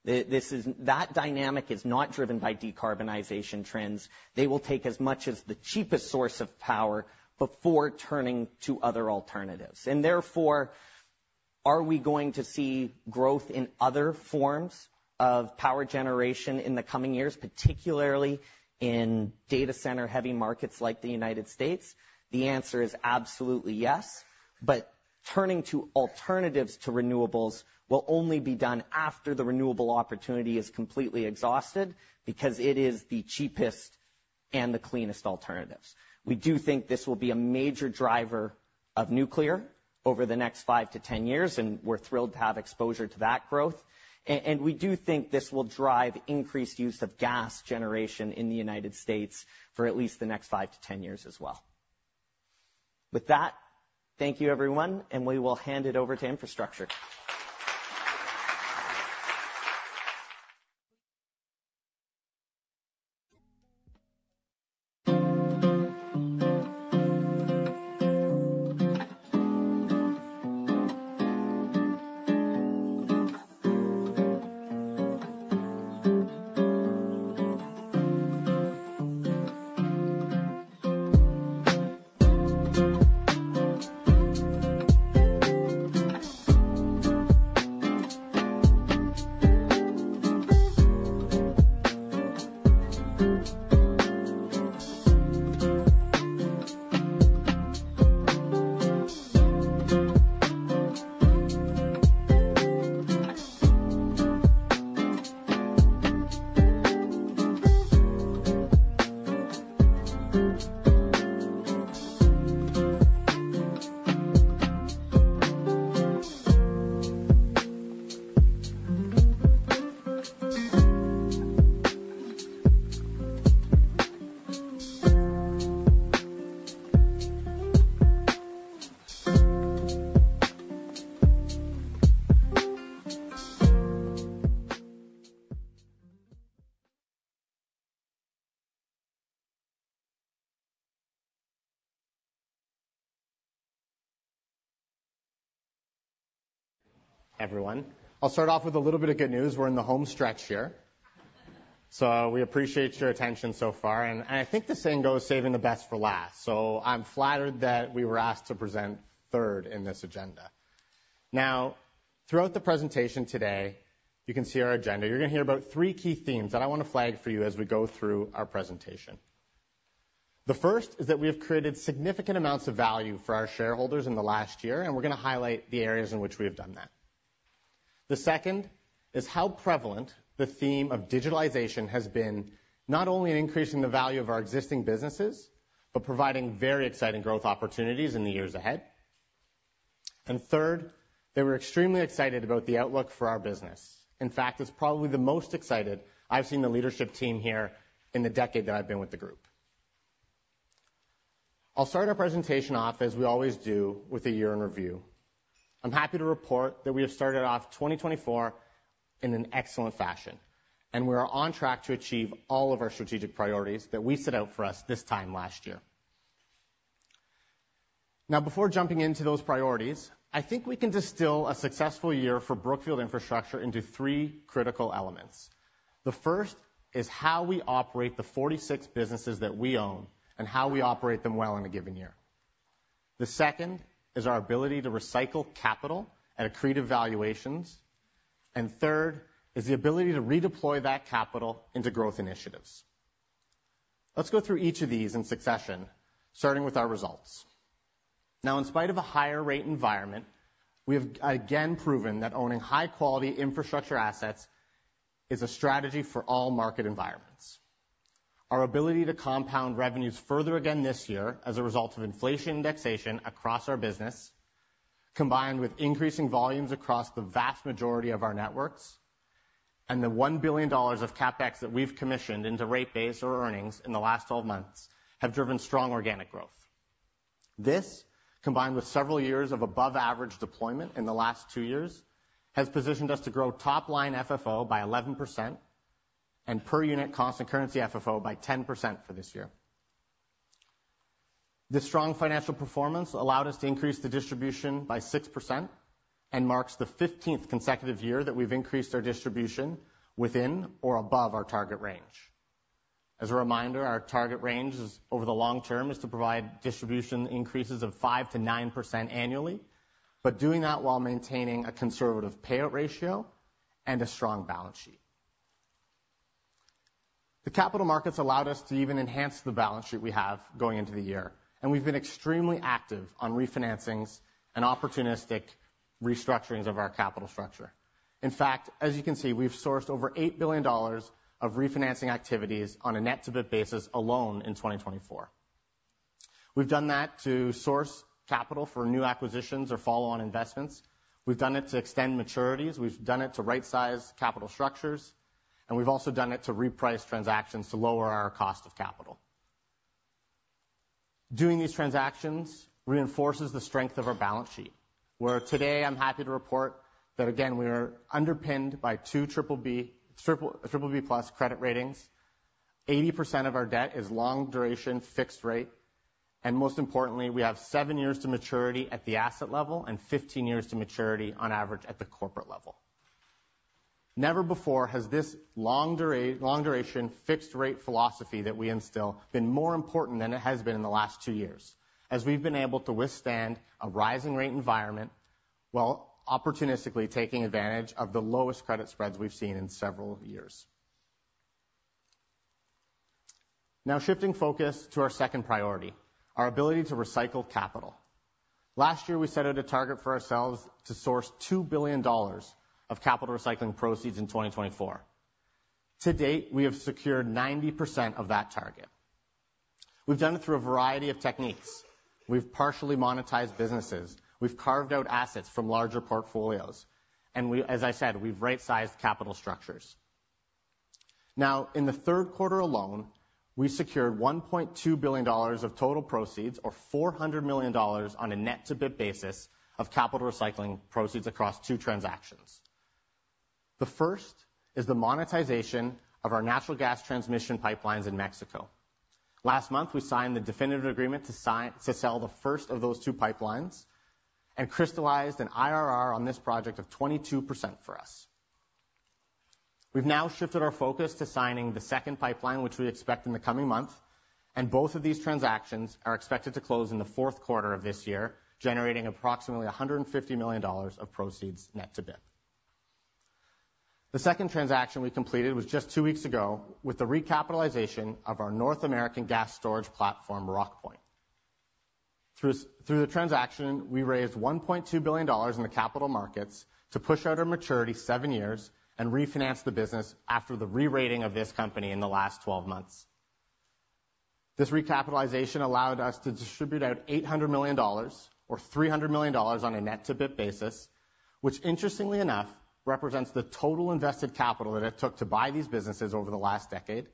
This is, that dynamic is not driven by decarbonization trends. They will take as much as the cheapest source of power before turning to other alternatives. And therefore, are we going to see growth in other forms of power generation in the coming years, particularly in data center-heavy markets like the United States? The answer is absolutely yes, but turning to alternatives to renewables will only be done after the renewable opportunity is completely exhausted because it is the cheapest and the cleanest alternatives. We do think this will be a major driver of nuclear over the next 5 years, and we're thrilled to have exposure to that growth, and we do think this will drive increased use of gas generation in the United States for at least the next 5-10 years as well. With that, thank you, everyone, and we will hand it over to infrastructure. Everyone. I'll start off with a little bit of good news. We're in the home stretch here. So we appreciate your attention so far, and I think the saying goes, "Saving the best for last." So I'm flattered that we were asked to present third in this agenda. Now, throughout the presentation today, you can see our agenda. You're gonna hear about three key themes that I wanna flag for you as we go through our presentation. The first is that we have created significant amounts of value for our shareholders in the last year, and we're gonna highlight the areas in which we have done that. The second is how prevalent the theme of digitalization has been, not only in increasing the value of our existing businesses, but providing very exciting growth opportunities in the years ahead. And third, that we're extremely excited about the outlook for our business. In fact, it's probably the most excited I've seen the leadership team here in the decade that I've been with the group. I'll start our presentation off, as we always do, with a year in review. I'm happy to report that we have started off 2024 in an excellent fashion, and we are on track to achieve all of our strategic priorities that we set out for us this time last year. Now, before jumping into those priorities, I think we can distill a successful year for Brookfield Renewable Partners into three critical elements. The first is how we operate the 46 businesses that we own, and how we operate them well in a given year. The second is our ability to recycle capital at accretive valuations. Third, is the ability to redeploy that capital into growth initiatives. Let's go through each of these in succession, starting with our results. Now, in spite of a higher rate environment, we have again proven that owning high-quality infrastructure assets is a strategy for all market environments. Our ability to compound revenues further again this year as a result of inflation indexation across our business, combined with increasing volumes across the vast majority of our networks, and the $1 billion of CapEx that we've commissioned into rate base or earnings in the last 12 months, have driven strong organic growth. This, combined with several years of above average deployment in the last two years, has positioned us to grow top line FFO by 11% and per unit constant currency FFO by 10% for this year. This strong financial performance allowed us to increase the distribution by 6%, and marks the fifteenth consecutive year that we've increased our distribution within or above our target range. As a reminder, our target range is, over the long-term, to provide distribution increases of 5%9% annually, but doing that while maintaining a conservative payout ratio and a strong balance sheet. The capital markets allowed us to even enhance the balance sheet we have going into the year, and we've been extremely active on refinancings and opportunistic restructurings of our capital structure. In fact, as you can see, we've sourced over $8 billion of refinancing activities on a net-to-gross basis alone in 2024. We've done that to source capital for new acquisitions or follow-on investments. We've done it to extend maturities, we've done it to rightsize capital structures, and we've also done it to reprice transactions to lower our cost of capital. Doing these transactions reinforces the strength of our balance sheet, where today I'm happy to report that, again, we are underpinned by two BBB, BBB+ credit ratings. 80% of our debt is long-duration, fixed rate, and most importantly, we have seven years to maturity at the asset level and 15 years to maturity on average at the corporate level. Never before has this long duration, fixed rate philosophy that we instill, been more important than it has been in the last two years, as we've been able to withstand a rising rate environment while opportunistically taking advantage of the lowest credit spreads we've seen in several yearsNow, shifting focus to our second priority, our ability to recycle capital. Last year, we set out a target for ourselves to source $2 billion of capital recycling proceeds in 2024. To date, we have secured 90% of that target. We've done it through a variety of techniques. We've partially monetized businesses. We've carved out assets from larger portfolios, and we, as I said, we've rightsized capital structures. Now, in the third quarter alone, we secured $1.2 billion of total proceeds, or $400 million on a net-to-BIP basis, of capital recycling proceeds across two transactions. The first is the monetization of our natural gas transmission pipelines in Mexico. Last month, we signed the definitive agreement to sell the first of those two pipelines, and crystallized an IRR on this project of 22% for us. We've now shifted our focus to signing the second pipeline, which we expect in the coming month, and both of these transactions are expected to close in the fourth quarter of this year, generating approximately $150 million of proceeds net to BIP. The second transaction we completed was just two weeks ago with the recapitalization of our North American gas storage platform, Rockpoint. Through the transaction, we raised $1.2 billion in the capital markets to push out our maturity seven years and refinance the business after the re-rating of this company in the last 12 months. This recapitalization allowed us to distribute out $800 million, or $300 million on a net-to-BIP basis, which, interestingly enough, represents the total invested capital that it took to buy these businesses over the last decade,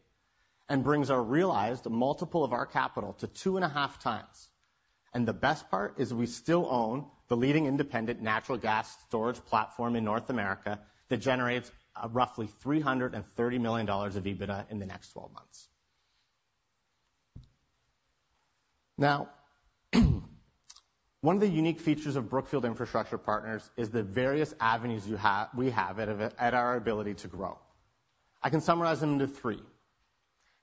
and brings our realized multiple of our capital to 2.5x. And the best part is we still own the leading independent natural gas storage platform in North America that generates roughly $330 million of EBITDA in the next 12 months. Now, one of the unique features of Brookfield Infrastructure Partners is the various avenues we have at our ability to grow. I can summarize them into three.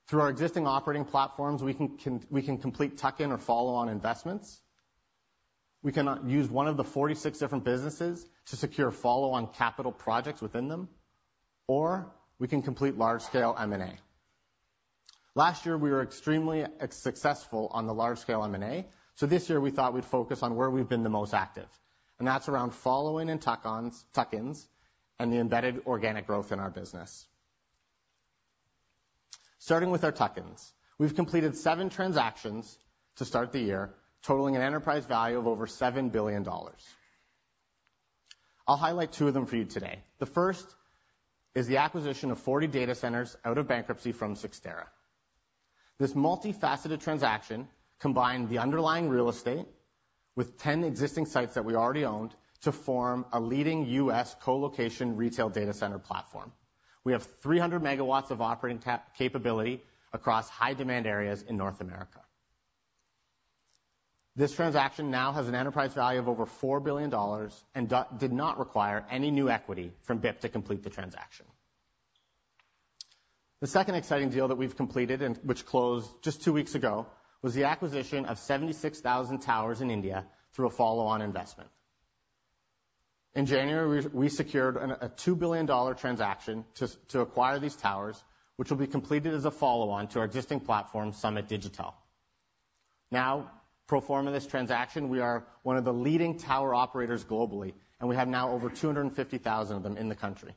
Through our existing operating platforms, we can complete tuck-in or follow-on investments. We can use one of the 46 different businesses to secure follow-on capital projects within them, or we can complete large-scale M&A. Last year, we were extremely successful on the large scale M&A, so this year we thought we'd focus on where we've been the most active, and that's around following and tuck-ons, tuck-ins, and the embedded organic growth in our business. Starting with our tuck-ins, we've completed 7 transactions to start the year, totaling an enterprise value of over $7 billion. I'll highlight two of them for you today. The first is the acquisition of 40 data centers out of bankruptcy from Cyxtera. This multifaceted transaction combined the underlying real estate with 10 existing sites that we already owned to form a leading U.S. colocation retail data center platform. We have 300 MWs of operating capability across high demand areas in North America. This transaction now has an enterprise value of over $4 billion, and did not require any new equity from BIP to complete the transaction. The second exciting deal that we've completed, and which closed just two weeks ago, was the acquisition of 76,000 towers in India through a follow-on investment. In January, we secured a $2 billion transaction to acquire these towers, which will be completed as a follow-on to our existing platform, Summit Digitel. Now, pro forma this transaction, we are one of the leading tower operators globally, and we have now over 250,000 of them in the country.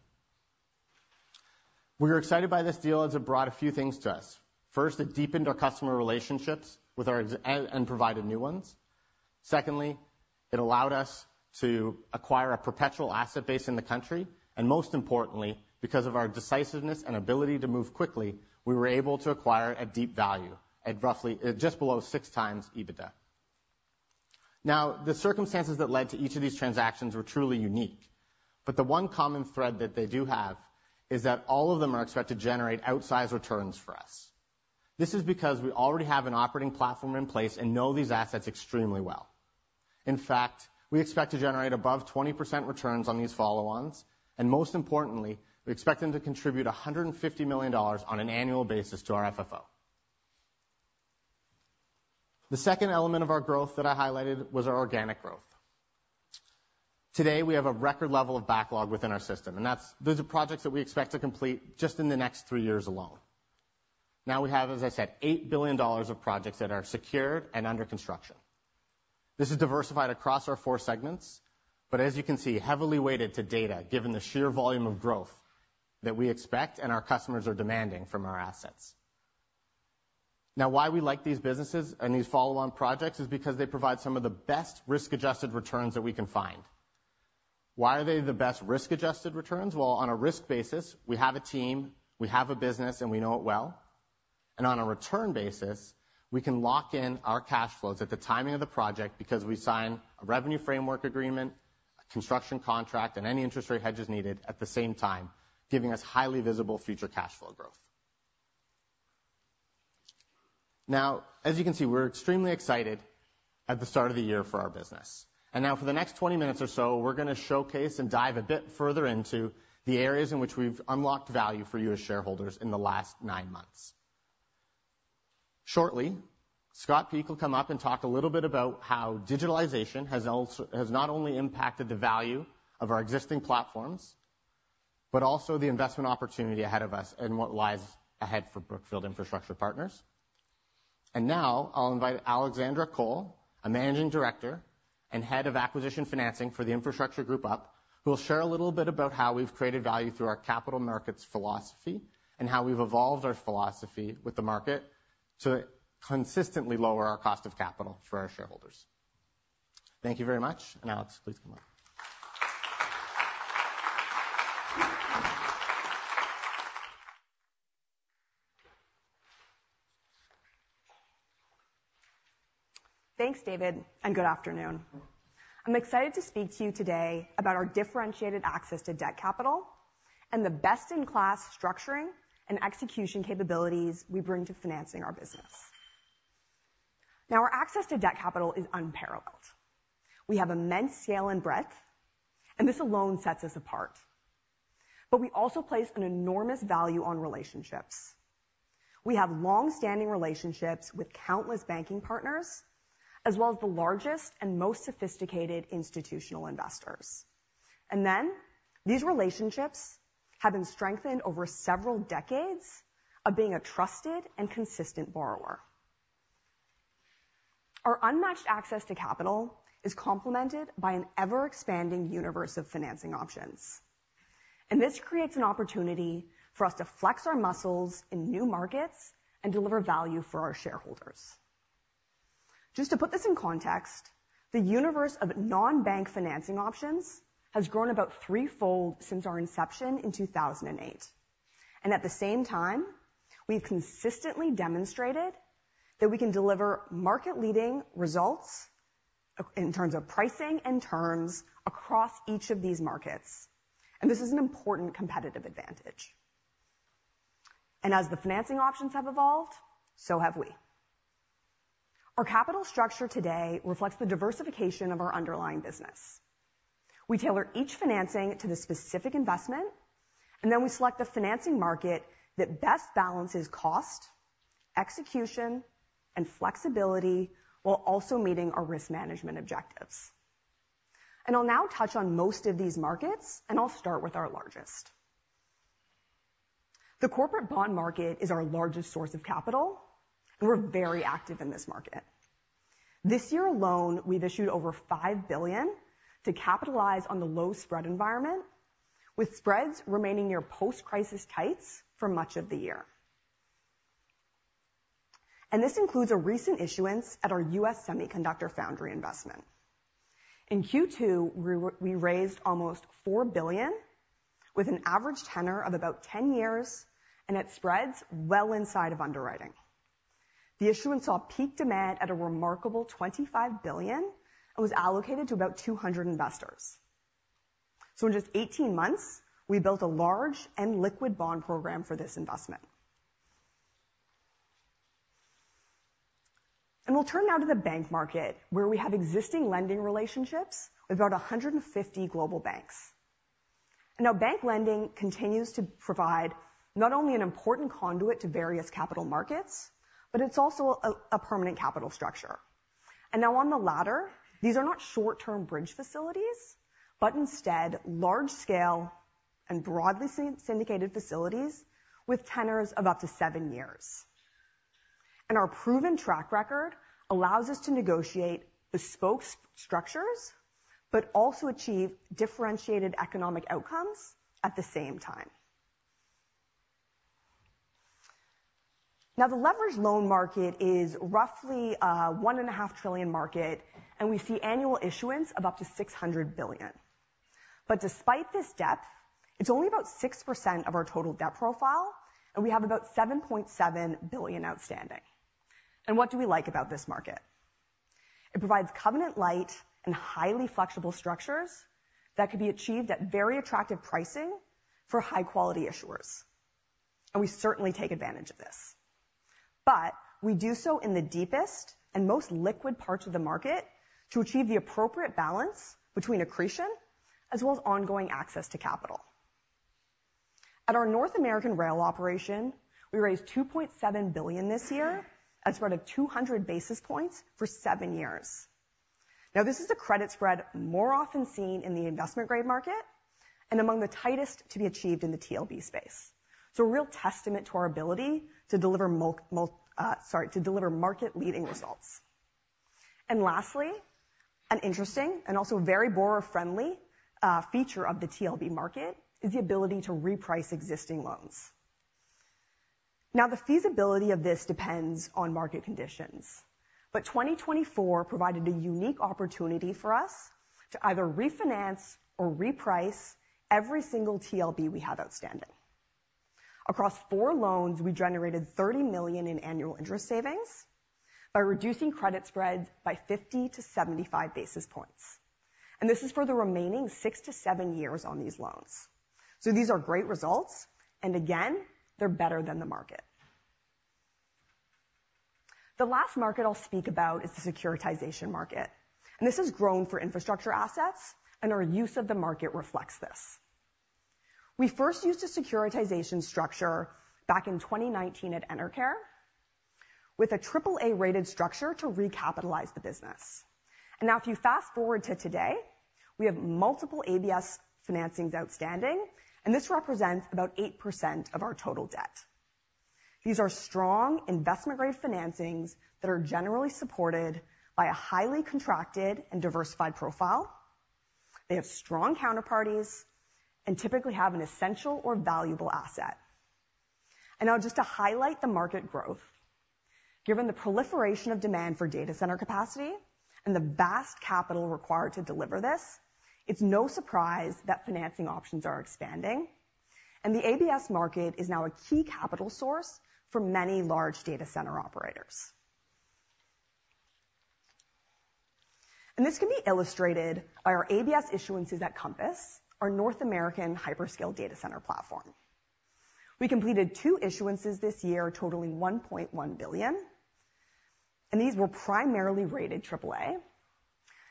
We were excited by this deal as it brought a few things to us. First, it deepened our customer relationships with our existing and provided new ones. Secondly, it allowed us to acquire a perpetual asset base in the country, and most importantly, because of our decisiveness and ability to move quickly, we were able to acquire at deep value, at roughly, just below 6x EBITDA. Now, the circumstances that led to each of these transactions were truly unique, but the one common thread that they do have is that all of them are expected to generate outsized returns for us. This is because we already have an operating platform in place and know these assets extremely well. In fact, we expect to generate above 20% returns on these follow-ons, and most importantly, we expect them to contribute $150 million on an annual basis to our FFO. The second element of our growth that I highlighted was our organic growth. Today, we have a record level of backlog within our system, and that's, those are projects that we expect to complete just in the next three years alone. Now we have, as I said, $8 billion of projects that are secured and under construction. This is diversified across our four segments, but as you can see, heavily-weighted to data, given the sheer volume of growth that we expect and our customers are demanding from our assets. Now, why we like these businesses and these follow-on projects is because they provide some of the best risk-adjusted returns that we can find. Why are they the best risk-adjusted returns? Well, on a risk basis, we have a team, we have a business, and we know it well. On a return basis, we can lock in our cash flows at the timing of the project because we sign a revenue framework agreement, a construction contract, and any interest rate hedges needed at the same time, giving us highly visible future cash flow growth. Now, as you can see, we're extremely excited at the start of the year for our business. And now for the next 20 minutes or so, we're gonna showcase and dive a bit further into the areas in which we've unlocked value for you as shareholders in the last nine months. Shortly, Scott Peak will come up and talk a little bit about how digitalization has also, has not only impacted the value of our existing platforms, but also the investment opportunity ahead of us and what lies ahead for Brookfield Infrastructure Partners. Now I'll invite Alexandra Cole, a managing director and head of acquisition financing for the Infrastructure Group, up, who will share a little bit about how we've created value through our capital markets philosophy, and how we've evolved our philosophy with the market to consistently lower our cost of capital for our shareholders. Thank you very much. Alex, please come up. Thanks, David, and good afternoon. I'm excited to speak to you today about our differentiated access to debt capital and the best-in-class structuring and execution capabilities we bring to financing our business. Now, our access to debt capital is unparalleled. We have immense scale and breadth, and this alone sets us apart. But we also place an enormous value on relationships. We have long-standing relationships with countless banking partners, as well as the largest and most sophisticated institutional investors. And then, these relationships have been strengthened over several decades of being a trusted and consistent borrower. Our unmatched access to capital is complemented by an ever-expanding universe of financing options, and this creates an opportunity for us to flex our muscles in new markets and deliver value for our shareholders. Just to put this in context, the universe of non-bank financing options has grown about threefold since our inception in 2008, and at the same time, we've consistently demonstrated that we can deliver market-leading results in terms of pricing and terms across each of these markets, and this is an important competitive advantage, and as the financing options have evolved, so have we. Our capital structure today reflects the diversification of our underlying business. We tailor each financing to the specific investment, and then we select the financing market that best balances cost, execution, and flexibility, while also meeting our risk management objectives, and I'll now touch on most of these markets, and I'll start with our largest. The corporate bond market is our largest source of capital, and we're very active in this market. This year alone, we've issued over $5 billion to capitalize on the low spread environment, with spreads remaining near post-crisis tights for much of the year, and this includes a recent issuance at our U.S. semiconductor foundry investment. In Q2, we raised almost $4 billion with an average tenor of about 10 years, and it spreads well inside of underwriting. The issuance saw peak demand at a remarkable $25 billion and was allocated to about 200 investors, so in just 18 months, we built a large and liquid bond program for this investment. And we'll turn now to the bank market, where we have existing lending relationships with about 150 global banks. Now, bank lending continues to provide not only an important conduit to various capital markets, but it's also a permanent capital structure. And now on the latter, these are not short-term bridge facilities, but instead large-scale and broadly syndicated facilities with tenors of up to seven years. And our proven track record allows us to negotiate bespoke structures, but also achieve differentiated economic outcomes at the same time. Now, the leveraged loan market is roughly a $1.5 trillion market, and we see annual issuance of up to $600 billion. But despite this depth, it's only about 6% of our total debt profile, and we have about $7.7 billion outstanding. And what do we like about this market? It provides covenant-lite and highly flexible structures that can be achieved at very attractive pricing for high-quality issuers, and we certainly take advantage of this. But we do so in the deepest and most liquid parts of the market to achieve the appropriate balance between accretion as well as ongoing access to capital. At our North American rail operation, we raised $2.7 billion this year at spread of 200 basis points for seven years. Now, this is a credit spread more often seen in the investment-grade market and among the tightest to be achieved in the TLB space. So a real testament to our ability to deliver market-leading results. And lastly, an interesting and also very borrower-friendly feature of the TLB market is the ability to reprice existing loans. Now, the feasibility of this depends on market conditions, but 2024 provided a unique opportunity for us to either refinance or reprice every single TLB we have outstanding. Across four loans, we generated $30 million in annual interest savings by reducing credit spreads by 50-75 basis points, and this is for the remaining six-seven years on these loans, so these are great results, and again, they're better than the market. The last market I'll speak about is the securitization market, and this has grown for infrastructure assets, and our use of the market reflects this. We first used a securitization structure back in 2019 at Enercare, with a AAA-rated structure to recapitalize the business, and now if you fast-forward to today, we have multiple ABS financings outstanding, and this represents about 8% of our total debt. These are strong investment-grade financings that are generally supported by a highly contracted and diversified profile. They have strong counterparties and typically have an essential or valuable asset. And now just to highlight the market growth. Given the proliferation of demand for data center capacity and the vast capital required to deliver this, it's no surprise that financing options are expanding, and the ABS market is now a key capital source for many large data center operators. And this can be illustrated by our ABS issuances at Compass, our North American hyperscale data center platform. We completed two issuances this year, totaling $1.1 billion, and these were primarily rated AAA.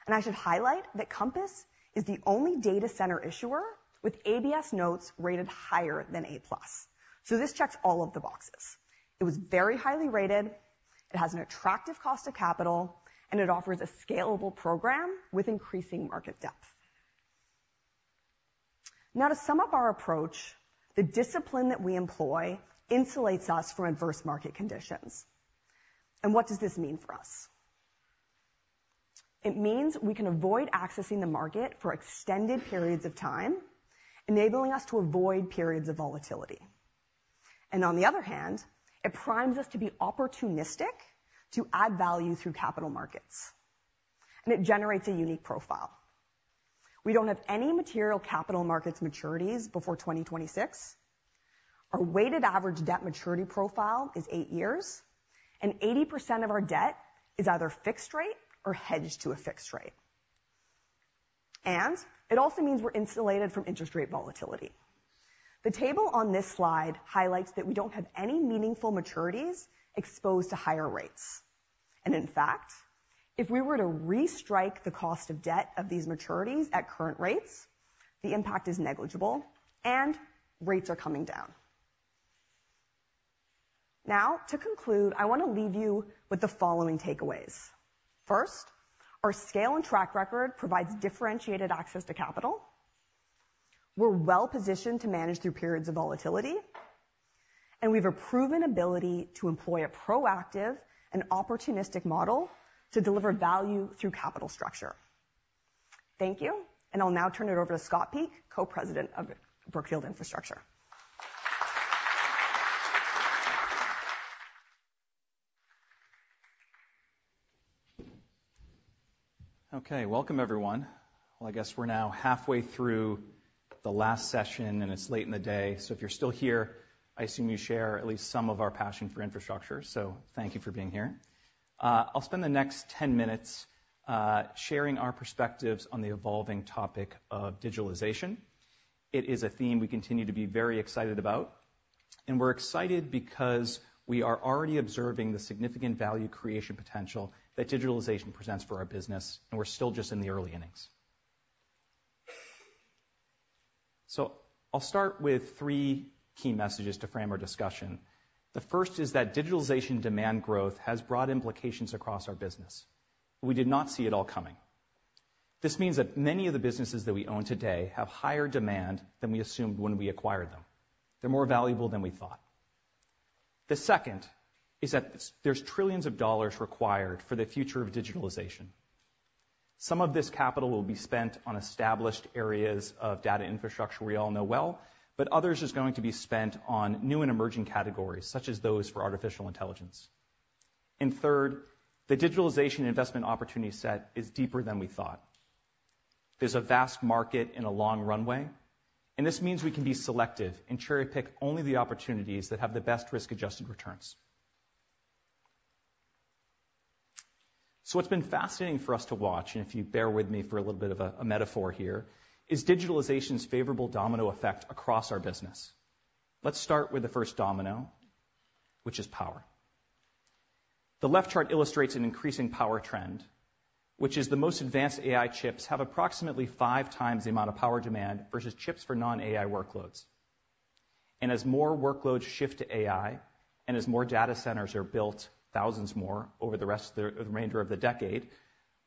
And I should highlight that Compass is the only data center issuer with ABS notes rated higher than A+. So this checks all of the boxes. It was very highly rated, it has an attractive cost of capital, and it offers a scalable program with increasing market depth. Now, to sum up our approach, the discipline that we employ insulates us from adverse market conditions, and what does this mean for us? It means we can avoid accessing the market for extended periods of time, enabling us to avoid periods of volatility, and on the other hand, it primes us to be opportunistic to add value through capital markets, and it generates a unique profile. We don't have any material capital markets maturities before 2026. Our weighted average debt maturity profile is eight years, and 80% of our debt is either fixed rate or hedged to a fixed rate, and it also means we're insulated from interest rate volatility. The table on this slide highlights that we don't have any meaningful maturities exposed to higher rates. And in fact, if we were to restrike the cost of debt of these maturities at current rates, the impact is negligible, and rates are coming down. Now, to conclude, I want to leave you with the following takeaways. First, our scale and track record provides differentiated access to capital. We're well-positioned to manage through periods of volatility, and we've a proven ability to employ a proactive and opportunistic model to deliver value through capital structure. Thank you, and I'll now turn it over to Scott Peak, Co-President of Brookfield Infrastructure. Okay, welcome, everyone. Well, I guess we're now halfway through the last session, and it's late in the day, so if you're still here, I assume you share at least some of our passion for infrastructure, so thank you for being here. I'll spend the next ten minutes sharing our perspectives on the evolving topic of digitalization. It is a theme we continue to be very excited about, and we're excited because we are already observing the significant value creation potential that digitalization presents for our business, and we're still just in the early innings. So I'll start with three key messages to frame our discussion. The first is that digitalization demand growth has broad implications across our business. We did not see it all coming. This means that many of the businesses that we own today have higher demand than we assumed when we acquired them. They're more valuable than we thought. The second is that there's trillions of dollars required for the future of digitalization. Some of this capital will be spent on established areas of data infrastructure we all know well, but others is going to be spent on new and emerging categories, such as those for artificial intelligence. And third, the digitalization investment opportunity set is deeper than we thought. There's a vast market and a long runway, and this means we can be selective and cherry-pick only the opportunities that have the best risk-adjusted returns. So what's been fascinating for us to watch, and if you bear with me for a little bit of a metaphor here, is digitalization's favorable domino effect across our business. Let's start with the first domino, which is power. The left chart illustrates an increasing power trend, which is the most advanced AI chips have approximately 5x the amount of power demand versus chips for non-AI workloads. And as more workloads shift to AI, and as more data centers are built, thousands more, over the remainder of the decade,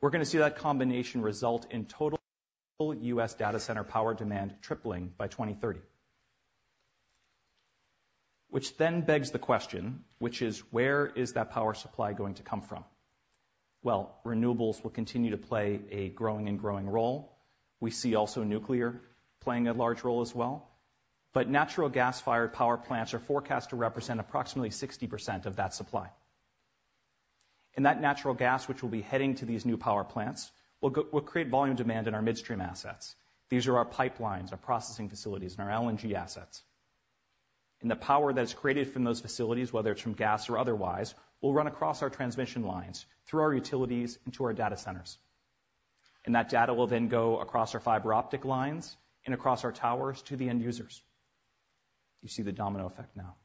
we're gonna see that combination result in total U.S. data center power demand tripling by 2030. Which then begs the question, which is, where is that power supply going to come from? Well, renewables will continue to play a growing and growing role. We see also nuclear playing a large role as well. But natural gas-fired power plants are forecast to represent approximately 60% of that supply. And that natural gas, which will be heading to these new power plants, will create volume demand in our midstream assets. These are our pipelines, our processing facilities, and our LNG assets. And the power that is created from those facilities, whether it's from gas or otherwise, will run across our transmission lines, through our utilities, into our data centers, and that data will then go across our fiber optic lines and across our towers to the end users. You see the domino effect now.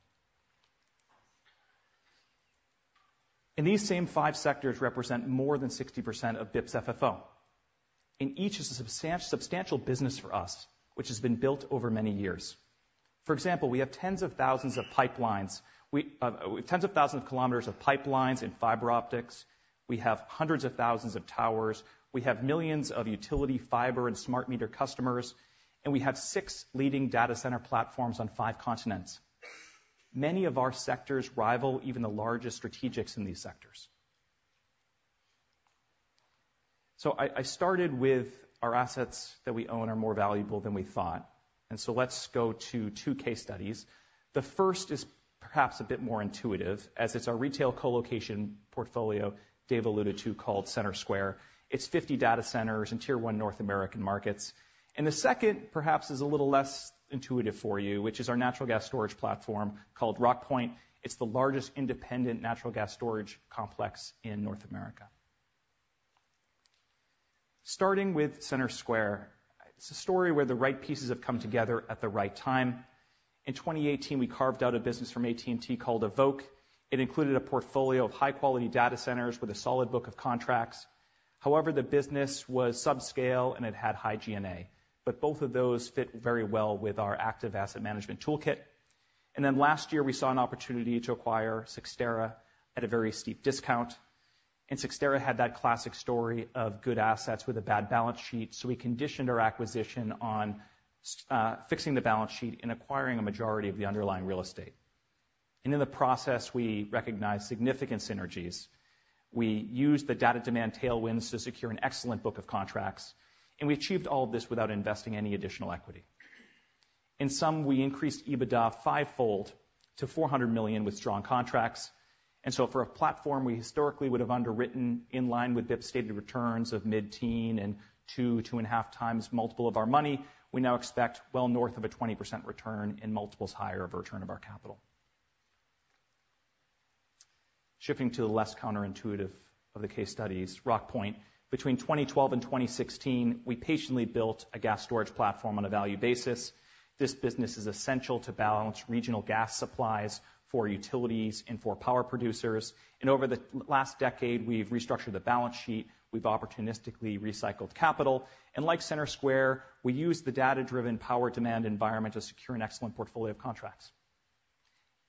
And these same five sectors represent more than 60% of BIP's FFO, and each is a substantial business for us, which has been built over many years. For example, we have tens of thousands of pipelines. We, tens of thousands of kilometers of pipelines and fiber optics. We have hundreds of thousands of towers. We have millions of utility, fiber, and smart meter customers, and we have six leading data center platforms on five continents. Many of our sectors rival even the largest strategics in these sectors. So I started with our assets that we own are more valuable than we thought, and so let's go to two case studies. The first is perhaps a bit more intuitive, as it's our retail colocation portfolio Dave alluded to, called Centersquare. It's 50 data centers in Tier 1 North American markets. And the second, perhaps, is a little less intuitive for you, which is our natural gas storage platform called Rockpoint. It's the largest independent natural gas storage complex in North America. Starting with Centersquare, it's a story where the right pieces have come together at the right time. In 2018, we carved out a business from AT&T called Evoque. It included a portfolio of high-quality data centers with a solid book of contracts. However, the business was subscale, and it had high G&A, but both of those fit very well with our active asset management toolkit. And then last year, we saw an opportunity to acquire Cyxtera at a very steep discount. And Cyxtera had that classic story of good assets with a bad balance sheet, so we conditioned our acquisition on fixing the balance sheet and acquiring a majority of the underlying real estate. And in the process, we recognized significant synergies. We used the data demand tailwinds to secure an excellent book of contracts, and we achieved all of this without investing any additional equity. In sum, we increased EBITDA fivefold to $400 million with strong contracts. And so for a platform, we historically would have underwritten in line with BIP's stated returns of mid-teen and 2x, 2.5x multiple of our money. We now expect well north of a 20% return and multiples higher of return of our capital. Shifting to the less counterintuitive of the case studies, Rockpoint. Between 2012 and 2016, we patiently built a gas storage platform on a value basis. This business is essential to balance regional gas supplies for utilities and for power producers, and over the last decade, we've restructured the balance sheet, we've opportunistically recycled capital, and like Centersquare, we used the data-driven power demand environment to secure an excellent portfolio of contracts.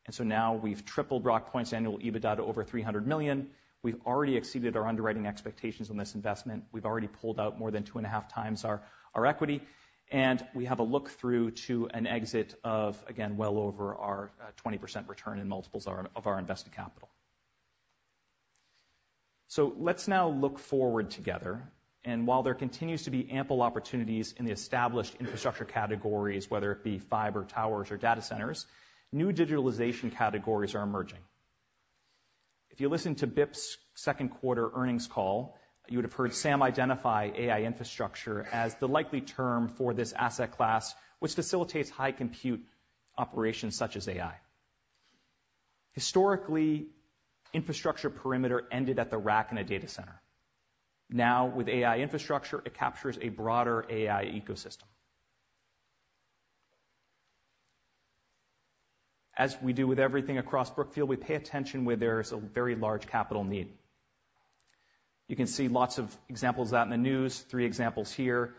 And so now we've tripled Rockpoint's annual EBITDA to over $300 million. We've already exceeded our underwriting expectations on this investment. We've already pulled out more than 2.5x our equity, and we have a look-through to an exit of, again, well over our 20% return in multiples of our invested capital. So let's now look forward together. And while there continues to be ample opportunities in the established infrastructure categories, whether it be fiber, towers, or data centers, new digitalization categories are emerging. If you listen to BIP's second quarter earnings call, you would have heard Sam identify AI infrastructure as the likely term for this asset class, which facilitates high compute operations, such as AI. Historically, infrastructure perimeter ended at the rack in a data center. Now, with AI infrastructure, it captures a broader AI ecosystem. As we do with everything across Brookfield, we pay attention where there is a very large capital need. You can see lots of examples of that in the news. Three examples here.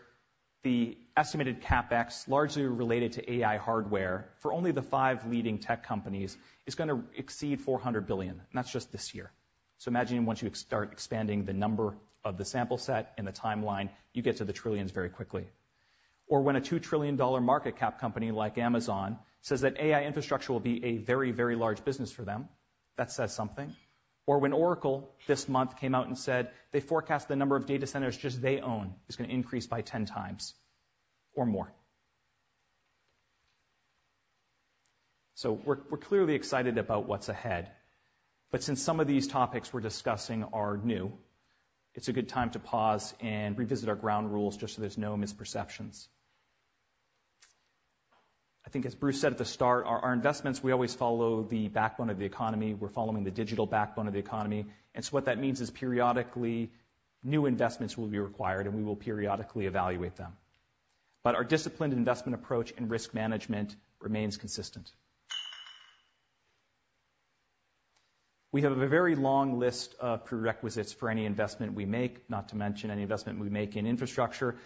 The estimated CapEx, largely related to AI hardware for only the five leading tech companies, is gonna exceed $400 billion, and that's just this year. So imagine once you start expanding the number of the sample set and the timeline, you get to the trillions very quickly. Or when a $2 trillion market cap company like Amazon says that AI infrastructure will be a very, very large business for them, that says something. Or when Oracle, this month, came out and said they forecast the number of data centers just they own is gonna increase by 10x or more. So we're clearly excited about what's ahead, but since some of these topics we're discussing are new, it's a good time to pause and revisit our ground rules just so there's no misperceptions. I think as Bruce said at the start, our investments, we always follow the backbone of the economy. We're following the digital backbone of the economy, and so what that means is periodically, new investments will be required, and we will periodically evaluate them. But our disciplined investment approach and risk management remains consistent. We have a very long list of prerequisites for any investment we make, not to mention any investment we make in infrastructure.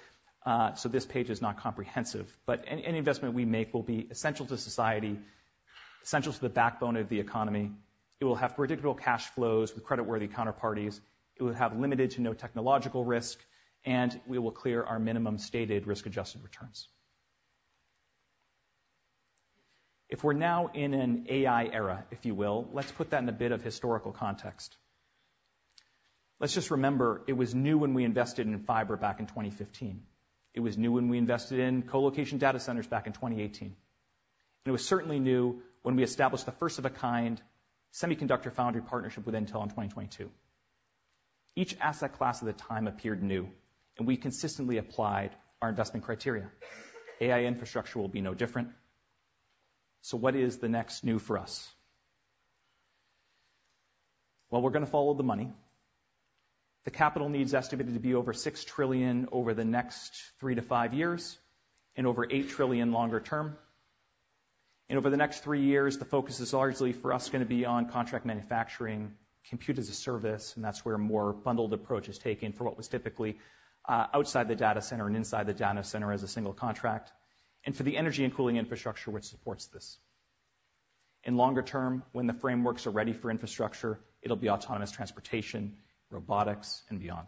So this page is not comprehensive, but any investment we make will be essential to society, essential to the backbone of the economy. It will have predictable cash flows with creditworthy counterparties. It will have limited to no technological risk, and we will clear our minimum stated risk-adjusted returns. If we're now in an AI era, if you will, let's put that in a bit of historical context. Let's just remember, it was new when we invested in fiber back in 2015. It was new when we invested in colocation data centers back in 2018. And it was certainly new when we established the first of a kind semiconductor foundry partnership with Intel in 2022. Each asset class at the time appeared new, and we consistently applied our investment criteria. AI infrastructure will be no different. So what is the next new for us? Well, we're gonna follow the money. The capital needs estimated to be over $6 trillion over the next three to five years, and over $8 trillion longer term. Over the next three years, the focus is largely for us gonna be on contract manufacturing, compute as a service, and that's where a more bundled approach is taken for what was typically outside the data center and inside the data center as a single contract, and for the energy and cooling infrastructure which supports this. In longer term, when the frameworks are ready for infrastructure, it'll be autonomous transportation, robotics, and beyond.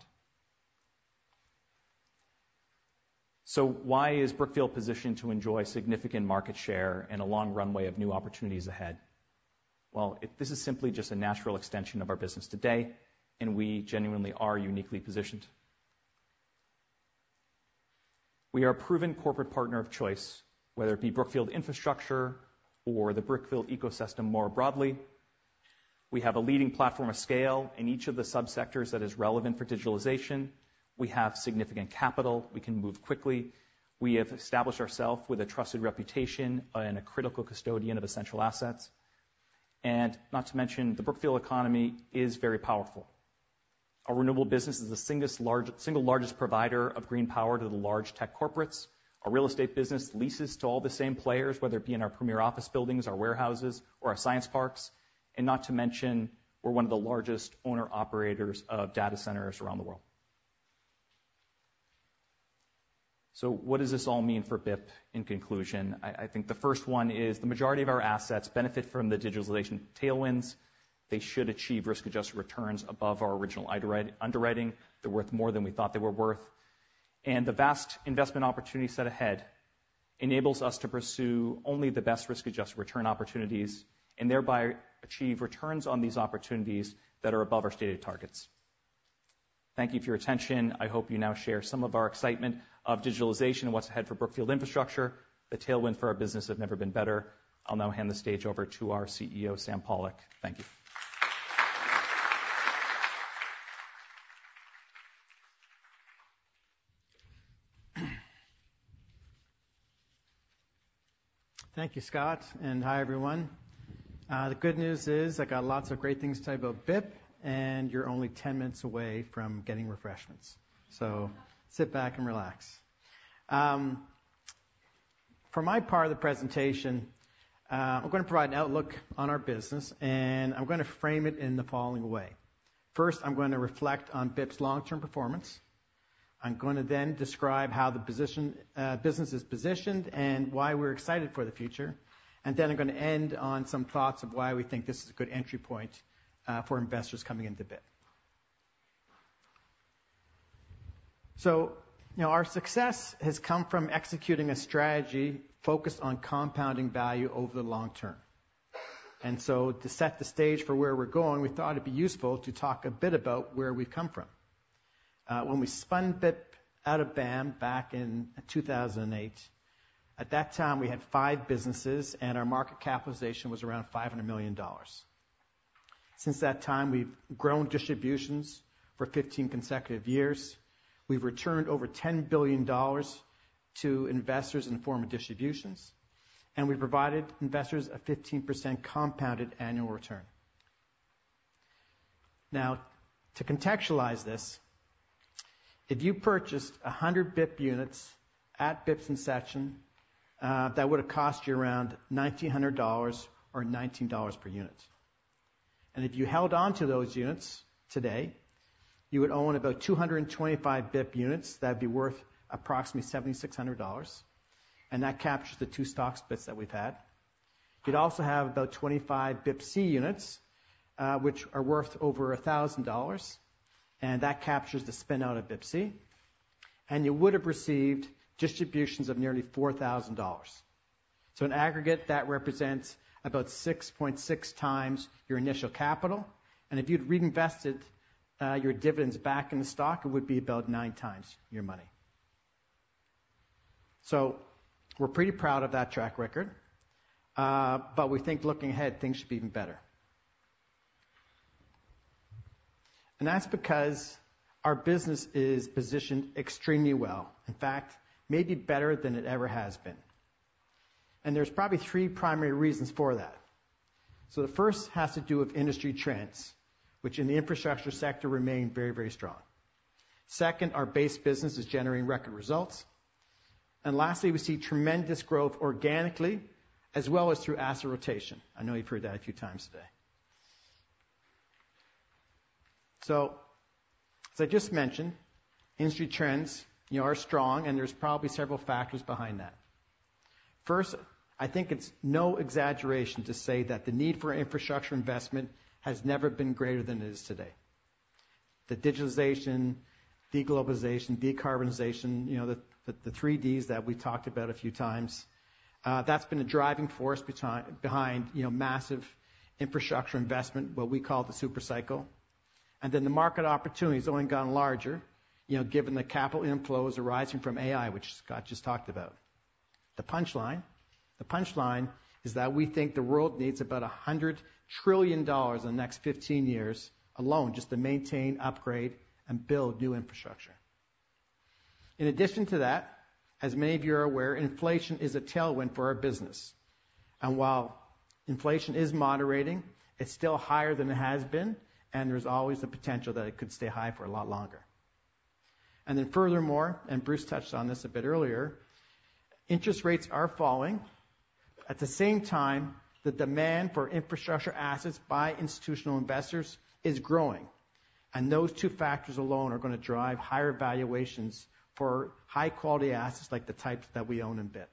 Why is Brookfield positioned to enjoy significant market share and a long runway of new opportunities ahead? This is simply just a natural extension of our business today, and we genuinely are uniquely positioned. We are a proven corporate partner of choice, whether it be Brookfield Infrastructure or the Brookfield ecosystem more broadly. We have a leading platform of scale in each of the subsectors that is relevant for digitalization. We have significant capital. We can move quickly. We have established ourselves with a trusted reputation and a critical custodian of essential assets. And not to mention, the Brookfield economy is very powerful. Our renewable business is the single largest provider of green power to the large tech corporates. Our real estate business leases to all the same players, whether it be in our premier office buildings, our warehouses, or our science parks, and not to mention, we're one of the largest owner-operators of data centers around the world. So what does this all mean for BIP in conclusion? I think the first one is the majority of our assets benefit from the digitalization tailwinds. They should achieve risk-adjusted returns above our original underwriting. They're worth more than we thought they were worth. And the vast investment opportunity set ahead enables us to pursue only the best risk-adjusted return opportunities, and thereby achieve returns on these opportunities that are above our stated targets. Thank you for your attention. I hope you now share some of our excitement of digitalization and what's ahead for Brookfield Infrastructure. The tailwind for our business have never been better. I'll now hand the stage over to our CEO, Sam Pollock. Thank you. Thank you, Scott, and hi, everyone. The good news is I got lots of great things to tell you about BIP, and you're only ten minutes away from getting refreshments. So sit back and relax. For my part of the presentation, I'm gonna provide an outlook on our business, and I'm gonna frame it in the following way. First, I'm gonna reflect on BIP's long-term performance. I'm gonna then describe how the business is positioned and why we're excited for the future. And then I'm gonna end on some thoughts of why we think this is a good entry point, for investors coming into BIP. So, you know, our success has come from executing a strategy focused on compounding value over the long-term. And so to set the stage for where we're going, we thought it'd be useful to talk a bit about where we've come from. When we spun BIP out of BAM, back in two thousand and eight, at that time, we had five businesses, and our market capitalization was around $500 million. Since that time, we've grown distributions for 15 consecutive years. We've returned over $10 billion to investors in the form of distributions, and we've provided investors a 15% compounded annual return. Now, to contextualize this, if you purchased 100 BIP units at BIP's inception, that would have cost you around $1,900 or $19 per unit. And if you held on to those units today, you would own about 225 BIP units that'd be worth approximately $7,600, and that captures the two stock splits that we've had. You'd also have about 25 BIPC units, which are worth over $1,000, and that captures the spin-out of BIPC, and you would have received distributions of nearly $4,000. So in aggregate, that represents about 6.6x your initial capital, and if you'd reinvested your dividends back in the stock, it would be about 9x your money. So we're pretty proud of that track record, but we think looking ahead, things should be even better. And that's because our business is positioned extremely well, in fact, maybe better than it ever has been. And there's probably three primary reasons for that. So the first has to do with industry trends, which in the infrastructure sector, remain very, very strong. Second, our base business is generating record results. And lastly, we see tremendous growth organically as well as through asset rotation. I know you've heard that a few times today. So as I just mentioned, industry trends, you know, are strong, and there's probably several factors behind that. First, I think it's no exaggeration to say that the need for infrastructure investment has never been greater than it is today. The digitalization, deglobalization, decarbonization, you know, the three Ds that we talked about a few times, that's been a driving force behind, you know, massive infrastructure investment, what we call the super cycle. And then the market opportunity has only gotten larger, you know, given the capital inflows arising from AI, which Scott just talked about. The punchline, the punchline is that we think the world needs about $100 trillion in the next 15 years alone, just to maintain, upgrade, and build new infrastructure. In addition to that, as many of you are aware, inflation is a tailwind for our business, and while inflation is moderating, it's still higher than it has been, and there's always the potential that it could stay high for a lot longer. And then furthermore, and Bruce touched on this a bit earlier, interest rates are falling. At the same time, the demand for infrastructure assets by institutional investors is growing, and those two factors alone are gonna drive higher valuations for high-quality assets, like the types that we own in BIP.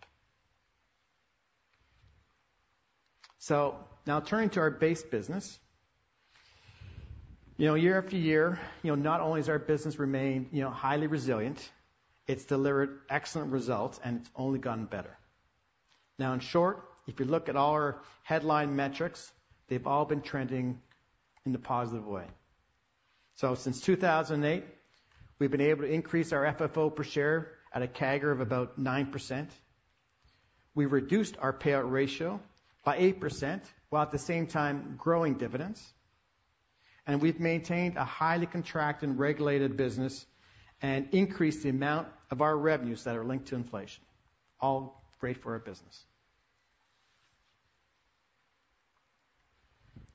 So now turning to our base business. You know, year after year, you know, not only has our business remained, you know, highly resilient, it's delivered excellent results, and it's only gotten better. Now, in short, if you look at all our headline metrics, they've all been trending in a positive way. So since 2008, we've been able to increase our FFO per share at a CAGR of about 9%. We've reduced our payout ratio by 8%, while at the same time growing dividends. And we've maintained a highly contracted and regulated business and increased the amount of our revenues that are linked to inflation. All great for our business.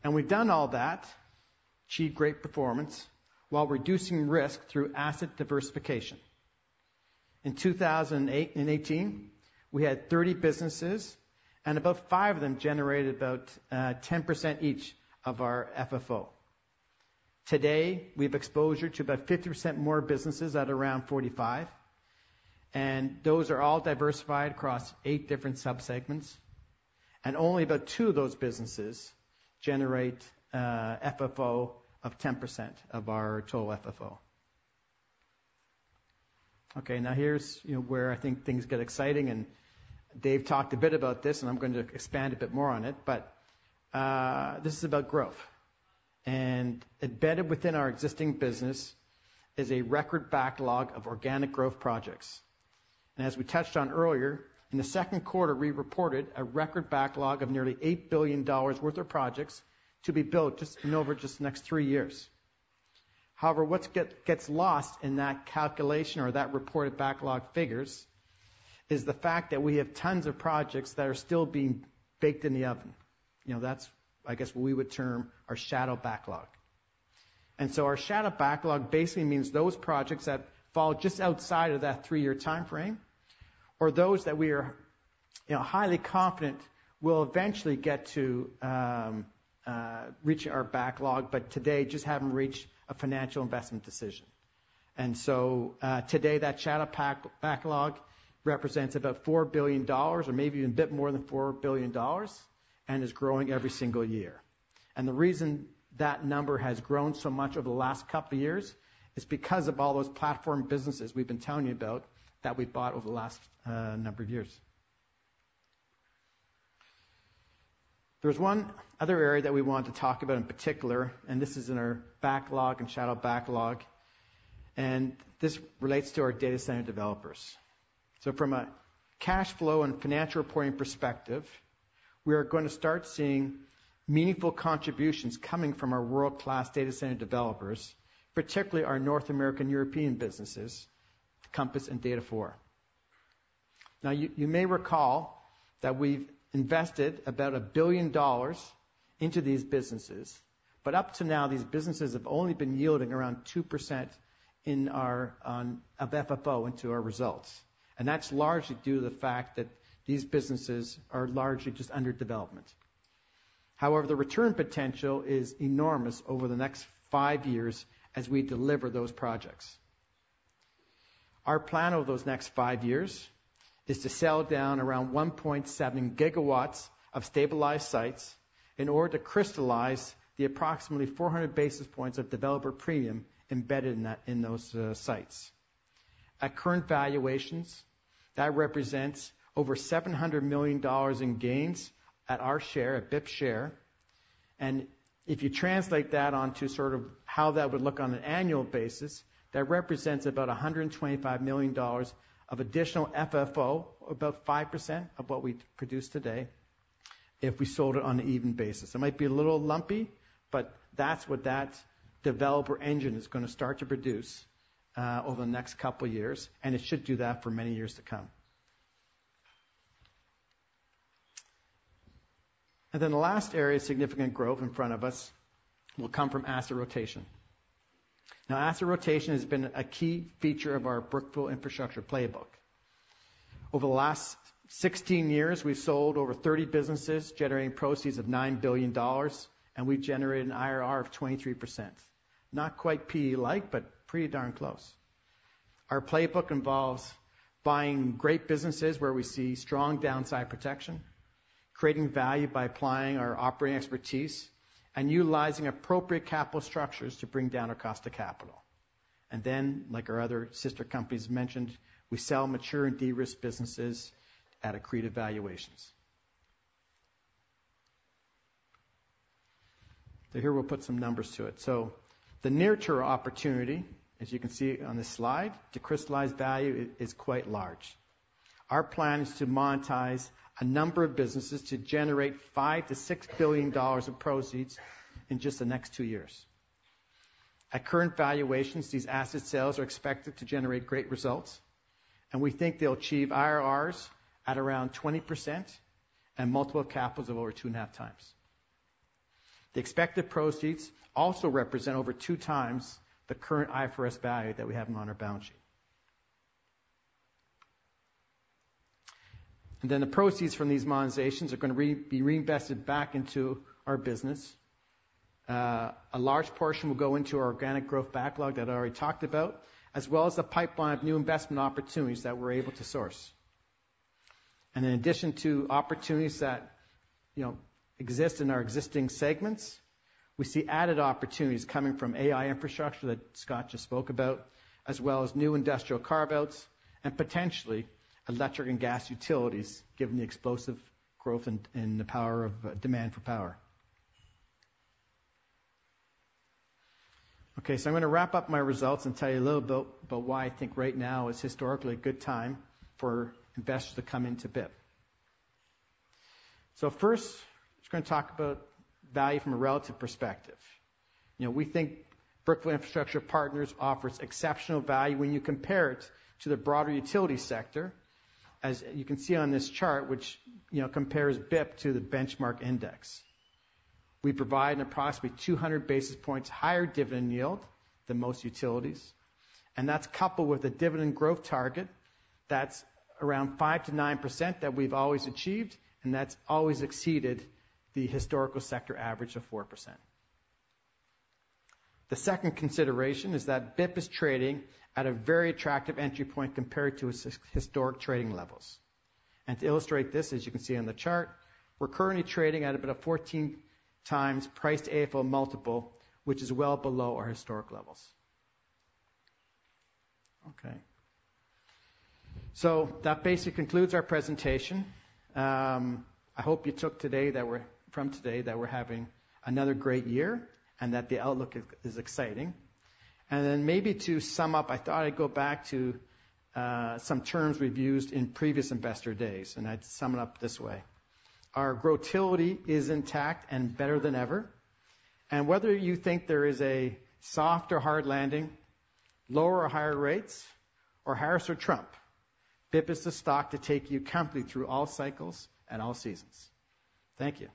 And we've done all that, achieved great performance while reducing risk through asset diversification. In 2018, we had 30 businesses, and about 5 of them generated about 10% each of our FFO. Today, we've exposure to about 50% more businesses at around 45, and those are all diversified across 8 different subsegments, and only about 2 of those businesses generate FFO of 10% of our total FFO. Okay, now, here's, you know, where I think things get exciting, and Dave talked a bit about this, and I'm going to expand a bit more on it, but this is about growth. Embedded within our existing business is a record backlog of organic growth projects. As we touched on earlier, in the second quarter, we reported a record backlog of nearly $8 billion worth of projects to be built just, you know, over just the next three years. However, what gets lost in that calculation or that reported backlog figures is the fact that we have tons of projects that are still being baked in the oven. You know, that's, I guess, what we would term our shadow backlog. And so our shadow backlog basically means those projects that fall just outside of that three-year timeframe, or those that we are, you know, highly confident will eventually get to reach our backlog, but today just haven't reached a financial investment decision. And so, today, that shadow backlog represents about $4 billion or maybe even a bit more than $4 billion, and is growing every single year. The reason that number has grown so much over the last couple of years is because of all those platform businesses we've been telling you about that we've bought over the last number of years. There's one other area that we want to talk about in particular, and this is in our backlog and shadow backlog, and this relates to our data center developers. From a cash flow and financial reporting perspective, we are going to start seeing meaningful contributions coming from our world-class data center developers, particularly our North American, European businesses, Compass and Data4. Now, you may recall that we've invested about $1 billion into these businesses, but up to now, these businesses have only been yielding around 2% in our FFO into our results. That's largely due to the fact that these businesses are largely just under development. However, the return potential is enormous over the next five years as we deliver those projects. Our plan over those next five years is to sell down around 1.7 GWs of stabilized sites in order to crystallize the approximately 400 basis points of developer premium embedded in that—in those sites. At current valuations, that represents over $700 million in gains at our share, at BIP share. And if you translate that onto sort of how that would look on an annual basis, that represents about $125 million of additional FFO, about 5% of what we produce today, if we sold it on an even basis. It might be a little lumpy, but that's what that developer engine is gonna start to produce over the next couple of years, and it should do that for many years to come, and then the last area of significant growth in front of us will come from asset rotation. Now, asset rotation has been a key feature of our Brookfield Infrastructure playbook. Over the last 16 years, we've sold over 30 businesses, generating proceeds of $9 billion, and we've generated an IRR of 23%. Not quite PE-like, but pretty darn close. Our playbook involves buying great businesses where we see strong downside protection, creating value by applying our operating expertise, and utilizing appropriate capital structures to bring down our cost to capital, and then, like our other sister companies mentioned, we sell mature and de-risked businesses at accretive valuations. So here we'll put some numbers to it. So the near-term opportunity, as you can see on this slide, to crystallize value, is quite large. Our plan is to monetize a number of businesses to generate $5-$6 billion of proceeds in just the next two years. At current valuations, these asset sales are expected to generate great results, and we think they'll achieve IRRs at around 20% and multiple capitals of over 2.5x. The expected proceeds also represent over 2x the current IFRS value that we have them on our balance sheet. And then the proceeds from these monetizations are gonna be reinvested back into our business. A large portion will go into our organic growth backlog that I already talked about, as well as the pipeline of new investment opportunities that we're able to source. And in addition to opportunities that, you know, exist in our existing segments, we see added opportunities coming from AI infrastructure that Scott just spoke about, as well as new industrial carve-outs and potentially electric and gas utilities, given the explosive growth in power demand for power. Okay, so I'm gonna wrap up my results and tell you a little bit about why I think right now is historically a good time for investors to come into BIP. So first, just gonna talk about value from a relative perspective. You know, we think Brookfield Infrastructure Partners offers exceptional value when you compare it to the broader utility sector, as you can see on this chart, which, you know, compares BIP to the benchmark index. We provide an approximately 200 basis points higher dividend yield than most utilities, and that's coupled with a dividend growth target that's around 5-9% that we've always achieved, and that's always exceeded the historical sector average of 4%. The second consideration is that BIP is trading at a very attractive entry point compared to its historic trading levels. And to illustrate this, as you can see on the chart, we're currently trading at about a 14x price to FFO multiple, which is well below our historic levels. Okay. So that basically concludes our presentation. I hope you took from today that we're having another great year, and that the outlook is exciting. And then maybe to sum up, I thought I'd go back to, some terms we've used in previous investor days, and I'd sum it up this way: Our Growtility is intact and better than ever. And whether you think there is a soft or hard landing, lower or higher rates, or Harris or Trump, BIP is the stock to take you comfortably through all cycles and all seasons. Thank you.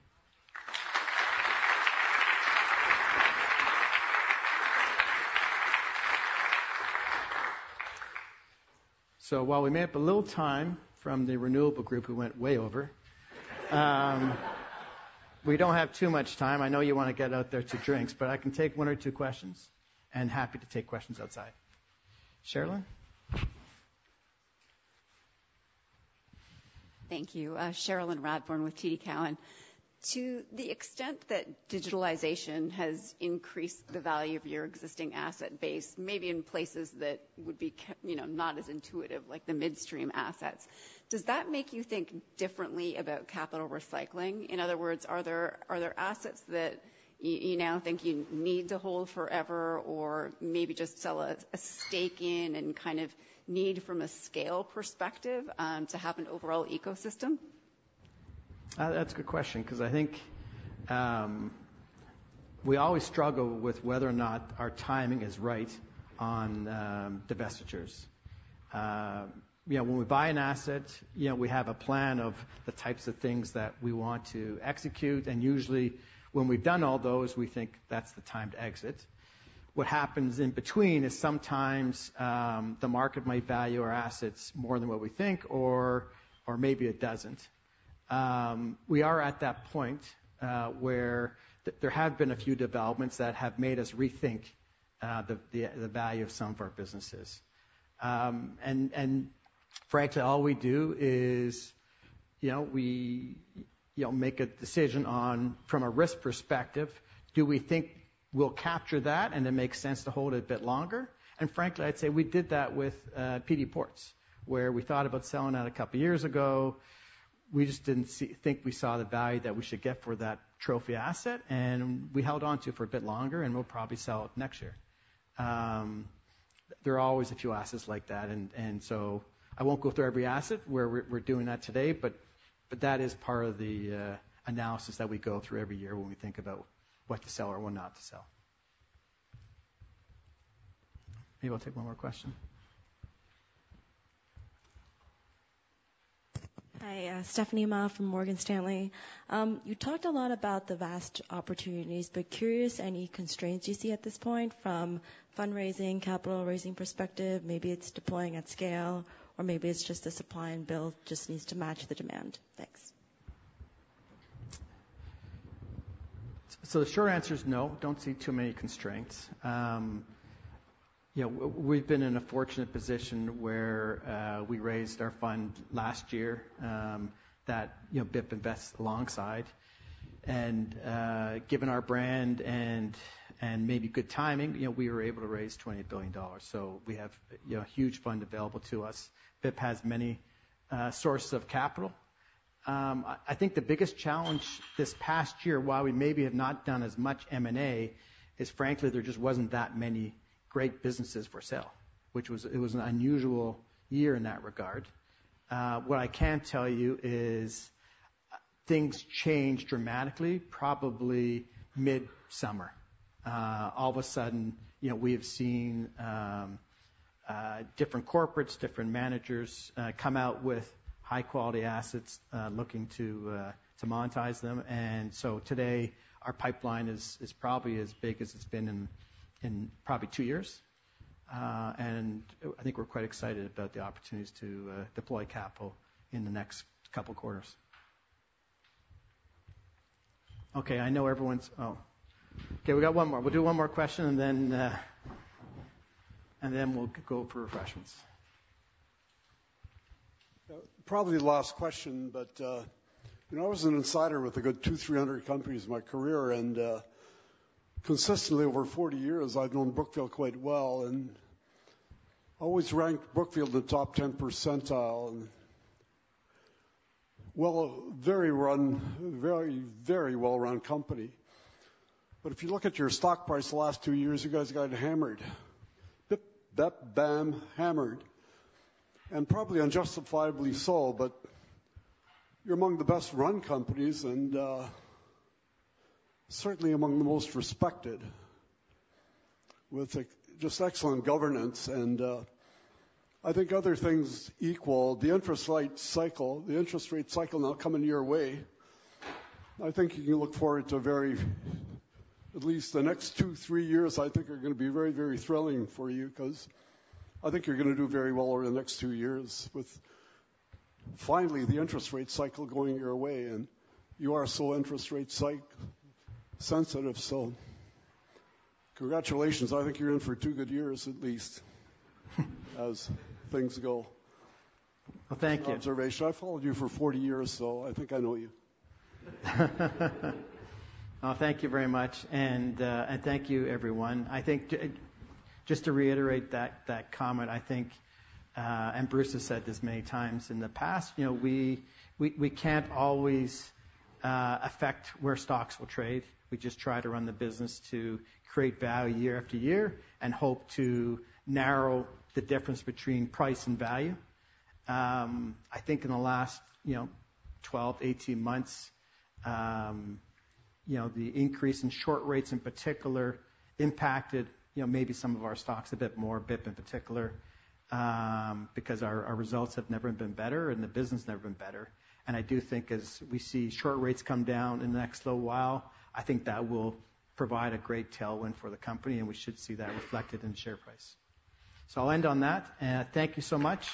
So while we may have a little time from the renewable group, who went way over, we don't have too much time. I know you want to get out there to drinks, but I can take one or two questions, and happy to take questions outside. Cherilyn? Thank you. Cherilyn Radbourne with TD Cowen. To the extent that digitalization has increased the value of your existing asset base, maybe in places that would be you know, not as intuitive, like the midstream assets, does that make you think differently about capital recycling? In other words, are there assets that you now think you need to hold forever or maybe just sell a stake in and kind of need from a scale perspective to have an overall ecosystem? That's a good question, 'cause I think, we always struggle with whether or not our timing is right on, divestitures. Yeah, when we buy an asset, you know, we have a plan of the types of things that we want to execute, and usually, when we've done all those, we think that's the time to exit. What happens in between is sometimes, the market might value our assets more than what we think, or maybe it doesn't. We are at that point, where there have been a few developments that have made us rethink, the value of some of our businesses. And frankly, all we do is, you know, we, you know, make a decision on, from a risk perspective, do we think we'll capture that, and it makes sense to hold it a bit longer? Frankly, I'd say we did that with PD Ports, where we thought about selling that a couple years ago. We just didn't think we saw the value that we should get for that trophy asset, and we held onto it for a bit longer, and we'll probably sell it next year. There are always a few assets like that, and so I won't go through every asset where we're doing that today, but that is part of the analysis that we go through every year when we think about what to sell or what not to sell. Maybe we'll take one more question. Hi, Stephanie Ma from Morgan Stanley. You talked a lot about the vast opportunities, but curious, any constraints you see at this point from fundraising, capital raising perspective? Maybe it's deploying at scale, or maybe it's just the supply and build just needs to match the demand. Thanks. So the short answer is no, don't see too many constraints. You know, we've been in a fortunate position where we raised our fund last year, that you know, BIP invests alongside. And given our brand and maybe good timing, you know, we were able to raise $28 billion, so we have you know, a huge fund available to us. BIP has many sources of capital. I think the biggest challenge this past year, while we maybe have not done as much M&A, is frankly, there just wasn't that many great businesses for sale, which was. It was an unusual year in that regard. What I can tell you is things changed dramatically, probably mid-summer. All of a sudden, you know, we have seen different corporates, different managers come out with high-quality assets looking to monetize them. And so today, our pipeline is probably as big as it's been in probably two years. And I think we're quite excited about the opportunities to deploy capital in the next couple quarters. Okay, I know everyone's... Oh, okay, we got one more. We'll do one more question, and then we'll go for refreshments. Probably last question, but you know, I was an insider with a good two, three hundred companies in my career, and consistently, over forty years, I've known Brookfield quite well, and always ranked Brookfield in the top ten percentile, and a very, very well-run company. But if you look at your stock price the last two years, you guys got hammered. Bip, bop, bam, hammered, and probably unjustifiably so. But you're among the best-run companies, and certainly among the most respected, with just excellent governance, and I think other things equal. The interest rate cycle, the interest rate cycle now coming your way, I think you can look forward to very, at least the next two, three years, I think, are gonna be very, very thrilling for you, 'cause I think you're gonna do very well over the next two years with finally the interest rate cycle going your way, and you are so interest rate cycle sensitive. So congratulations. I think you're in for two good years, at least, as things go. Thank you. Observation. I followed you for 40 years, so I think I know you. Oh, thank you very much, and thank you, everyone. I think just to reiterate that comment, I think, and Bruce has said this many times in the past, you know, we can't always affect where stocks will trade. We just try to run the business to create value year after year and hope to narrow the difference between price and value. I think in the last, you know, 12, 18 months, you know, the increase in short rates in particular impacted, you know, maybe some of our stocks a bit more, BIP in particular, because our results have never been better, and the business never been better. I do think as we see short rates come down in the next little while, I think that will provide a great tailwind for the company, and we should see that reflected in share price. I'll end on that, thank you so much.